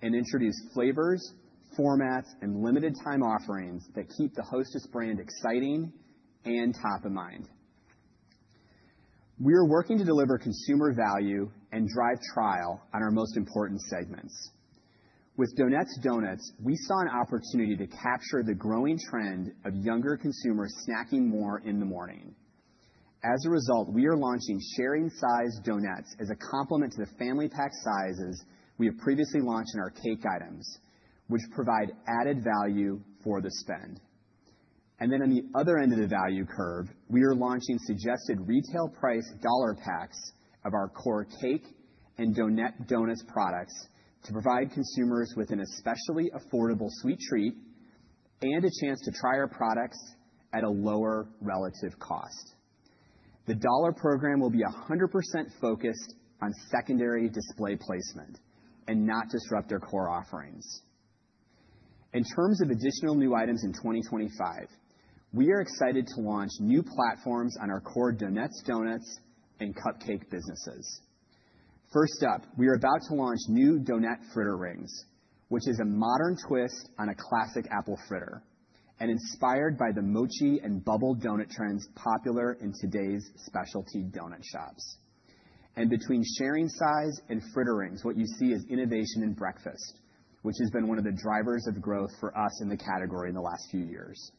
and introduce flavors, formats, and limited-time offerings that keep the Hostess brand exciting and top of mind. We are working to deliver consumer value and drive trial on our most important segments. With Donettes, we saw an opportunity to capture the growing trend of younger consumers snacking more in the morning. As a result, we are launching sharing-sized donuts as a complement to the family pack sizes we have previously launched in our cake items, which provide added value for the spend, and then on the other end of the value curve, we are launching suggested retail price dollar packs of our core cake and Donettes donut products to provide consumers with an especially affordable sweet treat and a chance to try our products at a lower relative cost. The dollar program will be 100% focused on secondary display placement and not disrupt our core offerings. In terms of additional new items in 2025, we are excited to launch new platforms on our core Donettes and CupCake businesses. First up, we are about to launch new donut fritter rings, which is a modern twist on a classic apple fritter, and inspired by the mochi and bubble donut trends popular in today's specialty donut shops. And between sharing size and fritter rings, what you see is innovation in breakfast, which has been one of the drivers of growth for us in the category in the last few years.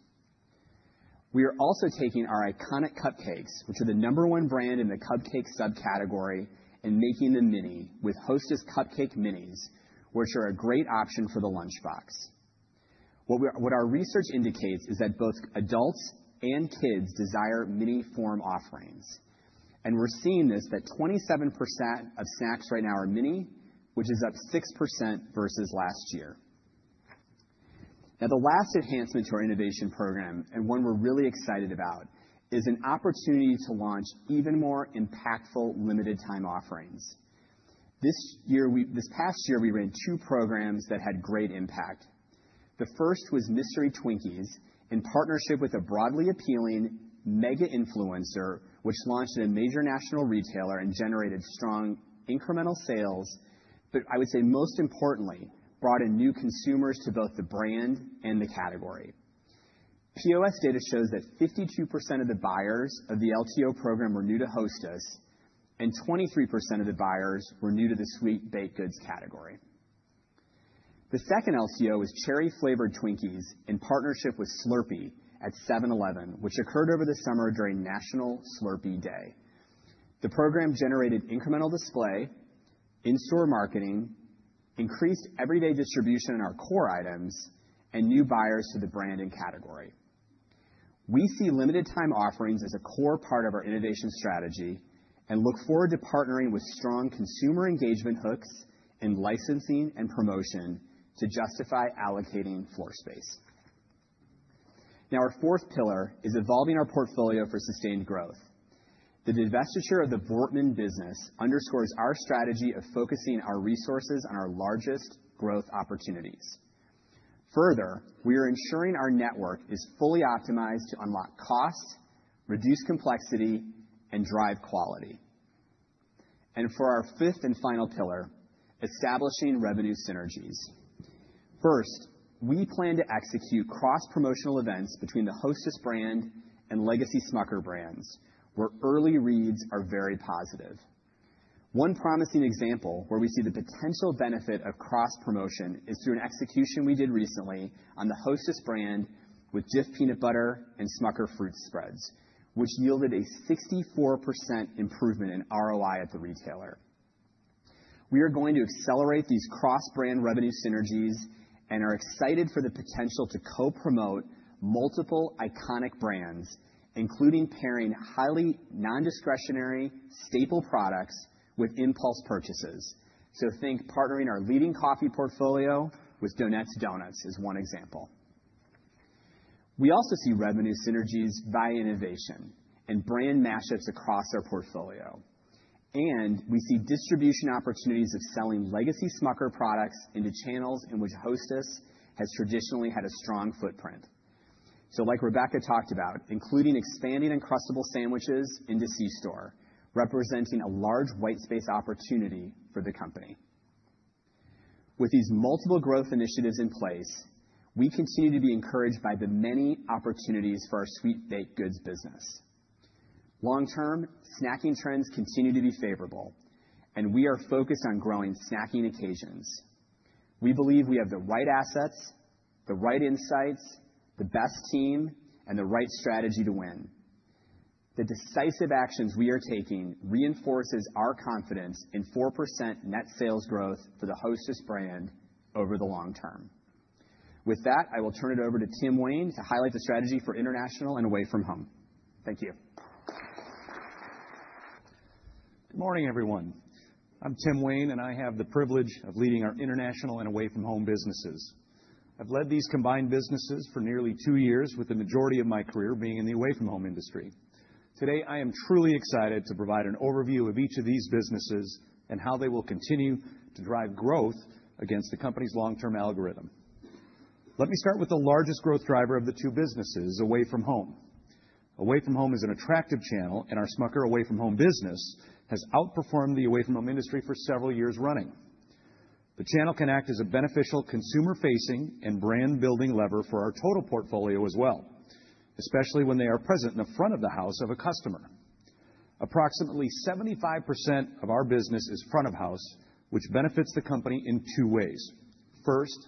We are also taking our iconic CupCakes, which are the number one brand in the CupCake subcategory, and making them mini with Hostess CupCake Minis, which are a great option for the lunchbox. What our research indicates is that both adults and kids desire mini form offerings, and we're seeing that 27% of snacks right now are mini, which is up 6% vs last year. Now, the last enhancement to our innovation program, and one we're really excited about, is an opportunity to launch even more impactful limited-time offerings. This past year, we ran two programs that had great impact. The first was Mystery Twinkies in partnership with a broadly appealing mega influencer, which launched in a major national retailer and generated strong incremental sales, but I would say most importantly, brought in new consumers to both the brand and the category. POS data shows that 52% of the buyers of the LTO program were new to Hostess, and 23% of the buyers were new to the Sweet Baked Goods category. The second LTO was Cherry Flavored Twinkies in partnership with Slurpee at 7-Eleven, which occurred over the summer during National Slurpee Day. The program generated incremental display, in-store marketing, increased everyday distribution in our core items, and new buyers to the brand and category. We see limited-time offerings as a core part of our innovation strategy and look forward to partnering with strong consumer engagement hooks in licensing and promotion to justify allocating floor space. Now, our fourth pillar is evolving our portfolio for sustained growth. The divestiture of the Voortman business underscores our strategy of focusing our resources on our largest growth opportunities. Further, we are ensuring our network is fully optimized to unlock cost, reduce complexity, and drive quality. And for our fifth and final pillar, establishing revenue synergies. First, we plan to execute cross-promotional events between the Hostess brand and legacy Smucker brands, where early reads are very positive. One promising example where we see the potential benefit of cross-promotion is through an execution we did recently on the Hostess brand with Jif Peanut Butter and Smucker's Fruit Spreads, which yielded a 64% improvement in ROI at the retailer. We are going to accelerate these cross-brand revenue synergies and are excited for the potential to co-promote multiple iconic brands, including pairing highly non-discretionary staple products with impulse purchases. So think partnering our leading coffee portfolio with Donettes as one example. We also see revenue synergies via innovation and brand mashups across our portfolio. And we see distribution opportunities of selling legacy Smucker products into channels in which Hostess has traditionally had a strong footprint. So like Rebecca talked about, including expanding Uncrustables sandwiches into C-store, representing a large white space opportunity for the company. With these multiple growth initiatives in place, we continue to be encouraged by the many opportunities for our Sweet Baked Goods business. Long-term, snacking trends continue to be favorable, and we are focused on growing snacking occasions. We believe we have the right assets, the right insights, the best team, and the right strategy to win. The decisive actions we are taking reinforces our confidence in 4% net sales growth for the Hostess brand over the long term. With that, I will turn it over to Tim Wayne to highlight the strategy for international and Away From Home. Thank you. Good morning, everyone. I'm Tim Wayne, and I have the privilege of leading our international and Away From Home businesses. I've led these combined businesses for nearly two years, with the majority of my career being in the Away From Home industry. Today, I am truly excited to provide an overview of each of these businesses and how they will continue to drive growth against the company's long-term algorithm. Let me start with the largest growth driver of the two businesses, Away From Home. Away From Home is an attractive channel, and our Smucker's Away From Home business has outperformed the Away From Home industry for several years running. The channel can act as a beneficial consumer-facing and brand-building lever for our total portfolio as well, especially when they are present in the front of the house of a customer. Approximately 75% of our business is front of house, which benefits the company in two ways. First,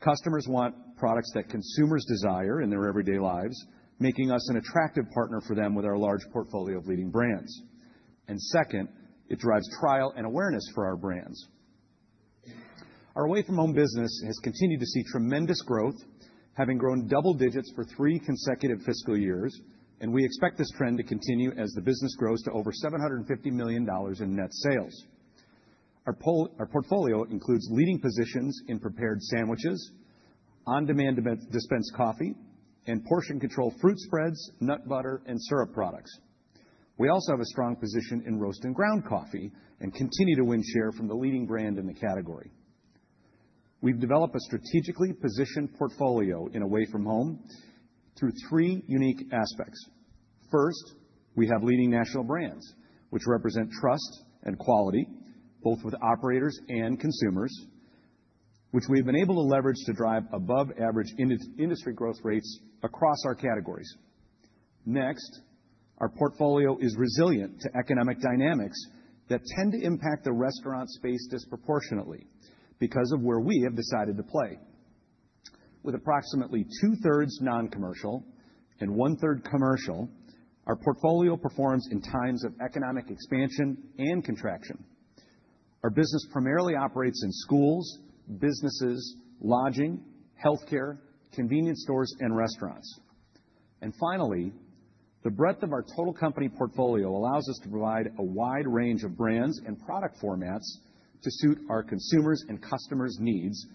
customers want products that consumers desire in their everyday lives, making us an attractive partner for them with our large portfolio of leading brands. And second, it drives trial and awareness for our brands. Our Away From Home business has continued to see tremendous growth, having grown double digits for three consecutive fiscal years, and we expect this trend to continue as the business grows to over $750 million in net sales. Our portfolio includes leading positions in prepared sandwiches, on-demand dispense coffee, and portion control fruit spreads, nut butter, and syrup products. We also have a strong position in roast and ground coffee and continue to win share from the leading brand in the category. We've developed a strategically positioned portfolio in Away From Home through three unique aspects. First, we have leading national brands, which represent trust and quality, both with operators and consumers, which we have been able to leverage to drive above-average industry growth rates across our categories. Next, our portfolio is resilient to economic dynamics that tend to impact the restaurant space disproportionately because of where we have decided to play. With approximately two-thirds non-commercial and one-third commercial, our portfolio performs in times of economic expansion and contraction. Our business primarily operates in schools, businesses, lodging, healthcare, convenience stores, and restaurants. And finally, the breadth of our total company portfolio allows us to provide a wide range of brands and product formats to suit our consumers' and customers' needs,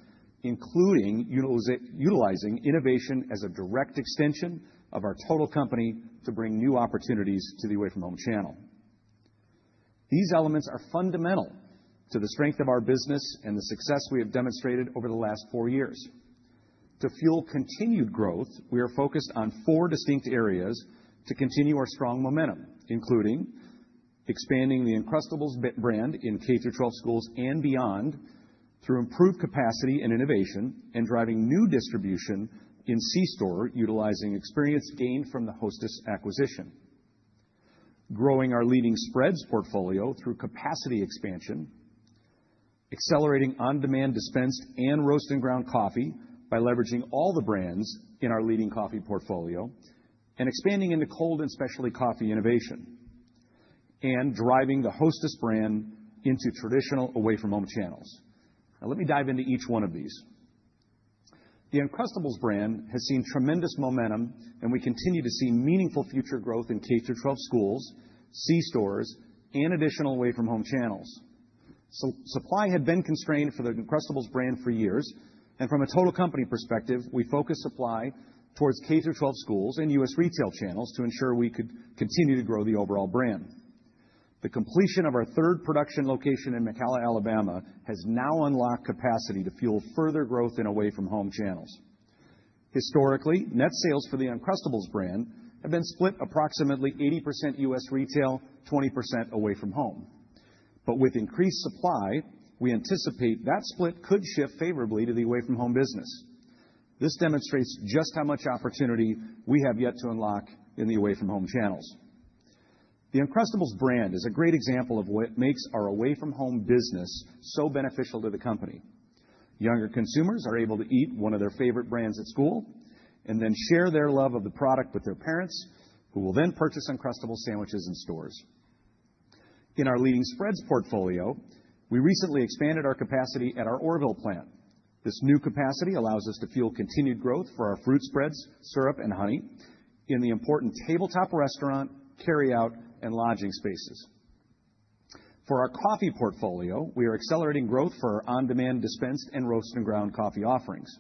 including utilizing innovation as a direct extension of our total company to bring new opportunities to the Away From Home channel. These elements are fundamental to the strength of our business and the success we have demonstrated over the last four years. To fuel continued growth, we are focused on four distinct areas to continue our strong momentum, including expanding the Uncrustables brand in K through 12 schools and beyond through improved capacity and innovation and driving new distribution in C-store, utilizing experience gained from the Hostess acquisition, growing our leading spreads portfolio through capacity expansion, accelerating on-demand dispensed and roast and ground coffee by leveraging all the brands in our leading coffee portfolio, and expanding into cold and specialty coffee innovation, and driving the Hostess brand into traditional Away From Home channels. Now, let me dive into each one of these. The Uncrustables brand has seen tremendous momentum, and we continue to see meaningful future growth in K through 12 schools, C-stores, and additional Away From Home channels. Supply had been constrained for the Uncrustables brand for years, and from a total company perspective, we focused supply towards K through 12 schools and U.S. retail channels to ensure we could continue to grow the overall brand. The completion of our third production location in McCalla, Alabama, has now unlocked capacity to fuel further growth in Away From Home channels. Historically, net sales for the Uncrustables brand have been split approximately 80% U.S. retail, 20% Away From Home. But with increased supply, we anticipate that split could shift favorably to the Away From Home business. This demonstrates just how much opportunity we have yet to unlock in the Away From Home channels. The Uncrustables brand is a great example of what makes our Away From Home business so beneficial to the company. Younger consumers are able to eat one of their favorite brands at school and then share their love of the product with their parents, who will then purchase Uncrustables sandwiches in stores. In our leading spreads portfolio, we recently expanded our capacity at our Orrville plant. This new capacity allows us to fuel continued growth for our fruit spreads, syrup, and honey in the important tabletop restaurant, carry-out, and lodging spaces. For our coffee portfolio, we are accelerating growth for our on-demand dispensed and roast and ground coffee offerings.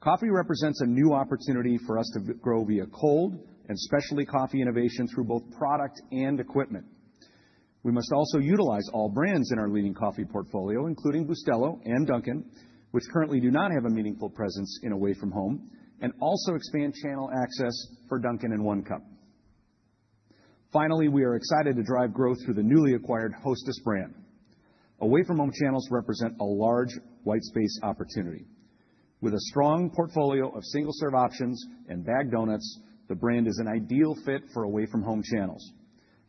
Coffee represents a new opportunity for us to grow via cold and specialty coffee innovation through both product and equipment. We must also utilize all brands in our leading coffee portfolio, including Bustelo and Dunkin', which currently do not have a meaningful presence in Away From Home, and also expand channel access for Dunkin' in One Cup. Finally, we are excited to drive growth through the newly acquired Hostess brand. Away From Home channels represent a large white space opportunity. With a strong portfolio of single-serve options and bagged donuts, the brand is an ideal fit for Away From Home channels.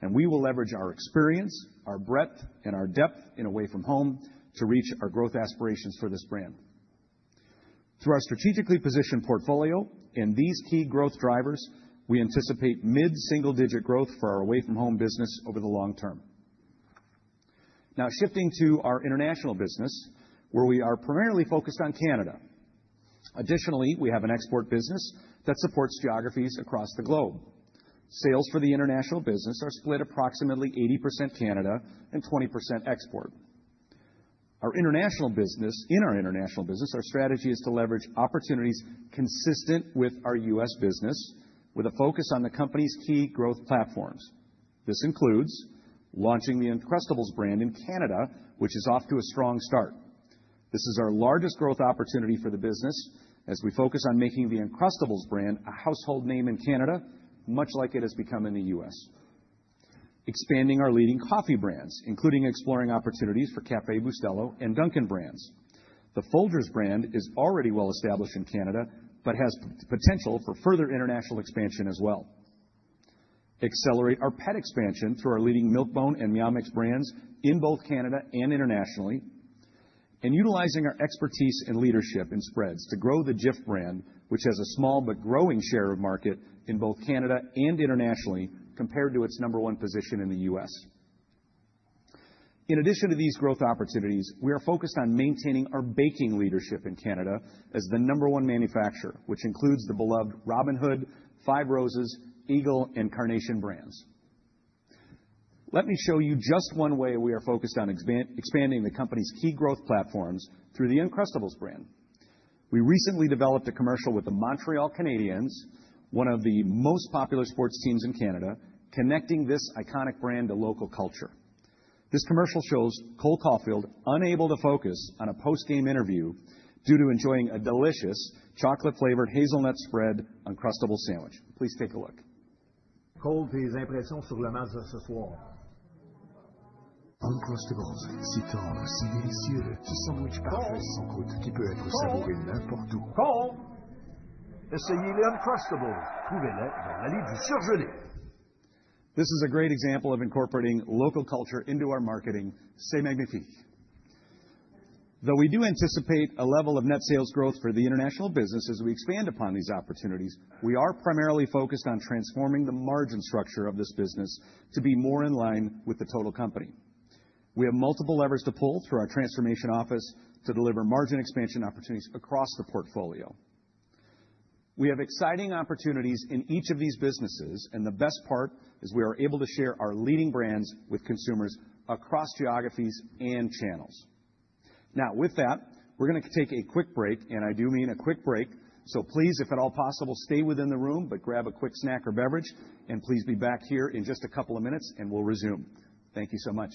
And we will leverage our experience, our breadth, and our depth in Away From Home to reach our growth aspirations for this brand. Through our strategically positioned portfolio and these key growth drivers, we anticipate mid-single-digit growth for our Away From Home business over the long term. Now, shifting to our international business, where we are primarily focused on Canada. Additionally, we have an export business that supports geographies across the globe. Sales for the international business are split approximately 80% Canada and 20% export. In our international business, our strategy is to leverage opportunities consistent with our U.S. business, with a focus on the company's key growth platforms. This includes launching the Uncrustables brand in Canada, which is off to a strong start. This is our largest growth opportunity for the business, as we focus on making the Uncrustables brand a household name in Canada, much like it has become in the U.S. Expanding our leading coffee brands, including exploring opportunities for Café Bustelo and Dunkin' brands. The Folgers brand is already well established in Canada, but has potential for further international expansion as well. Accelerate our pet expansion through our leading Milk-Bone and Meow Mix brands in both Canada and internationally, and utilizing our expertise and leadership in spreads to grow the Jif brand, which has a small but growing share of market in both Canada and internationally compared to its number one position in the U.S.. In addition to these growth opportunities, we are focused on maintaining our baking leadership in Canada as the number one manufacturer, which includes the beloved Robin Hood, Five Roses, Eagle, and Carnation brands. Let me show you just one way we are focused on expanding the company's key growth platforms through the Uncrustables brand. We recently developed a commercial with the Montreal Canadiens, one of the most popular sports teams in Canada, connecting this iconic brand to local culture. This commercial shows Cole Caufield unable to focus on a post-game interview due to enjoying a delicious chocolate-flavored hazelnut spread Uncrustables sandwich. Please take a look. Cole, tes impressions sur le match de ce soir? Uncrustables, si tendre, si délicieux, ce sandwich parfait sans croûte qui peut être servi n'importe où. Cole! Essayez les Uncrustables. Trouvez-les dans l'allée du surgelé. This is a great example of incorporating local culture into our marketing. C'est magnifique. Though we do anticipate a level of net sales growth for the international business as we expand upon these opportunities, we are primarily focused on transforming the margin structure of this business to be more in line with the total company. We have multiple levers to pull through our transformation office to deliver margin expansion opportunities across the portfolio. We have exciting opportunities in each of these businesses, and the best part is we are able to share our leading brands with consumers across geographies and channels. Now, with that, we're going to take a quick break, and I do mean a quick break. Please, if at all possible, stay within the room, but grab a quick snack or beverage, and please be back here in just a couple of minutes, and we'll resume. Thank you so much.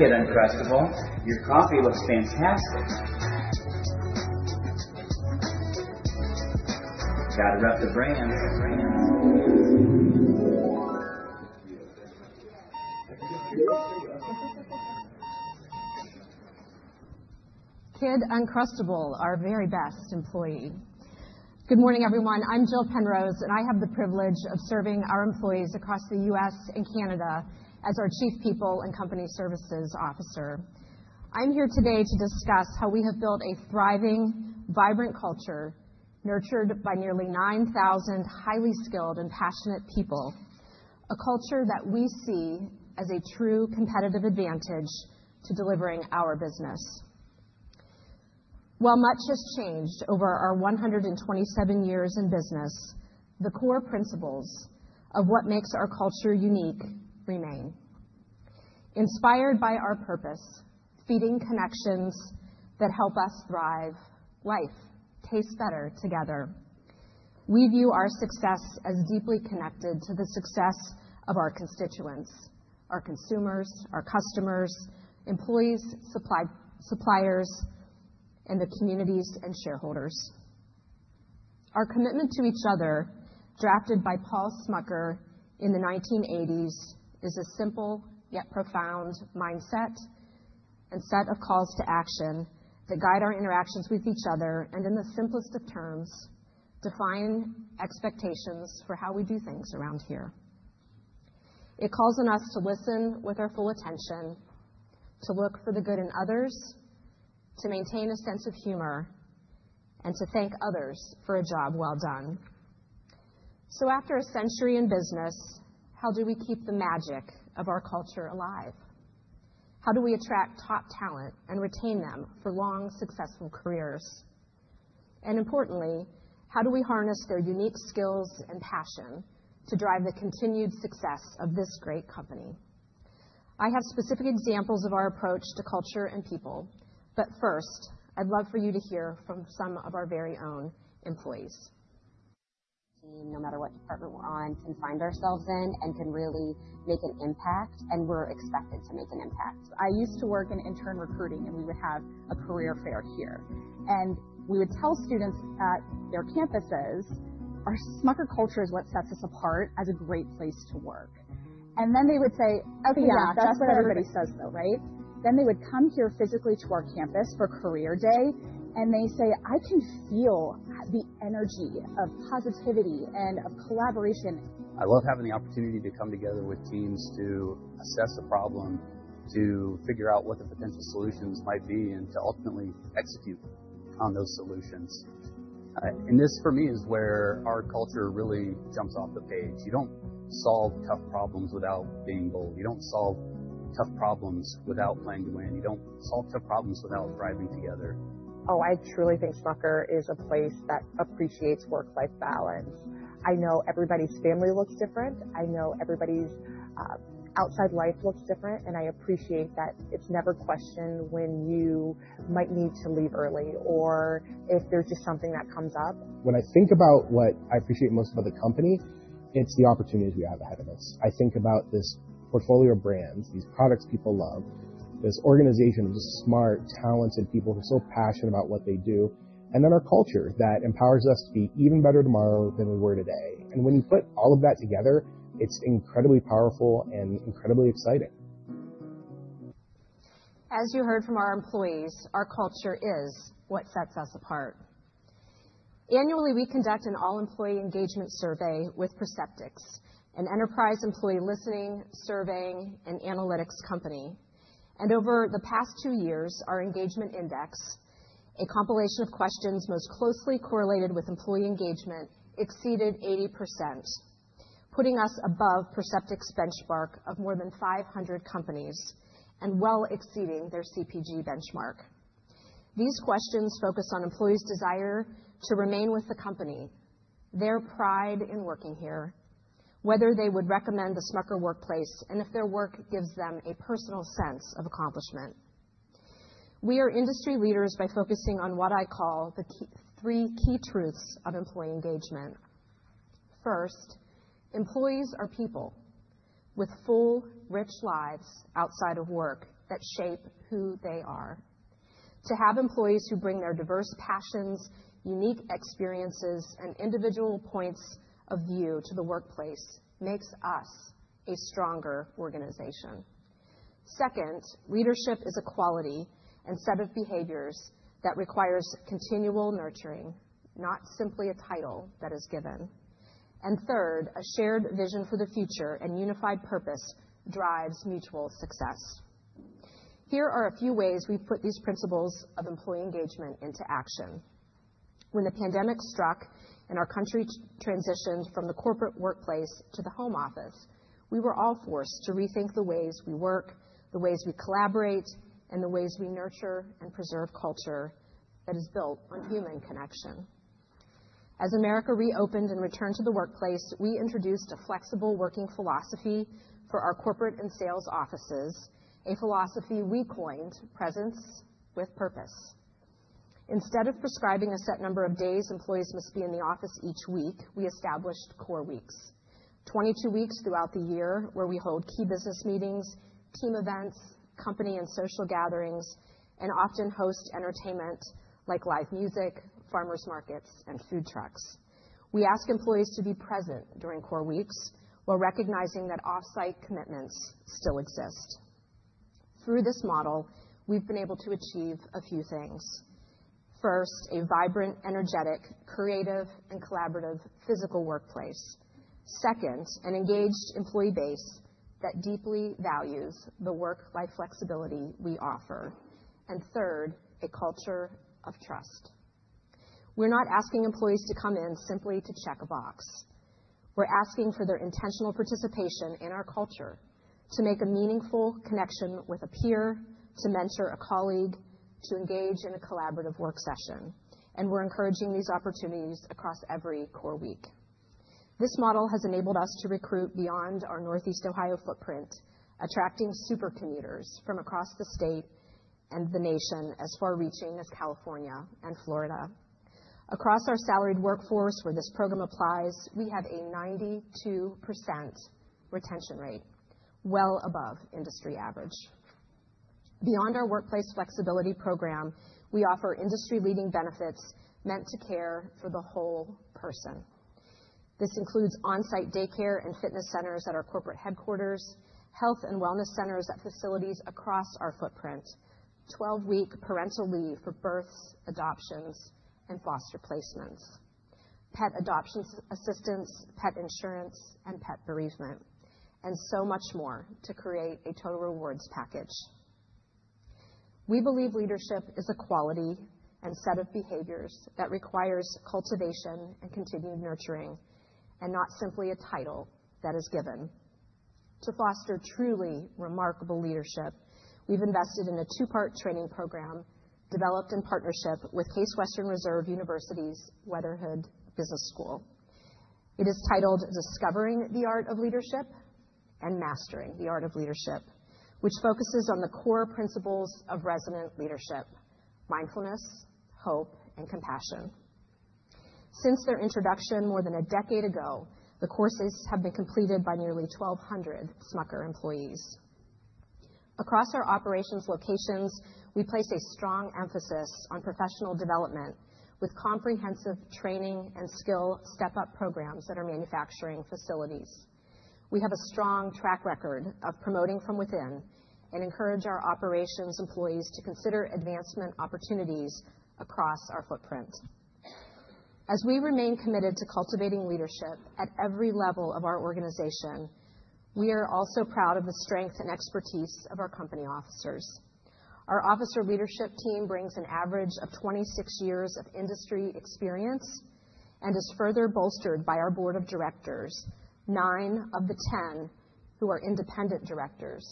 Hi, Kid Uncrustable. Your coffee looks fantastic. Gotta rep the brand. Kid Uncrustable, our very best employee. Good morning, everyone. I'm Jill Penrose, and I have the privilege of serving our employees across the U.S. and Canada as our Chief People and Company Services Officer. I'm here today to discuss how we have built a thriving, vibrant culture nurtured by nearly 9,000 highly skilled and passionate people, a culture that we see as a true competitive advantage to delivering our business. While much has changed over our 127 years in business, the core principles of what makes our culture unique remain. Inspired by our purpose, feeding connections that help us thrive, life tastes better together. We view our success as deeply connected to the success of our constituents, our consumers, our customers, employees, suppliers, and the communities and shareholders. Our commitment to each other, drafted by Paul Smucker in the 1980s, is a simple yet profound mindset and set of calls to action that guide our interactions with each other and, in the simplest of terms, define expectations for how we do things around here. It calls on us to listen with our full attention, to look for the good in others, to maintain a sense of humor, and to thank others for a job well done, so after a century in business, how do we keep the magic of our culture alive? How do we attract top talent and retain them for long, successful careers? And importantly, how do we harness their unique skills and passion to drive the continued success of this great company? I have specific examples of our approach to culture and people, but first, I'd love for you to hear from some of our very own employees. No matter what department we're in, can find ourselves in and can really make an impact, and we're expected to make an impact. I used to work in intern recruiting, and we would have a career fair here. We would tell students at their campuses, "Our Smucker culture is what sets us apart as a great place to work." Then they would say, "Okay, yeah, that's what everybody says, though, right?" They would come here physically to our campus for career day, and they say, "I can feel the energy of positivity and of collaboration." I love having the opportunity to come together with teams to assess a problem, to figure out what the potential solutions might be, and to ultimately execute on those solutions. This, for me, is where our culture really jumps off the page. You don't solve tough problems without being bold. You don't solve tough problems without playing to win. You don't solve tough problems without thriving together. Oh, I truly think Smucker is a place that appreciates work-life balance. I know everybody's family looks different. I know everybody's outside life looks different, and I appreciate that it's never questioned when you might need to leave early or if there's just something that comes up. When I think about what I appreciate most about the company, it's the opportunities we have ahead of us. I think about this portfolio of brands, these products people love, this organization of just smart talents and people who are so passionate about what they do, and then our culture that empowers us to be even better tomorrow than we were today. And when you put all of that together, it's incredibly powerful and incredibly exciting. As you heard from our employees, our culture is what sets us apart. Annually, we conduct an all-employee engagement survey with Perceptyx, an enterprise employee-listening, surveying, and analytics company. Over the past two years, our engagement index, a compilation of questions most closely correlated with employee engagement, exceeded 80%, putting us above Perceptyx's benchmark of more than 500 companies and well exceeding their CPG benchmark. These questions focus on employees' desire to remain with the company, their pride in working here, whether they would recommend the Smucker workplace, and if their work gives them a personal sense of accomplishment. We are industry leaders by focusing on what I call the three key truths of employee engagement. First, employees are people with full, rich lives outside of work that shape who they are. To have employees who bring their diverse passions, unique experiences, and individual points of view to the workplace makes us a stronger organization. Second, leadership is a quality and set of behaviors that requires continual nurturing, not simply a title that is given. And third, a shared vision for the future and unified purpose drives mutual success. Here are a few ways we've put these principles of employee engagement into action. When the pandemic struck and our country transitioned from the corporate workplace to the home office, we were all forced to rethink the ways we work, the ways we collaborate, and the ways we nurture and preserve culture that is built on human connection. As America reopened and returned to the workplace, we introduced a flexible working philosophy for our corporate and sales offices, a philosophy we coined "Presence with Purpose." Instead of prescribing a set number of days employees must be in the office each week, we established core weeks, 22 weeks throughout the year where we hold key business meetings, team events, company and social gatherings, and often host entertainment like live music, farmers' markets, and food trucks. We ask employees to be present during core weeks while recognizing that off-site commitments still exist. Through this model, we've been able to achieve a few things. First, a vibrant, energetic, creative, and collaborative physical workplace. Second, an engaged employee base that deeply values the work-life flexibility we offer. And third, a culture of trust. We're not asking employees to come in simply to check a box. We're asking for their intentional participation in our culture, to make a meaningful connection with a peer, to mentor a colleague, to engage in a collaborative work session. And we're encouraging these opportunities across every core week. This model has enabled us to recruit beyond our Northeast Ohio footprint, attracting super commuters from across the state and the nation as far-reaching as California and Florida. Across our salaried workforce, where this program applies, we have a 92% retention rate, well above industry average. Beyond our workplace flexibility program, we offer industry-leading benefits meant to care for the whole person. This includes on-site daycare and fitness centers at our corporate headquarters, health and wellness centers at facilities across our footprint, 12-week parental leave for births, adoptions, and foster placements, pet adoption assistance, pet insurance, and pet bereavement, and so much more to create a total rewards package. We believe leadership is a quality and set of behaviors that requires cultivation and continued nurturing and not simply a title that is given. To foster truly remarkable leadership, we've invested in a two-part training program developed in partnership with Case Western Reserve University's Weatherhead School of Management. It is titled "Discovering the Art of Leadership and Mastering the Art of Leadership," which focuses on the core principles of resilient leadership: mindfulness, hope, and compassion. Since their introduction more than a decade ago, the courses have been completed by nearly 1,200 Smucker employees. Across our operations locations, we place a strong emphasis on professional development with comprehensive training and skill step-up programs in our manufacturing facilities. We have a strong track record of promoting from within and encourage our operations employees to consider advancement opportunities across our footprint. As we remain committed to cultivating leadership at every level of our organization, we are also proud of the strength and expertise of our company officers. Our officer leadership team brings an average of 26 years of industry experience and is further bolstered by our board of directors, nine of the 10 who are independent directors.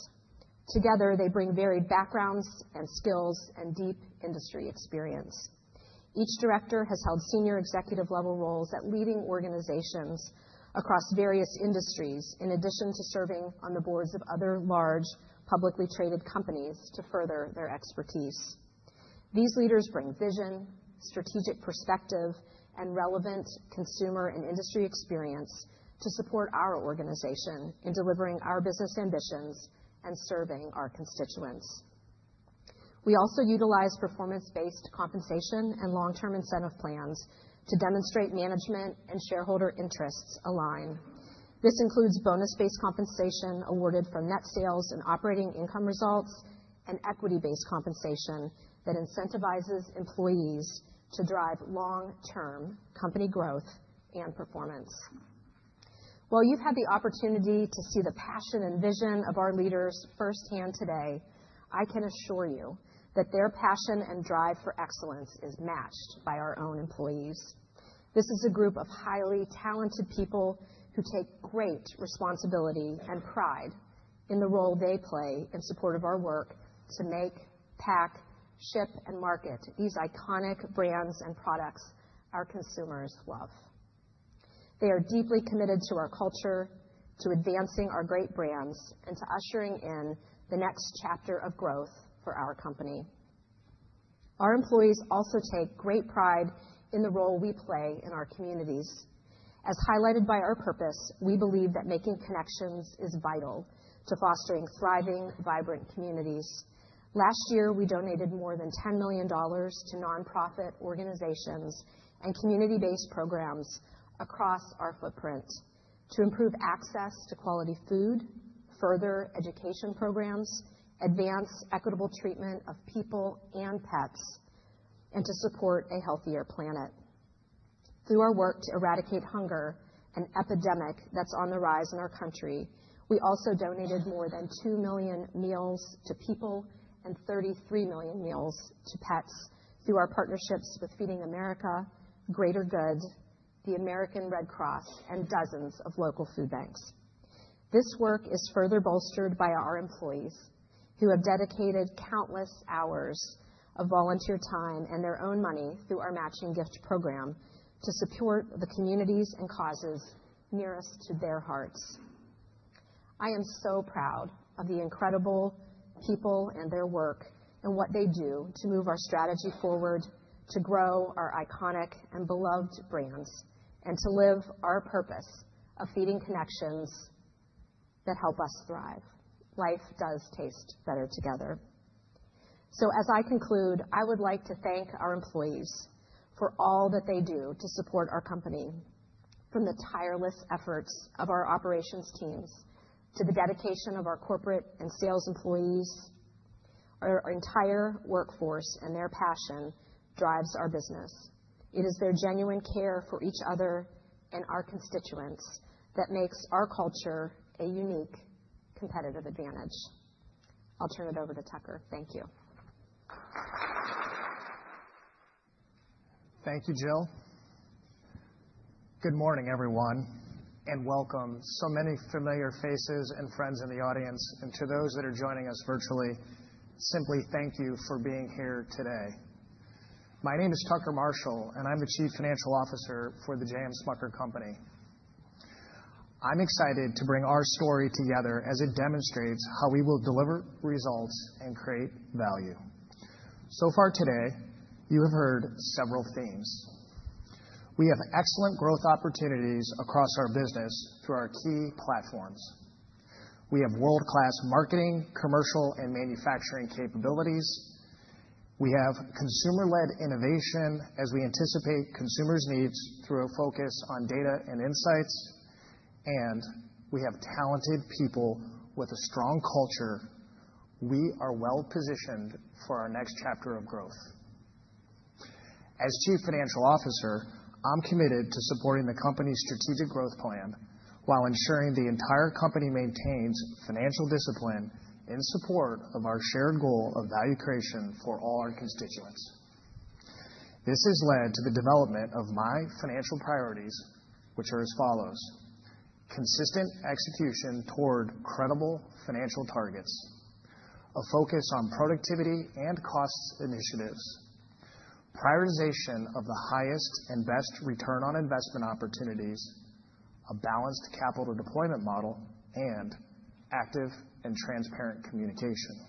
Together, they bring varied backgrounds and skills and deep industry experience. Each director has held senior executive-level roles at leading organizations across various industries, in addition to serving on the boards of other large publicly traded companies to further their expertise. These leaders bring vision, strategic perspective, and relevant consumer and industry experience to support our organization in delivering our business ambitions and serving our constituents. We also utilize performance-based compensation and long-term incentive plans to demonstrate management and shareholder interests align. This includes bonus-based compensation awarded from net sales and operating income results and equity-based compensation that incentivizes employees to drive long-term company growth and performance. While you've had the opportunity to see the passion and vision of our leaders firsthand today, I can assure you that their passion and drive for excellence is matched by our own employees. This is a group of highly talented people who take great responsibility and pride in the role they play in support of our work to make, pack, ship, and market these iconic brands and products our consumers love. They are deeply committed to our culture, to advancing our great brands, and to ushering in the next chapter of growth for our company. Our employees also take great pride in the role we play in our communities. As highlighted by our purpose, we believe that making connections is vital to fostering thriving, vibrant communities. Last year, we donated more than $10 million to nonprofit organizations and community-based programs across our footprint to improve access to quality food, further education programs, advance equitable treatment of people and pets, and to support a healthier planet. Through our work to eradicate hunger, an epidemic that's on the rise in our country, we also donated more than 2 million meals to people and 33 million meals to pets through our partnerships with Feeding America, Greater Good, the American Red Cross, and dozens of local food banks. This work is further bolstered by our employees who have dedicated countless hours of volunteer time and their own money through our matching gift program to support the communities and causes nearest to their hearts. I am so proud of the incredible people and their work and what they do to move our strategy forward, to grow our iconic and beloved brands, and to live our purpose of feeding connections that help us thrive. Life does taste better together. So, as I conclude, I would like to thank our employees for all that they do to support our company. From the tireless efforts of our operations teams to the dedication of our corporate and sales employees, our entire workforce and their passion drives our business. It is their genuine care for each other and our constituents that makes our culture a unique competitive advantage. I'll turn it over to Tucker. Thank you. Thank you, Jill. Good morning, everyone, and welcome. So many familiar faces and friends in the audience, and to those that are joining us virtually, simply thank you for being here today. My name is Tucker Marshall, and I'm the Chief Financial Officer for the J. M. Smucker Company. I'm excited to bring our story together as it demonstrates how we will deliver results and create value. So far today, you have heard several themes. We have excellent growth opportunities across our business through our key platforms. We have world-class marketing, commercial, and manufacturing capabilities. We have consumer-led innovation as we anticipate consumers' needs through a focus on data and insights, and we have talented people with a strong culture. We are well-positioned for our next chapter of growth. As Chief Financial Officer, I'm committed to supporting the company's strategic growth plan while ensuring the entire company maintains financial discipline in support of our shared goal of value creation for all our constituents. This has led to the development of my financial priorities, which are as follows: consistent execution toward credible financial targets, a focus on productivity and cost initiatives, prioritization of the highest and best return on investment opportunities, a balanced capital deployment model, and active and transparent communication.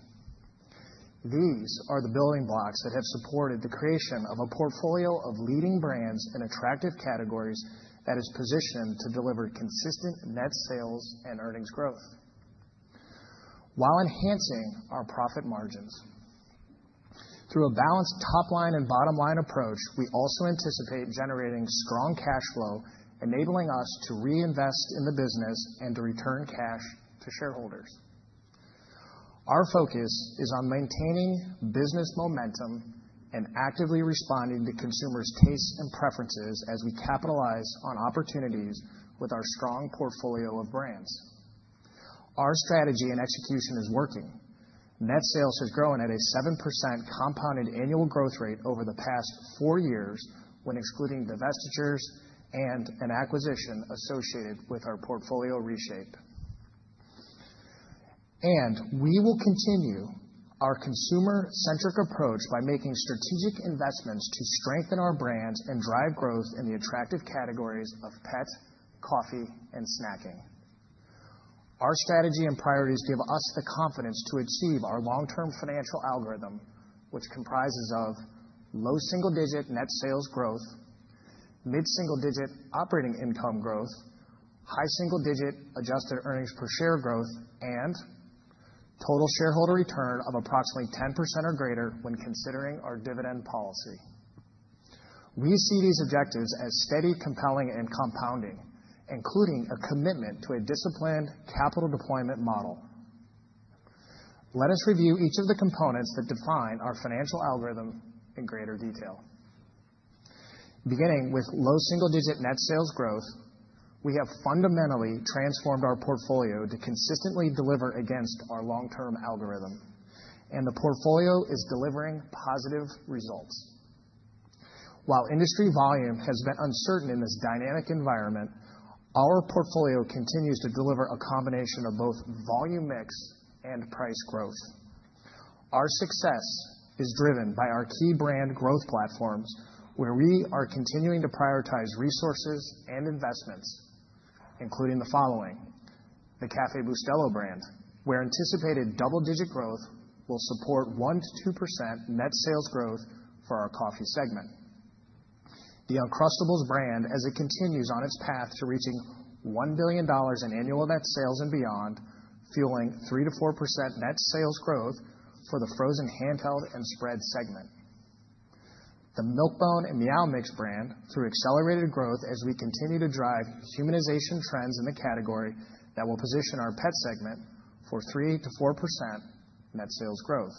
These are the building blocks that have supported the creation of a portfolio of leading brands in attractive categories that is positioned to deliver consistent net sales and earnings growth while enhancing our profit margins. Through a balanced top-line and bottom-line approach, we also anticipate generating strong cash flow, enabling us to reinvest in the business and to return cash to shareholders. Our focus is on maintaining business momentum and actively responding to consumers' tastes and preferences as we capitalize on opportunities with our strong portfolio of brands. Our strategy and execution is working. Net sales has grown at a 7% compounded annual growth rate over the past four years when excluding divestitures and an acquisition associated with our portfolio reshape. And we will continue our consumer-centric approach by making strategic investments to strengthen our brands and drive growth in the attractive categories of pet, coffee, and snacking. Our strategy and priorities give us the confidence to achieve our long-term financial algorithm, which comprises of low single-digit net sales growth, mid-single-digit operating income growth, high single-digit adjusted earnings per share growth, and total shareholder return of approximately 10% or greater when considering our dividend policy. We see these objectives as steady, compelling, and compounding, including a commitment to a disciplined capital deployment model. Let us review each of the components that define our financial algorithm in greater detail. Beginning with low single-digit net sales growth, we have fundamentally transformed our portfolio to consistently deliver against our long-term algorithm, and the portfolio is delivering positive results. While industry volume has been uncertain in this dynamic environment, our portfolio continues to deliver a combination of both volume mix and price growth. Our success is driven by our key brand growth platforms, where we are continuing to prioritize resources and investments, including the following: the Café Bustelo brand, where anticipated double-digit growth will support 1-2% net sales growth for our coffee segment. The Uncrustables brand, as it continues on its path to reaching $1 billion in annual net sales and beyond, fueling 3-4% net sales growth for the frozen handheld and spread segment. The Milk-Bone and Meow Mix brand, through accelerated growth as we continue to drive humanization trends in the category that will position our pet segment for 3-4% net sales growth.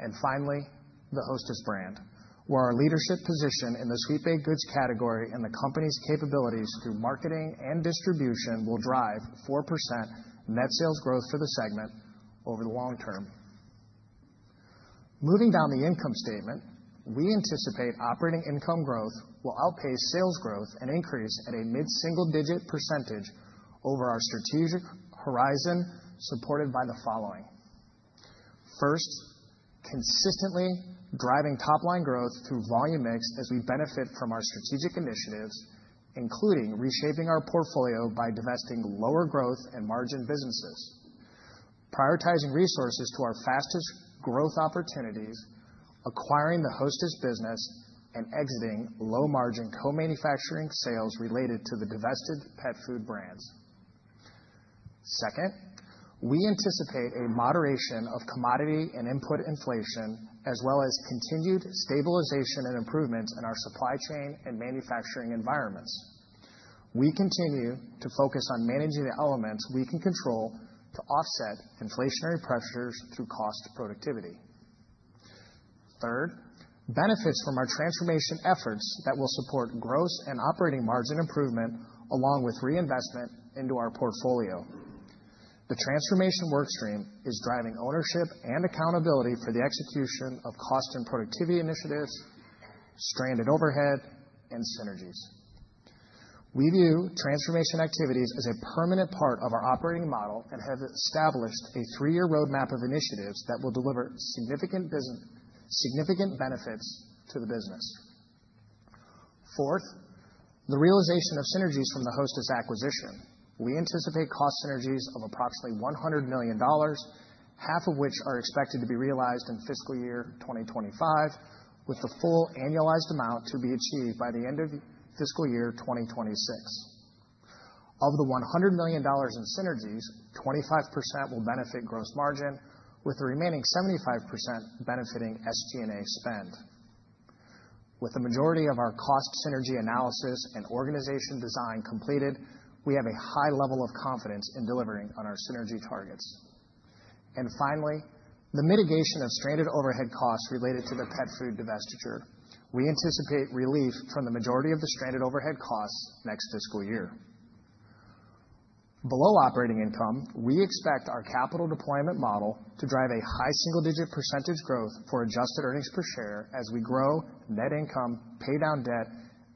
And finally, the Hostess brand, where our leadership position in the sweet baked goods category and the company's capabilities through marketing and distribution will drive 4% net sales growth for the segment over the long term. Moving down the income statement, we anticipate operating income growth will outpace sales growth and increase at a mid-single-digit % over our strategic horizon, supported by the following: first, consistently driving top-line growth through volume mix as we benefit from our strategic initiatives, including reshaping our portfolio by divesting lower growth and margin businesses, prioritizing resources to our fastest growth opportunities, acquiring the Hostess business, and exiting low-margin co-manufacturing sales related to the divested pet food brands. Second, we anticipate a moderation of commodity and input inflation, as well as continued stabilization and improvements in our supply chain and manufacturing environments. We continue to focus on managing the elements we can control to offset inflationary pressures through cost productivity. Third, benefits from our transformation efforts that will support growth and operating margin improvement, along with reinvestment into our portfolio. The transformation workstream is driving ownership and accountability for the execution of cost and productivity initiatives, stranded overhead, and synergies. We view transformation activities as a permanent part of our operating model and have established a three-year roadmap of initiatives that will deliver significant benefits to the business. Fourth, the realization of synergies from the Hostess acquisition. We anticipate cost synergies of approximately $100 million, half of which are expected to be realized in fiscal year 2025, with the full annualized amount to be achieved by the end of fiscal year 2026. Of the $100 million in synergies, 25% will benefit gross margin, with the remaining 75% benefiting SG&A spend. With the majority of our cost synergy analysis and organization design completed, we have a high level of confidence in delivering on our synergy targets. And finally, the mitigation of stranded overhead costs related to the pet food divestiture. We anticipate relief from the majority of the stranded overhead costs next fiscal year. Below operating income, we expect our capital deployment model to drive a high single-digit % growth for Adjusted Earnings Per Share as we grow net income, pay down debt,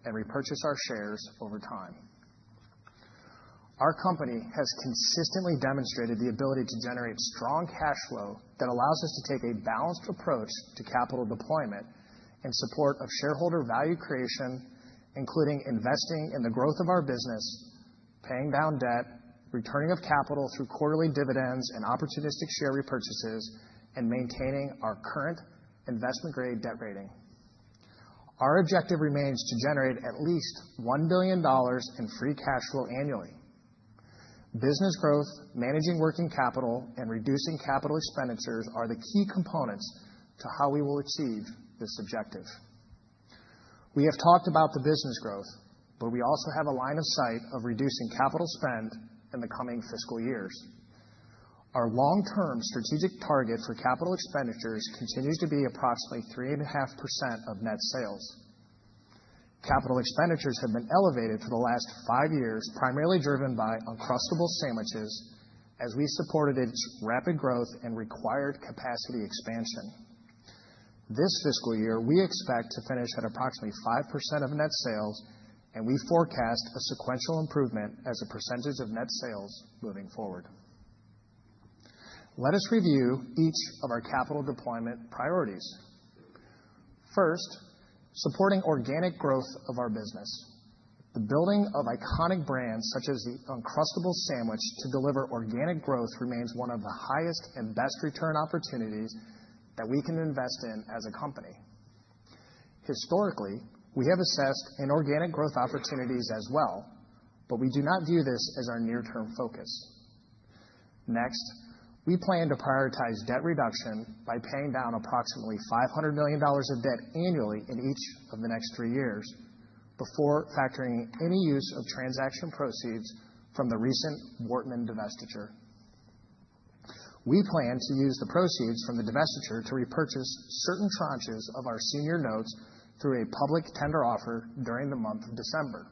and repurchase our shares over time. Our company has consistently demonstrated the ability to generate strong cash flow that allows us to take a balanced approach to capital deployment in support of shareholder value creation, including investing in the growth of our business, paying down debt, returning of capital through quarterly dividends and opportunistic share repurchases, and maintaining our current investment-grade debt rating. Our objective remains to generate at least $1 billion in Free Cash Flow annually. Business growth, managing working capital, and reducing capital expenditures are the key components to how we will achieve this objective. We have talked about the business growth, but we also have a line of sight of reducing capital spend in the coming fiscal years. Our long-term strategic target for capital expenditures continues to be approximately 3.5% of net sales. Capital expenditures have been elevated for the last five years, primarily driven by Uncrustables sandwiches as we supported its rapid growth and required capacity expansion. This fiscal year, we expect to finish at approximately 5% of net sales, and we forecast a sequential improvement as a percentage of net sales moving forward. Let us review each of our capital deployment priorities. First, supporting organic growth of our business. The building of iconic brands such as the Uncrustables sandwich to deliver organic growth remains one of the highest and best return opportunities that we can invest in as a company. Historically, we have assessed inorganic growth opportunities as well, but we do not view this as our near-term focus. Next, we plan to prioritize debt reduction by paying down approximately $500 million of debt annually in each of the next three years before factoring any use of transaction proceeds from the recent Voortman divestiture. We plan to use the proceeds from the divestiture to repurchase certain tranches of our senior notes through a public tender offer during the month of December.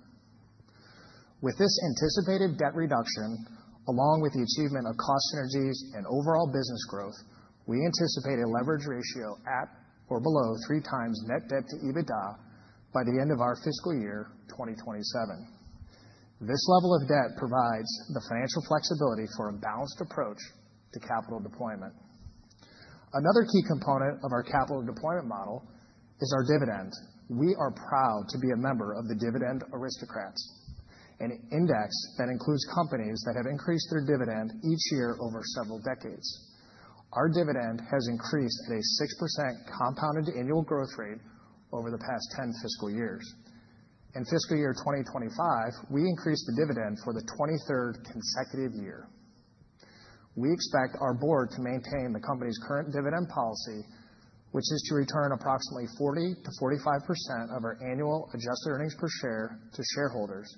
With this anticipated debt reduction, along with the achievement of cost synergies and overall business growth, we anticipate a leverage ratio at or below three times net debt to EBITDA by the end of our fiscal year 2027. This level of debt provides the financial flexibility for a balanced approach to capital deployment. Another key component of our capital deployment model is our dividend. We are proud to be a member of the Dividend Aristocrats, an index that includes companies that have increased their dividend each year over several decades. Our dividend has increased at a 6% compounded annual growth rate over the past 10 fiscal years. In fiscal year 2025, we increased the dividend for the 23rd consecutive year. We expect our board to maintain the company's current dividend policy, which is to return approximately 40%-45% of our annual adjusted earnings per share to shareholders,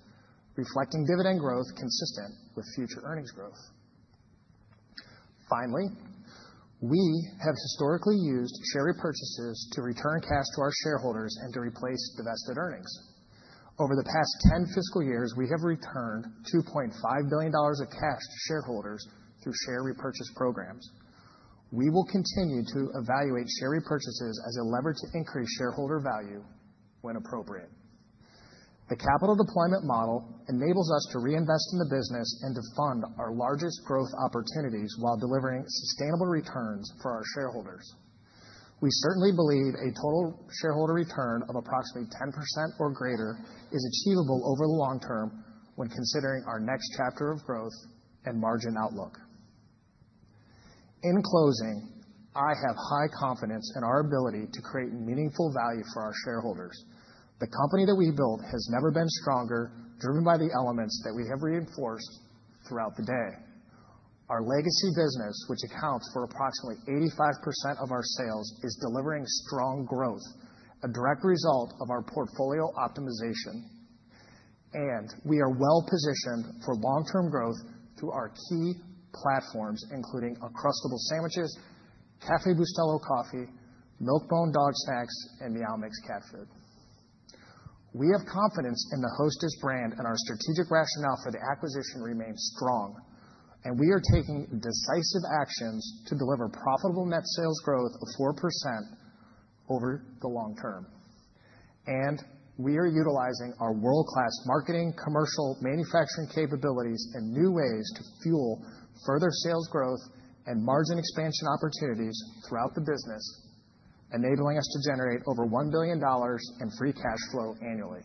reflecting dividend growth consistent with future earnings growth. Finally, we have historically used share repurchases to return cash to our shareholders and to replace divested earnings. Over the past 10 fiscal years, we have returned $2.5 billion of cash to shareholders through share repurchase programs. We will continue to evaluate share repurchases as a lever to increase shareholder value when appropriate. The capital deployment model enables us to reinvest in the business and to fund our largest growth opportunities while delivering sustainable returns for our shareholders. We certainly believe a total shareholder return of approximately 10% or greater is achievable over the long term when considering our next chapter of growth and margin outlook. In closing, I have high confidence in our ability to create meaningful value for our shareholders. The company that we built has never been stronger, driven by the elements that we have reinforced throughout the day. Our legacy business, which accounts for approximately 85% of our sales, is delivering strong growth, a direct result of our portfolio optimization, and we are well positioned for long-term growth through our key platforms, including Uncrustables sandwiches, Café Bustelo coffee, Milk-Bone dog snacks, and Meow Mix cat food. We have confidence in the Hostess brand, and our strategic rationale for the acquisition remains strong, and we are taking decisive actions to deliver profitable net sales growth of 4% over the long term, and we are utilizing our world-class marketing, commercial, manufacturing capabilities, and new ways to fuel further sales growth and margin expansion opportunities throughout the business, enabling us to generate over $1 billion in free cash flow annually.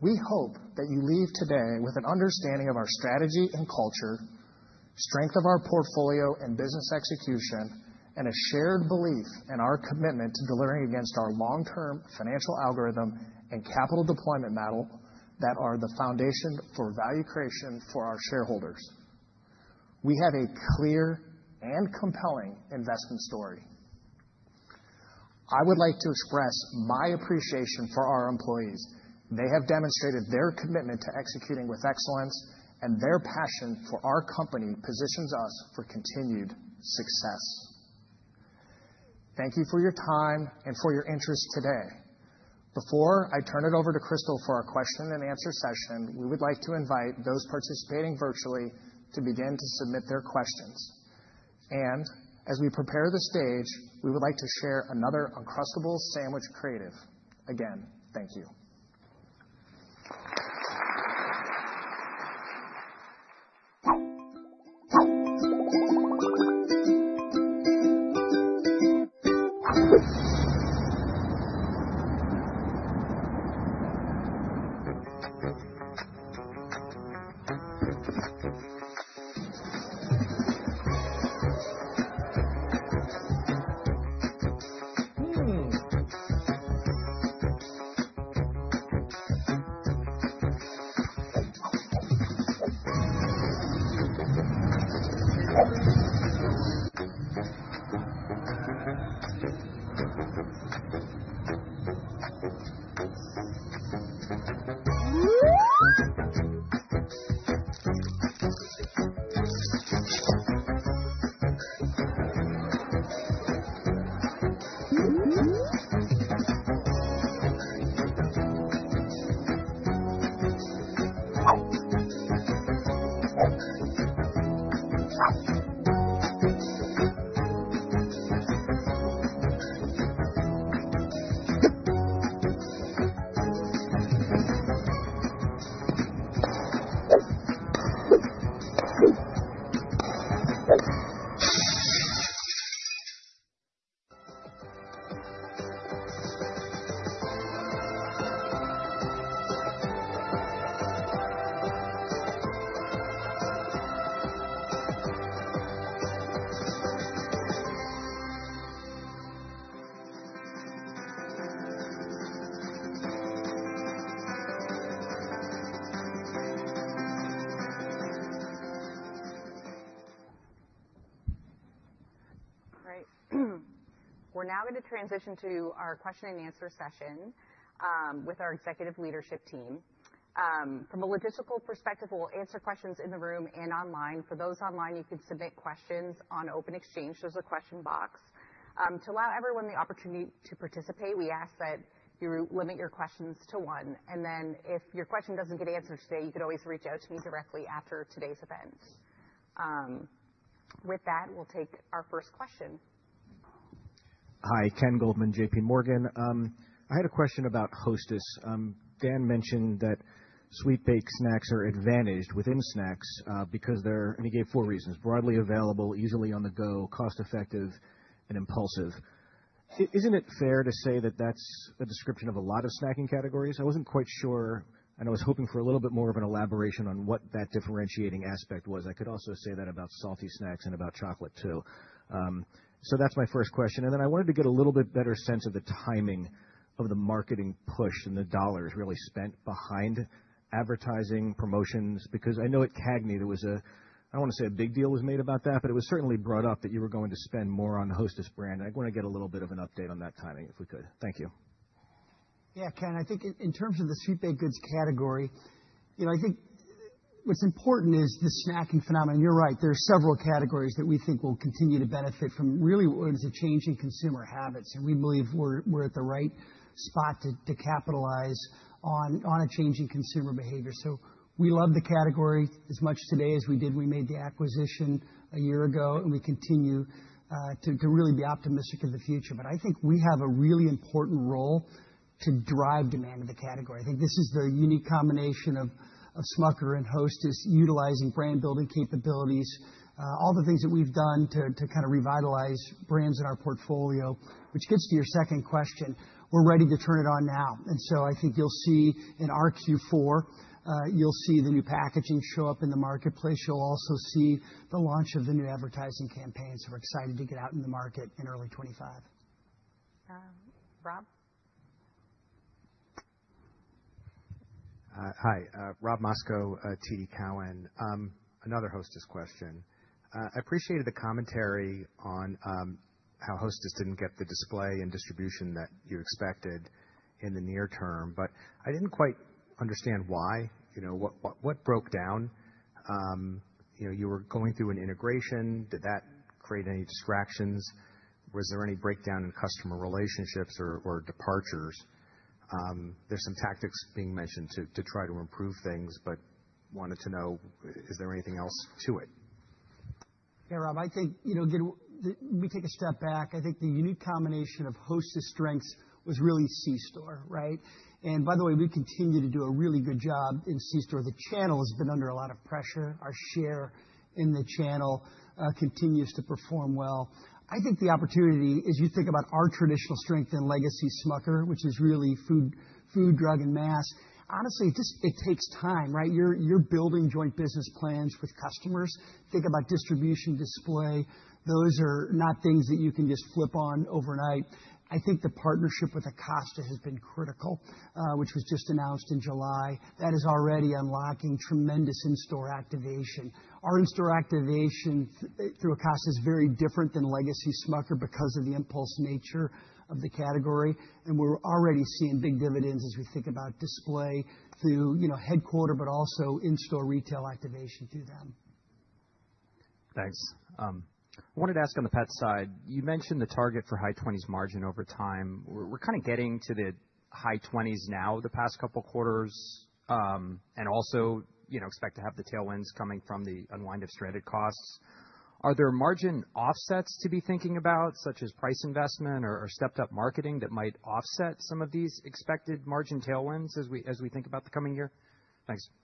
We hope that you leave today with an understanding of our strategy and culture, strength of our portfolio and business execution, and a shared belief in our commitment to delivering against our long-term financial algorithm and capital deployment model that are the foundation for value creation for our shareholders. We have a clear and compelling investment story. I would like to express my appreciation for our employees. They have demonstrated their commitment to executing with excellence, and their passion for our company positions us for continued success. Thank you for your time and for your interest today. Before I turn it over to Crystal for our question-and-answer session, we would like to invite those participating virtually to begin to submit their questions. And as we prepare the stage, we would like to share another Uncrustables sandwich creative. Again, thank you. All right. We're now going to transition to our question-and-answer session with our executive leadership team. From a logistical perspective, we'll answer questions in the room and online. For those online, you can submit questions on OpenExchange. There's a question box. To allow everyone the opportunity to participate, we ask that you limit your questions to one. And then if your question doesn't get answered today, you could always reach out to me directly after today's event. With that, we'll take our first question. Hi, Ken Goldman, JPMorgan. I had a question about Hostess. Dan mentioned that sweet baked snacks are advantaged within snacks because they're, and he gave four reasons, broadly available, easily on the go, cost-effective, and impulsive. Isn't it fair to say that that's a description of a lot of snacking categories? I wasn't quite sure. And I was hoping for a little bit more of an elaboration on what that differentiating aspect was. I could also say that about salty snacks and about chocolate too. So that's my first question. And then I wanted to get a little bit better sense of the timing of the marketing push and the dollars really spent behind advertising promotions because I know at CAGNY, there was a—I don't want to say a big deal was made about that, but it was certainly brought up that you were going to spend more on the Hostess brand. I want to get a little bit of an update on that timing if we could. Thank you. Yeah, Ken, I think in terms of the sweet baked goods category, you know, I think what's important is the snacking phenomenon. You're right. There are several categories that we think will continue to benefit from really what is a change in consumer habits. And we believe we're at the right spot to capitalize on a change in consumer behavior. So we love the category as much today as we did when we made the acquisition a year ago, and we continue to really be optimistic in the future. But I think we have a really important role to drive demand in the category. I think this is the unique combination of Smucker and Hostess utilizing brand-building capabilities, all the things that we've done to kind of revitalize brands in our portfolio, which gets to your second question. We're ready to turn it on now. And so I think you'll see in our Q4, you'll see the new packaging show up in the marketplace. You'll also see the launch of the new advertising campaigns. We're excited to get out in the market in early 2025. Rob. Hi, Rob Moskow, TD Cowen. Another Hostess question. I appreciated the commentary on how Hostess didn't get the display and distribution that you expected in the near term, but I didn't quite understand why. You know, what broke down? You were going through an integration. Did that create any distractions? Was there any breakdown in customer relationships or departures? There's some tactics being mentioned to try to improve things, but wanted to know, is there anything else to it? Yeah, Rob, I think, you know, we take a step back. I think the unique combination of Hostess strengths was really C-Store, right? And by the way, we continue to do a really good job in C-Store. The channel has been under a lot of pressure. Our share in the channel continues to perform well. I think the opportunity is you think about our traditional strength in legacy Smucker, which is really food, drug, and mass. Honestly, it just takes time, right? You're building joint business plans with customers. Think about distribution, display. Those are not things that you can just flip on overnight. I think the partnership with Acosta has been critical, which was just announced in July. That is already unlocking tremendous in-store activation. Our in-store activation through Acosta is very different than legacy Smucker because of the impulse nature of the category. And we're already seeing big dividends as we think about display through, you know, headquarters, but also in-store retail activation through them. Thanks. I wanted to ask on the pet side. You mentioned the target for high 20s margin over time. We're kind of getting to the high 20s now the past couple of quarters and also, you know, expect to have the tailwinds coming from the unwind of stranded costs. Are there margin offsets to be thinking about, such as price investment or stepped-up marketing that might offset some of these expected margin tailwinds as we think about the coming year? Thanks. Yeah.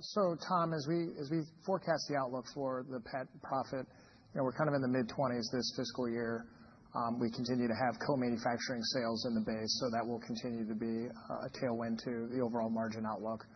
So, Rob, as we forecast the outlook for the pet profit, you know, we're kind of in the mid-20s this fiscal year. We continue to have co-manufacturing sales in the base, so that will continue to be a tailwind to the overall margin outlook.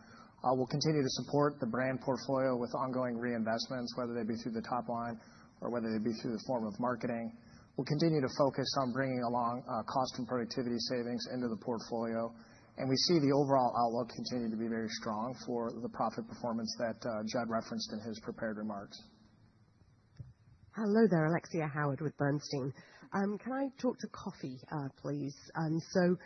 We'll continue to support the brand portfolio with ongoing reinvestments, whether they be through the top line or whether they be through the form of marketing. We'll continue to focus on bringing along cost and productivity savings into the portfolio, and we see the overall outlook continue to be very strong for the profit performance that Judd referenced in his prepared remarks. Hello there, Alexia Howard with Bernstein. Can I talk about coffee, please? So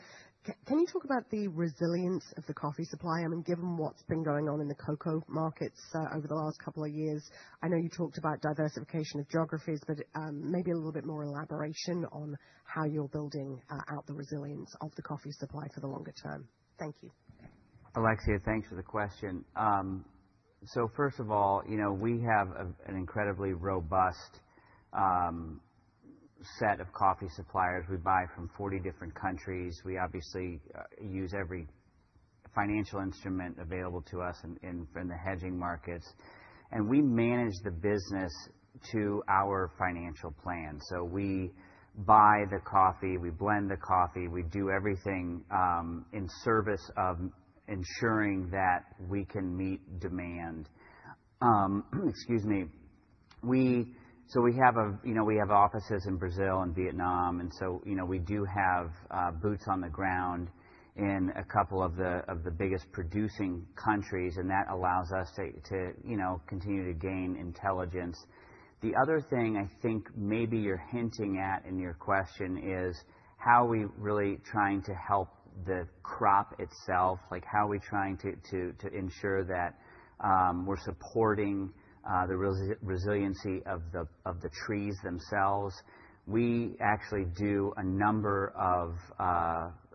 can you talk about the resilience of the coffee supply? I mean, given what's been going on in the cocoa markets over the last couple of years, I know you talked about diversification of geographies, but maybe a little bit more elaboration on how you're building out the resilience of the coffee supply for the longer term. Thank you. Alexia, thanks for the question. So first of all, you know, we have an incredibly robust set of coffee suppliers. We buy from 40 different countries. We obviously use every financial instrument available to us in the hedging markets. And we manage the business to our financial plan. So we buy the coffee, we blend the coffee, we do everything in service of ensuring that we can meet demand. Excuse me. So we have offices in Brazil and Vietnam. And so, you know, we do have boots on the ground in a couple of the biggest producing countries. And that allows us to, you know, continue to gain intelligence. The other thing I think maybe you're hinting at in your question is how are we really trying to help the crop itself? Like how are we trying to ensure that we're supporting the resiliency of the trees themselves? We actually do a number of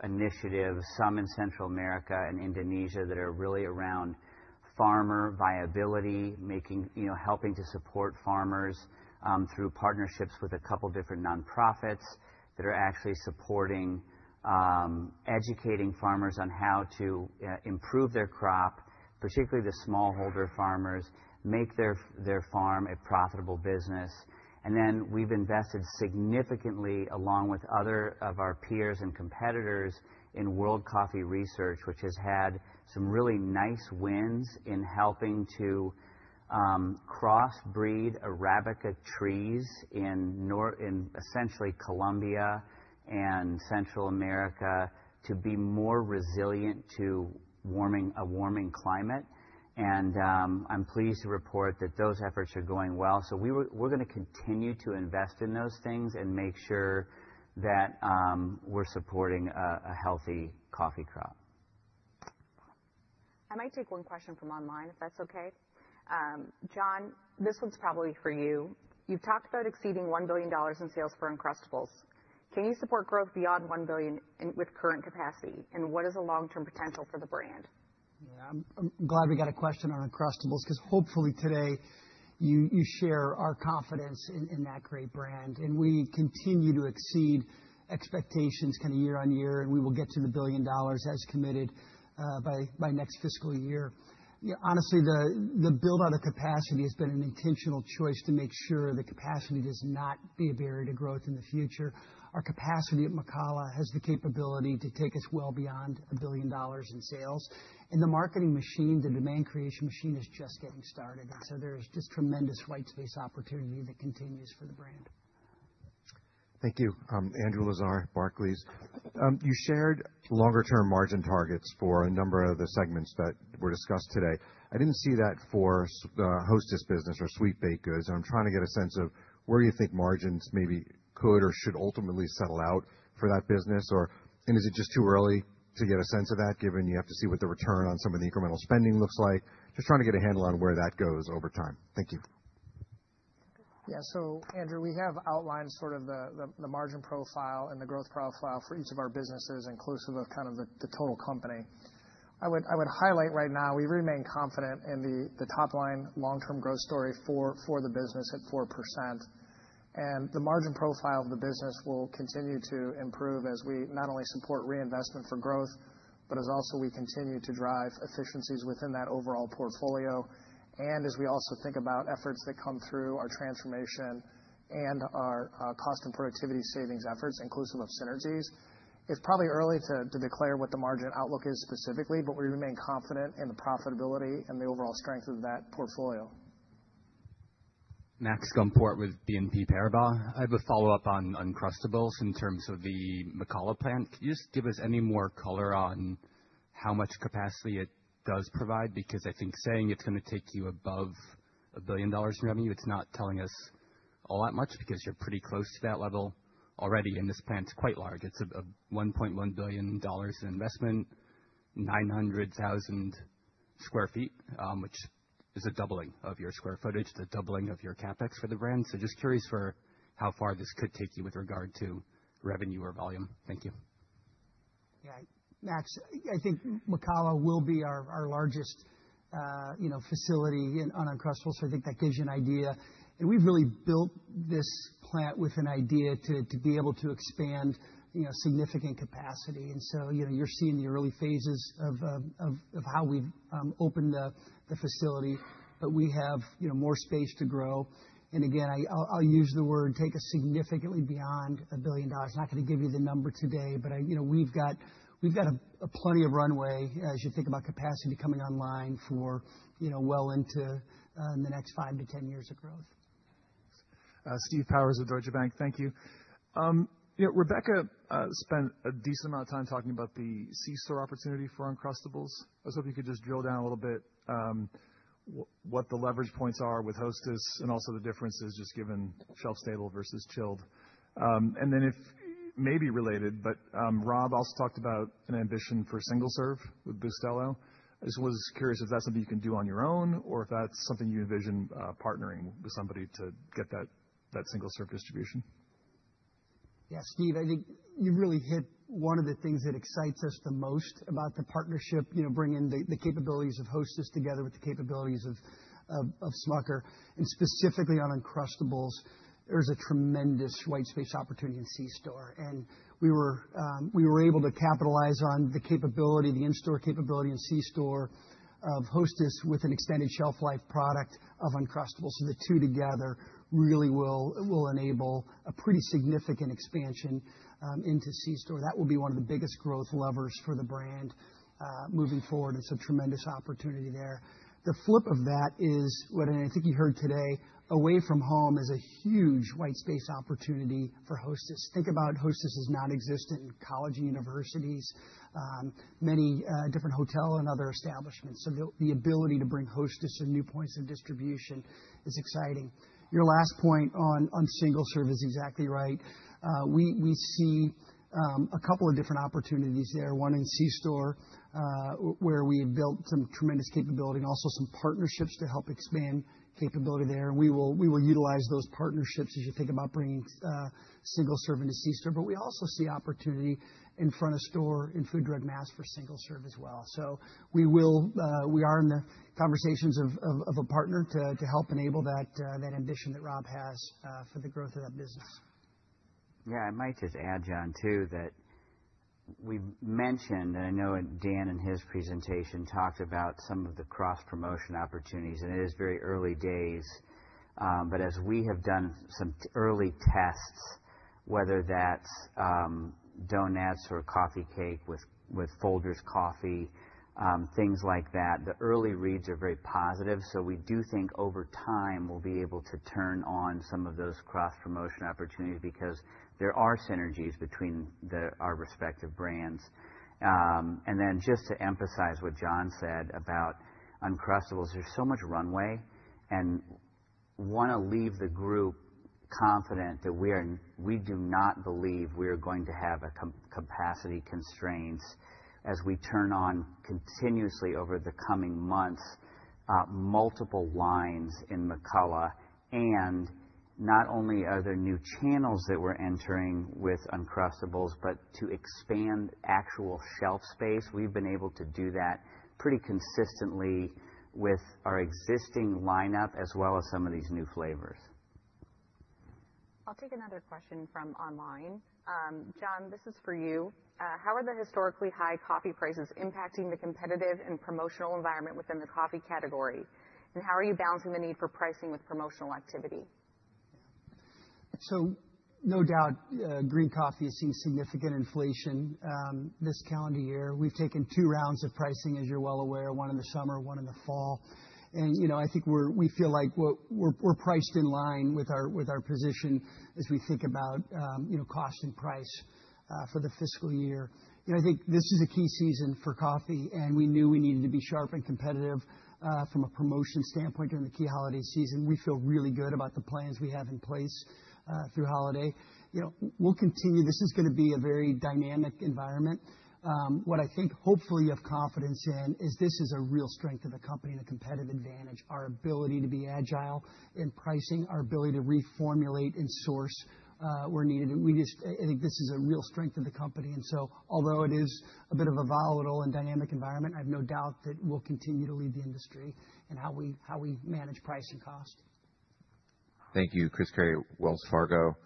initiatives, some in Central America and Indonesia, that are really around farmer viability, helping to support farmers through partnerships with a couple of different nonprofits that are actually supporting, educating farmers on how to improve their crop, particularly the smallholder farmers, make their farm a profitable business. And then we've invested significantly along with other of our peers and competitors in World Coffee Research, which has had some really nice wins in helping to cross-breed Arabica trees in essentially Colombia and Central America to be more resilient to a warming climate. And I'm pleased to report that those efforts are going well. So we're going to continue to invest in those things and make sure that we're supporting a healthy coffee crop. I might take one question from online if that's okay. John, this one's probably for you. You've talked about exceeding $1 billion in sales for Uncrustables. Can you support growth beyond $1 billion with current capacity? And what is the long-term potential for the brand? Yeah, I'm glad we got a question on Uncrustables because hopefully today you share our confidence in that great brand. We continue to exceed expectations kind of year on year. We will get to the $1 billion as committed by next fiscal year. Honestly, the build-out of capacity has been an intentional choice to make sure the capacity does not be a barrier to growth in the future. Our capacity at McCalla has the capability to take us well beyond $1 billion in sales. The marketing machine, the demand creation machine is just getting started. So there's just tremendous white space opportunity that continues for the brand. Thank you. Andrew Lazar, Barclays. You shared longer-term margin targets for a number of the segments that were discussed today. I didn't see that for Hostess business or sweet baked goods. I'm trying to get a sense of where you think margins maybe could or should ultimately settle out for that business. And is it just too early to get a sense of that given you have to see what the return on some of the incremental spending looks like? Just trying to get a handle on where that goes over time. Thank you. Yeah. So Andrew, we have outlined sort of the margin profile and the growth profile for each of our businesses inclusive of kind of the total company. I would highlight right now we remain confident in the top line long-term growth story for the business at 4%. And the margin profile of the business will continue to improve as we not only support reinvestment for growth, but as also we continue to drive efficiencies within that overall portfolio. And as we also think about efforts that come through our transformation and our cost and productivity savings efforts inclusive of synergies, it's probably early to declare what the margin outlook is specifically, but we remain confident in the profitability and the overall strength of that portfolio. Max Gumport with BNP Paribas. I have a follow-up on Uncrustables in terms of the McCalla plant. Could you just give us any more color on how much capacity it does provide? Because I think saying it's going to take you above $1 billion in revenue, it's not telling us all that much because you're pretty close to that level already. And this plant's quite large. It's a $1.1 billion in investment, 900,000 sq ft, which is a doubling of your square footage, the doubling of your CapEx for the brand. So just curious for how far this could take you with regard to revenue or volume. Thank you. Yeah. Max, I think McCalla will be our largest facility on Uncrustables. So I think that gives you an idea. And we've really built this plant with an idea to be able to expand significant capacity. And so you're seeing the early phases of how we've opened the facility. But we have more space to grow. And again, I'll use the word take us significantly beyond $1 billion. I'm not going to give you the number today, but we've got plenty of runway as you think about capacity coming online for well into the next five to 10 years of growth. Steve Powers with Deutsche Bank. Thank you. Rebecca spent a decent amount of time talking about the C-Store opportunity for Uncrustables. I was hoping you could just drill down a little bit what the leverage points are with Hostess and also the differences just given shelf stable versus chilled. And then if maybe related, but Rob also talked about an ambition for single serve with Bustelo. I just was curious if that's something you can do on your own or if that's something you envision partnering with somebody to get that single serve distribution. Yeah. Steve, I think you really hit one of the things that excites us the most about the partnership, bringing the capabilities of Hostess together with the capabilities of Smucker. And specifically on Uncrustables, there's a tremendous white space opportunity in C-Store. And we were able to capitalize on the capability, the in-store capability in C-Store of Hostess with an extended shelf life product of Uncrustables. So the two together really will enable a pretty significant expansion into C-Store. That will be one of the biggest growth levers for the brand moving forward. It's a tremendous opportunity there. The flip of that is what I think you heard today. Away From Home is a huge white space opportunity for Hostess. Think about Hostess's nonexistent college and universities, many different hotels and other establishments. So the ability to bring Hostess to new points of distribution is exciting. Your last point on single-serve is exactly right. We see a couple of different opportunities there, one in C-Store where we have built some tremendous capability and also some partnerships to help expand capability there. And we will utilize those partnerships as you think about bringing single-serve into C-Store. But we also see opportunity in front-of-store and food, drug, mass for single-serve as well. So we are in the conversations of a partner to help enable that ambition that Rob has for the growth of that business. Yeah. I might just add, John, too, that we mentioned, and I know Dan in his presentation talked about some of the cross-promotion opportunities, and it is very early days. But as we have done some early tests, whether that's donuts or coffee cake with Folgers Coffee, things like that, the early reads are very positive. So we do think over time we'll be able to turn on some of those cross-promotion opportunities because there are synergies between our respective brands. And then just to emphasize what John said about Uncrustables, there's so much runway and want to leave the group confident that we do not believe we are going to have capacity constraints as we turn on continuously over the coming months multiple lines in McCalla. Not only are there new channels that we're entering with Uncrustables, but to expand actual shelf space, we've been able to do that pretty consistently withour existing lineup as well as some of these new flavors. I'll take another question from online. John, this is for you. How are the historically high coffee prices impacting the competitive and promotional environment within the coffee category? And how are you balancing the need for pricing with promotional activity? No doubt green coffee has seen significant inflation this calendar year. We've taken two rounds of pricing, as you're well aware, one in the summer, one in the fall. We feel like we're priced in line with our position as we think about cost and price for the fiscal year. I think this is a key season for coffee. And we knew we needed to be sharp and competitive from a promotion standpoint during the key holiday season. We feel really good about the plans we have in place through holiday. We'll continue. This is going to be a very dynamic environment. What I think hopefully you have confidence in is this is a real strength of the company and a competitive advantage. Our ability to be agile in pricing, our ability to reformulate and source where needed. I think this is a real strength of the company. And so although it is a bit of a volatile and dynamic environment, I have no doubt that we'll continue to lead the industry in how we manage price and cost. Thank you. Chris Carey, Wells Fargo.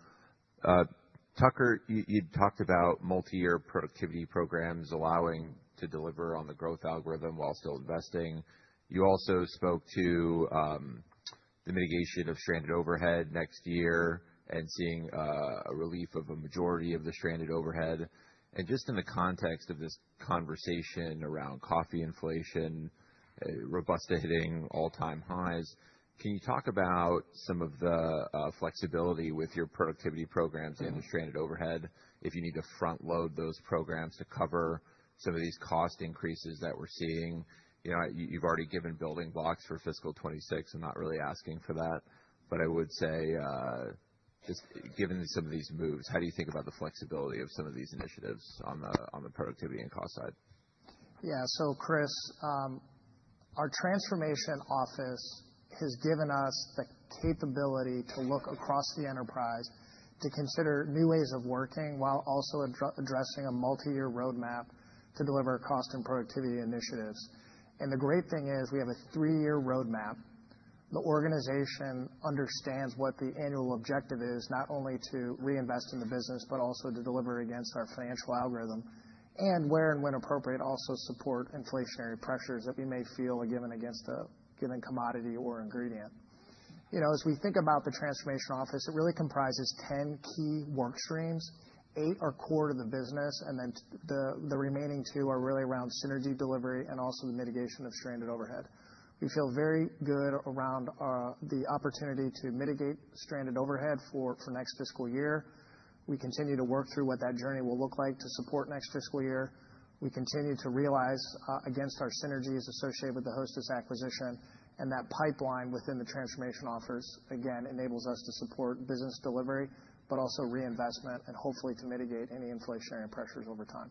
Tucker, you talked about multi-year productivity programs allowing to deliver on the growth algorithm while still investing. You also spoke to the mitigation of stranded overhead next year and seeing a relief of a majority of the stranded overhead, and just in the context of this conversation around coffee inflation, Robusta hitting all-time highs, can you talk about some of the flexibility with your productivity programs and the stranded overhead if you need to front-load those programs to cover some of these cost increases that we're seeing? You've already given building blocks for fiscal 2026. I'm not really asking for that, but I would say just given some of these moves, how do you think about the flexibility of some of these initiatives on the productivity and cost side? Yeah, so Chris, our transformation office has given us the capability to look across the enterprise to consider new ways of working while also addressing a multi-year roadmap to deliver cost and productivity initiatives. The great thing is we have a three-year roadmap. The organization understands what the annual objective is, not only to reinvest in the business, but also to deliver against our financial algorithm and where and when appropriate also support inflationary pressures that we may feel are given against a given commodity or ingredient. As we think about the transformation office, it really comprises 10 key work streams. Eight are core to the business. Then the remaining two are really around synergy delivery and also the mitigation of stranded overhead. We feel very good around the opportunity to mitigate stranded overhead for next fiscal year. We continue to work through what that journey will look like to support next fiscal year. We continue to realize against our synergies associated with the Hostess acquisition. That pipeline within the transformation offers, again, enables us to support business delivery, but also reinvestment and hopefully to mitigate any inflationary pressures over time.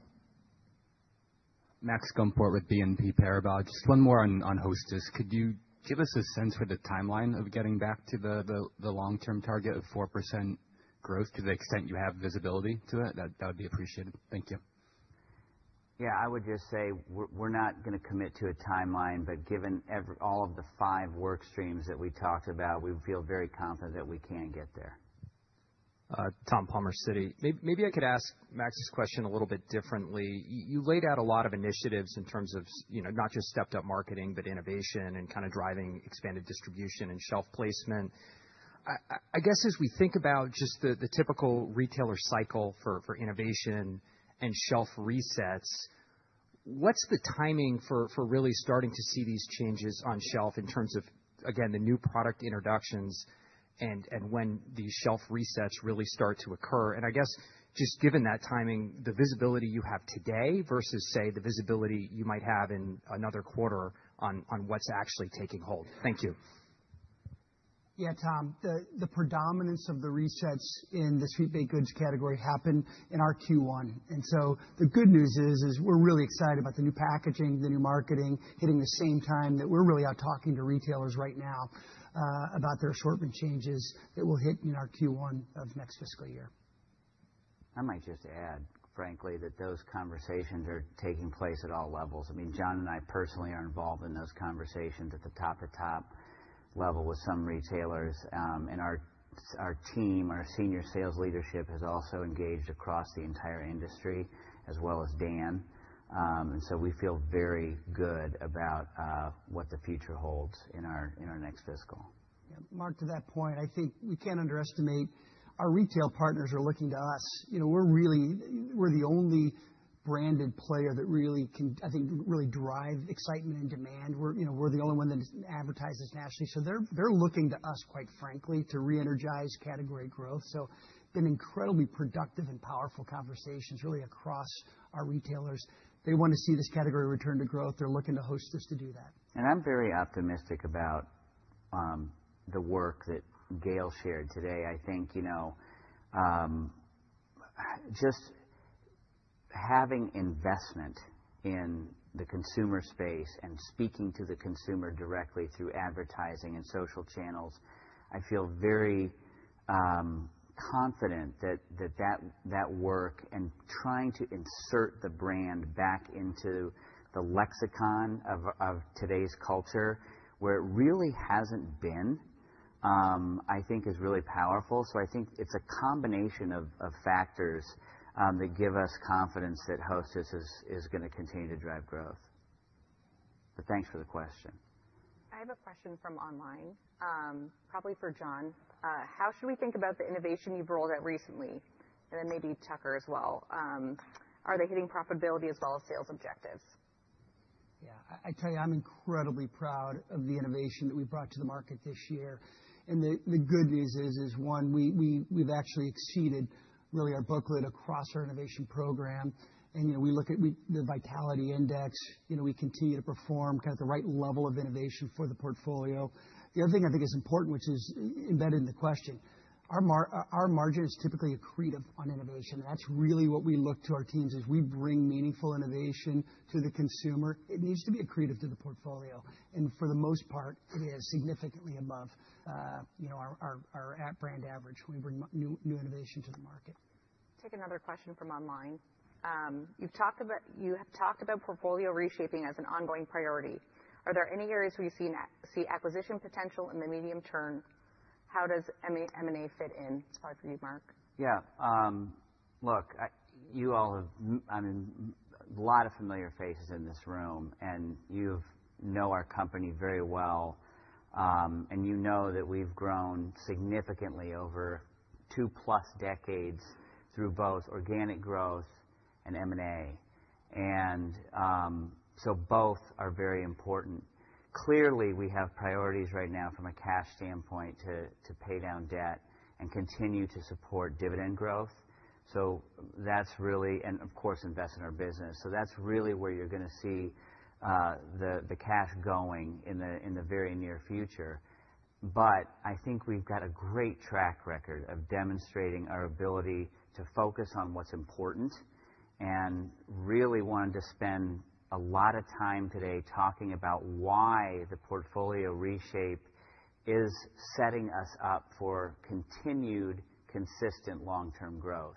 Max Gumport with BNP Paribas. Just one more on Hostess. Could you give us a sense for the timeline of getting back to the long-term target of 4% growth to the extent you have visibility to it? That would be appreciated. Thank you. Yeah. I would just say we're not going to commit to a timeline. But given all of the five work streams that we talked about, we feel very confident that we can get there. Tom Palmer, Citi, maybe I could ask Max's question a little bit differently. You laid out a lot of initiatives in terms of not just stepped-up marketing, but innovation and kind of driving expanded distribution and shelf placement. I guess as we think about just the typical retailer cycle for innovation and shelf resets, what's the timing for really starting to see these changes on shelf in terms of, again, the new product introductions and when these shelf resets really start to occur? And I guess just given that timing, the visibility you have today versus, say, the visibility you might have in another quarter on what's actually taking hold? Thank you. Yeah. Tom, the predominance of the resets in the sweet baked goods category happened in our Q1. And so the good news is we're really excited about the new packaging, the new marketing hitting the same time that we're really out talking to retailers right now about their assortment changes that will hit in our Q1 of next fiscal year. I might just add, frankly, that those conversations are taking place at all levels. I mean, John and I personally are involved in those conversations at the top of top level with some retailers. And our team, our senior sales leadership has also engaged across the entire industry as well as Dan. And so we feel very good about what the future holds in our next fiscal. Yeah. Mark, to that point, I think we can't underestimate our retail partners are looking to us. We're the only branded player that really, I think, really drives excitement and demand. We're the only one that advertises nationally. So they're looking to us, quite frankly, to reenergize category growth. So it's been incredibly productive and powerful conversations really across our retailers. They want to see this category return to growth. They're looking to Hostess to do that. And I'm very optimistic about the work that Gail shared today. I think just having investment in the consumer space and speaking to the consumer directly through advertising and social channels, I feel very confident that that work and trying to insert the brand back into the lexicon of today's culture where it really hasn't been, I think, is really powerful. So I think it's a combination of factors that give us confidence that Hostess is going to continue to drive growth. But thanks for the question. I have a question from online, probably for John. How should we think about the innovation you've rolled out recently? And then maybe Tucker as well. Are they hitting profitability as well as sales objectives? Yeah. I tell you, I'm incredibly proud of the innovation that we brought to the market this year. And the good news is, one, we've actually exceeded really our bucket across our innovation program. And we look at the Vitality Index. We continue to perform kind of at the right level of innovation for the portfolio. The other thing I think is important, which is embedded in the question, our margin is typically accretive on innovation. And that's really what we look to our teams as we bring meaningful innovation to the consumer. It needs to be accretive to the portfolio. And for the most part, it is significantly above our brand average when we bring new innovation to the market. Take another question from online. You have talked about portfolio reshaping as an ongoing priority. Are there any areas where you see acquisition potential in the medium term? How does M&A fit in? It's hard for you, Mark. Yeah. Look, you all have, I mean, a lot of familiar faces in this room. And you know our company very well. You know that we've grown significantly over two-plus decades through both organic growth and M&A. So both are very important. Clearly, we have priorities right now from a cash standpoint to pay down debt and continue to support dividend growth. So that's really, and of course, invest in our business. So that's really where you're going to see the cash going in the very near future. But I think we've got a great track record of demonstrating our ability to focus on what's important and really wanted to spend a lot of time today talking about why the portfolio reshape is setting us up for continued consistent long-term growth.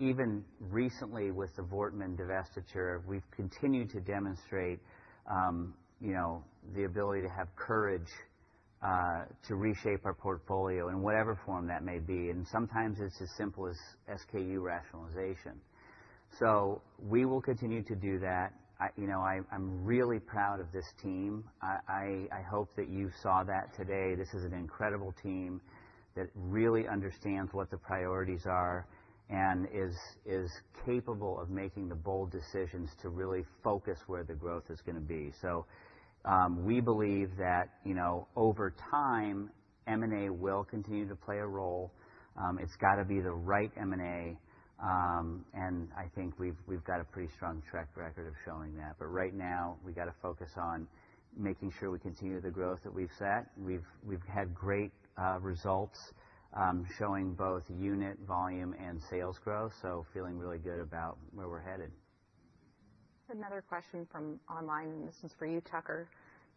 Even recently with the Voortman divestiture, we've continued to demonstrate the ability to have courage to reshape our portfolio in whatever form that may be. Sometimes it's as simple as SKU rationalization. So we will continue to do that. I'm really proud of this team. I hope that you saw that today. This is an incredible team that really understands what the priorities are and is capable of making the bold decisions to really focus where the growth is going to be. So we believe that over time, M&A will continue to play a role. It's got to be the right M&A. And I think we've got a pretty strong track record of showing that. But right now, we got to focus on making sure we continue the growth that we've set. We've had great results showing both unit, volume, and sales growth. So feeling really good about where we're headed. Another question from online, and this is for you, Tucker.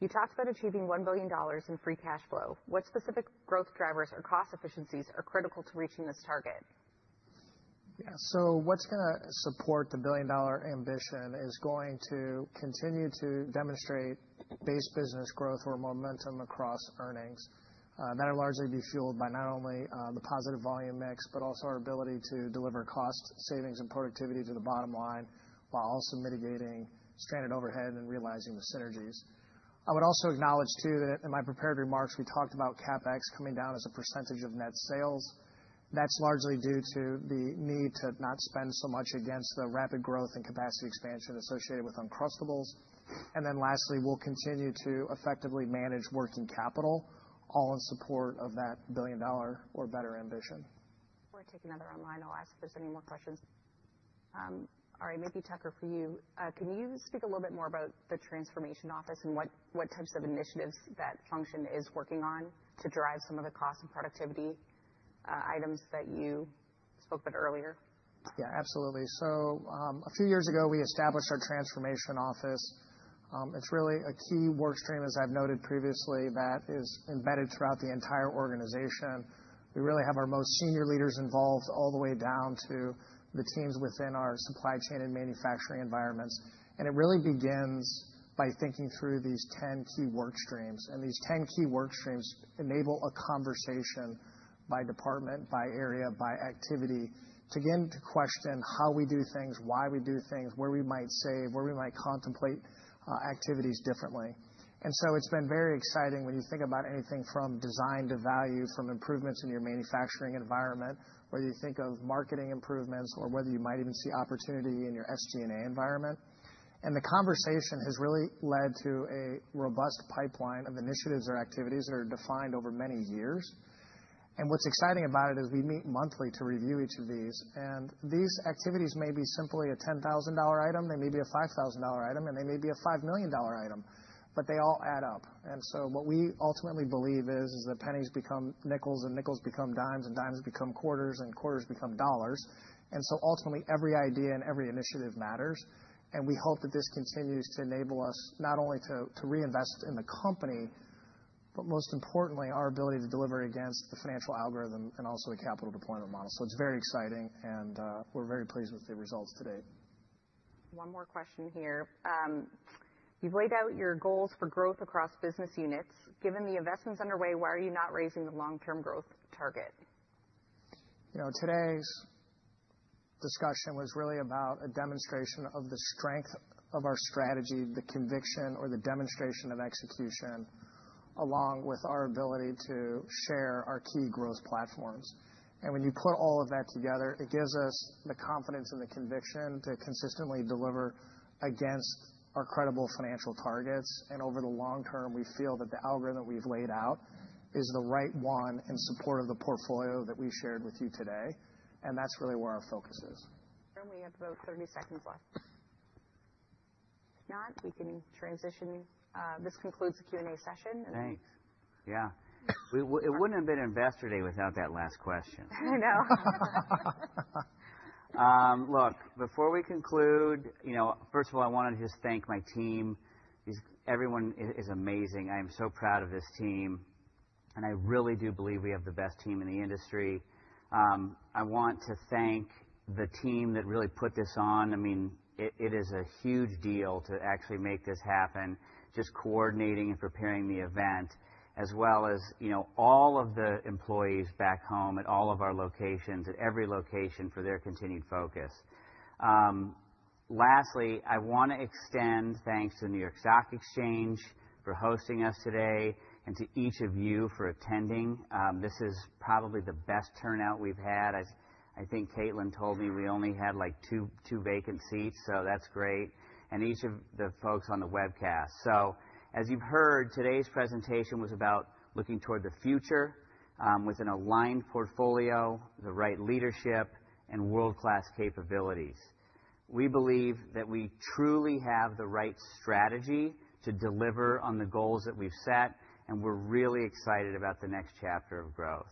You talked about achieving $1 billion in free cash flow. What specific growth drivers or cost efficiencies are critical to reaching this target? Yeah. So what's going to support the billion-dollar ambition is going to continue to demonstrate base business growth or momentum across earnings. That'll largely be fueled by not only the positive volume mix, but also our ability to deliver cost savings and productivity to the bottom line while also mitigating stranded overhead and realizing the synergies. I would also acknowledge, too, that in my prepared remarks, we talked about CapEx coming down as a percentage of net sales. That's largely due to the need to not spend so much against the rapid growth and capacity expansion associated with Uncrustables. And then lastly, we'll continue to effectively manage working capital all in support of that billion-dollar or better ambition. We'll take another online. I'll ask if there's any more questions. All right. Maybe Tucker, for you, can you speak a little bit more about the transformation office and what types of initiatives that function is working on to drive some of the cost and productivity items that you spoke about earlier? Yeah. Absolutely. So a few years ago, we established our transformation office. It's really a key work stream, as I've noted previously, that is embedded throughout the entire organization. We really have our most senior leaders involved all the way down to the teams within our supply chain and manufacturing environments. And it really begins by thinking through these 10 key work streams. And these 10 key work streams enable a conversation by department, by area, by activity to begin to question how we do things, why we do things, where we might save, where we might contemplate activities differently. It's been very exciting when you think about anything from design to value, from improvements in your manufacturing environment, whether you think of marketing improvements or whether you might even see opportunity in your SG&A environment. The conversation has really led to a robust pipeline of initiatives or activities that are defined over many years. What's exciting about it is we meet monthly to review each of these. These activities may be simply a $10,000 item. They may be a $5,000 item. They may be a $5 million item. But they all add up. What we ultimately believe is that pennies become nickels and nickels become dimes and dimes become quarters and quarters become dollars. Ultimately, every idea and every initiative matters. And we hope that this continues to enable us not only to reinvest in the company, but most importantly, our ability to deliver against the financial algorithm and also the capital deployment model. So it's very exciting. And we're very pleased with the results today. One more question here. You've laid out your goals for growth across business units. Given the investments underway, why are you not raising the long-term growth target? Today's discussion was really about a demonstration of the strength of our strategy, the conviction, or the demonstration of execution along with our ability to share our key growth platforms. And when you put all of that together, it gives us the confidence and the conviction to consistently deliver against our credible financial targets. And over the long term, we feel that the algorithm we've laid out is the right one in support of the portfolio that we shared with you today. And that's really where our focus is. And we have about 30 seconds left. If not, we can transition. This concludes the Q&A session. Thanks. Yeah. It wouldn't have been Investor Day without that last question. I know. Look, before we conclude, first of all, I want to just thank my team. Everyone is amazing. I am so proud of this team. And I really do believe we have the best team in the industry. I want to thank the team that really put this on. I mean, it is a huge deal to actually make this happen, just coordinating and preparing the event, as well as all of the employees back home at all of our locations, at every location, for their continued focus. Lastly, I want to extend thanks to the New York Stock Exchange for hosting us today and to each of you for attending. This is probably the best turnout we've had. I think Caitlin told me we only had two vacant seats. So that's great, and each of the folks on the webcast. So as you've heard, today's presentation was about looking toward the future with an aligned portfolio, the right leadership, and world-class capabilities. We believe that we truly have the right strategy to deliver on the goals that we've set, and we're really excited about the next chapter of growth.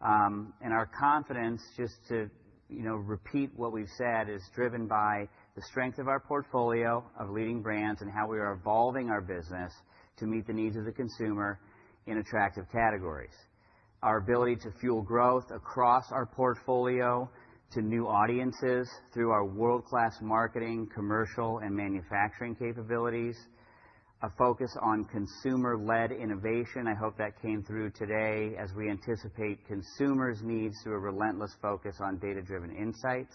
Our confidence, just to repeat what we've said, is driven by the strength of our portfolio of leading brands and how we are evolving our business to meet the needs of the consumer in attractive categories. Our ability to fuel growth across our portfolio to new audiences through our world-class marketing, commercial, and manufacturing capabilities, a focus on consumer-led innovation. I hope that came through today as we anticipate consumers' needs through a relentless focus on data-driven insights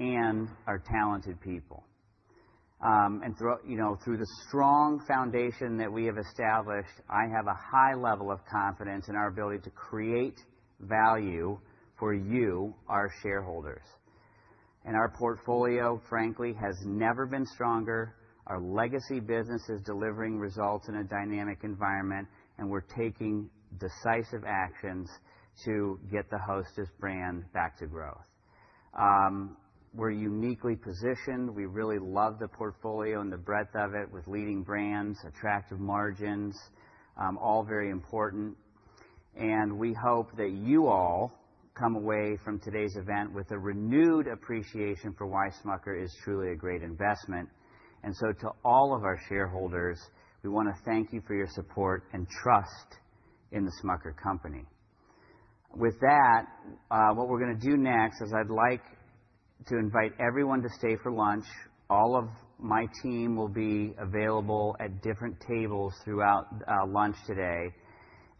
and our talented people. Through the strong foundation that we have established, I have a high level of confidence in our ability to create value for you, our shareholders. Our portfolio, frankly, has never been stronger. Our legacy business is delivering results in a dynamic environment. We're taking decisive actions to get the Hostess brand back to growth. We're uniquely positioned. We really love the portfolio and the breadth of it with leading brands, attractive margins, all very important. We hope that you all come away from today's event with a renewed appreciation for why Smucker is truly a great investment. To all of our shareholders, we want to thank you for your support and trust in the Smucker Company. With that, what we're going to do next is I'd like to invite everyone to stay for lunch. All of my team will be available at different tables throughout lunch today.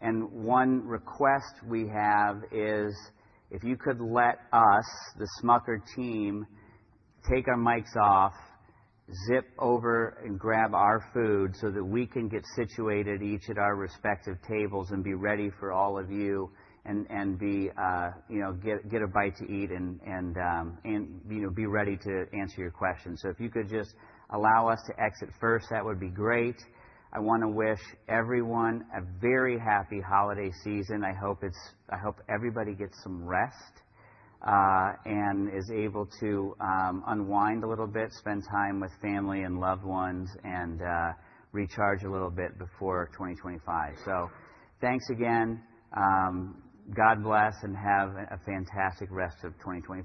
One request we have is if you could let us, the Smucker team, take our mics off, zip over, and grab our food so that we can get situated each at our respective tables and be ready for all of you and get a bite to eat and be ready to answer your questions. So if you could just allow us to exit first, that would be great. I want to wish everyone a very happy holiday season. I hope everybody gets some rest and is able to unwind a little bit, spend time with family and loved ones, and recharge a little bit before 2025. So thanks again. God bless and have a fantastic rest of 2025.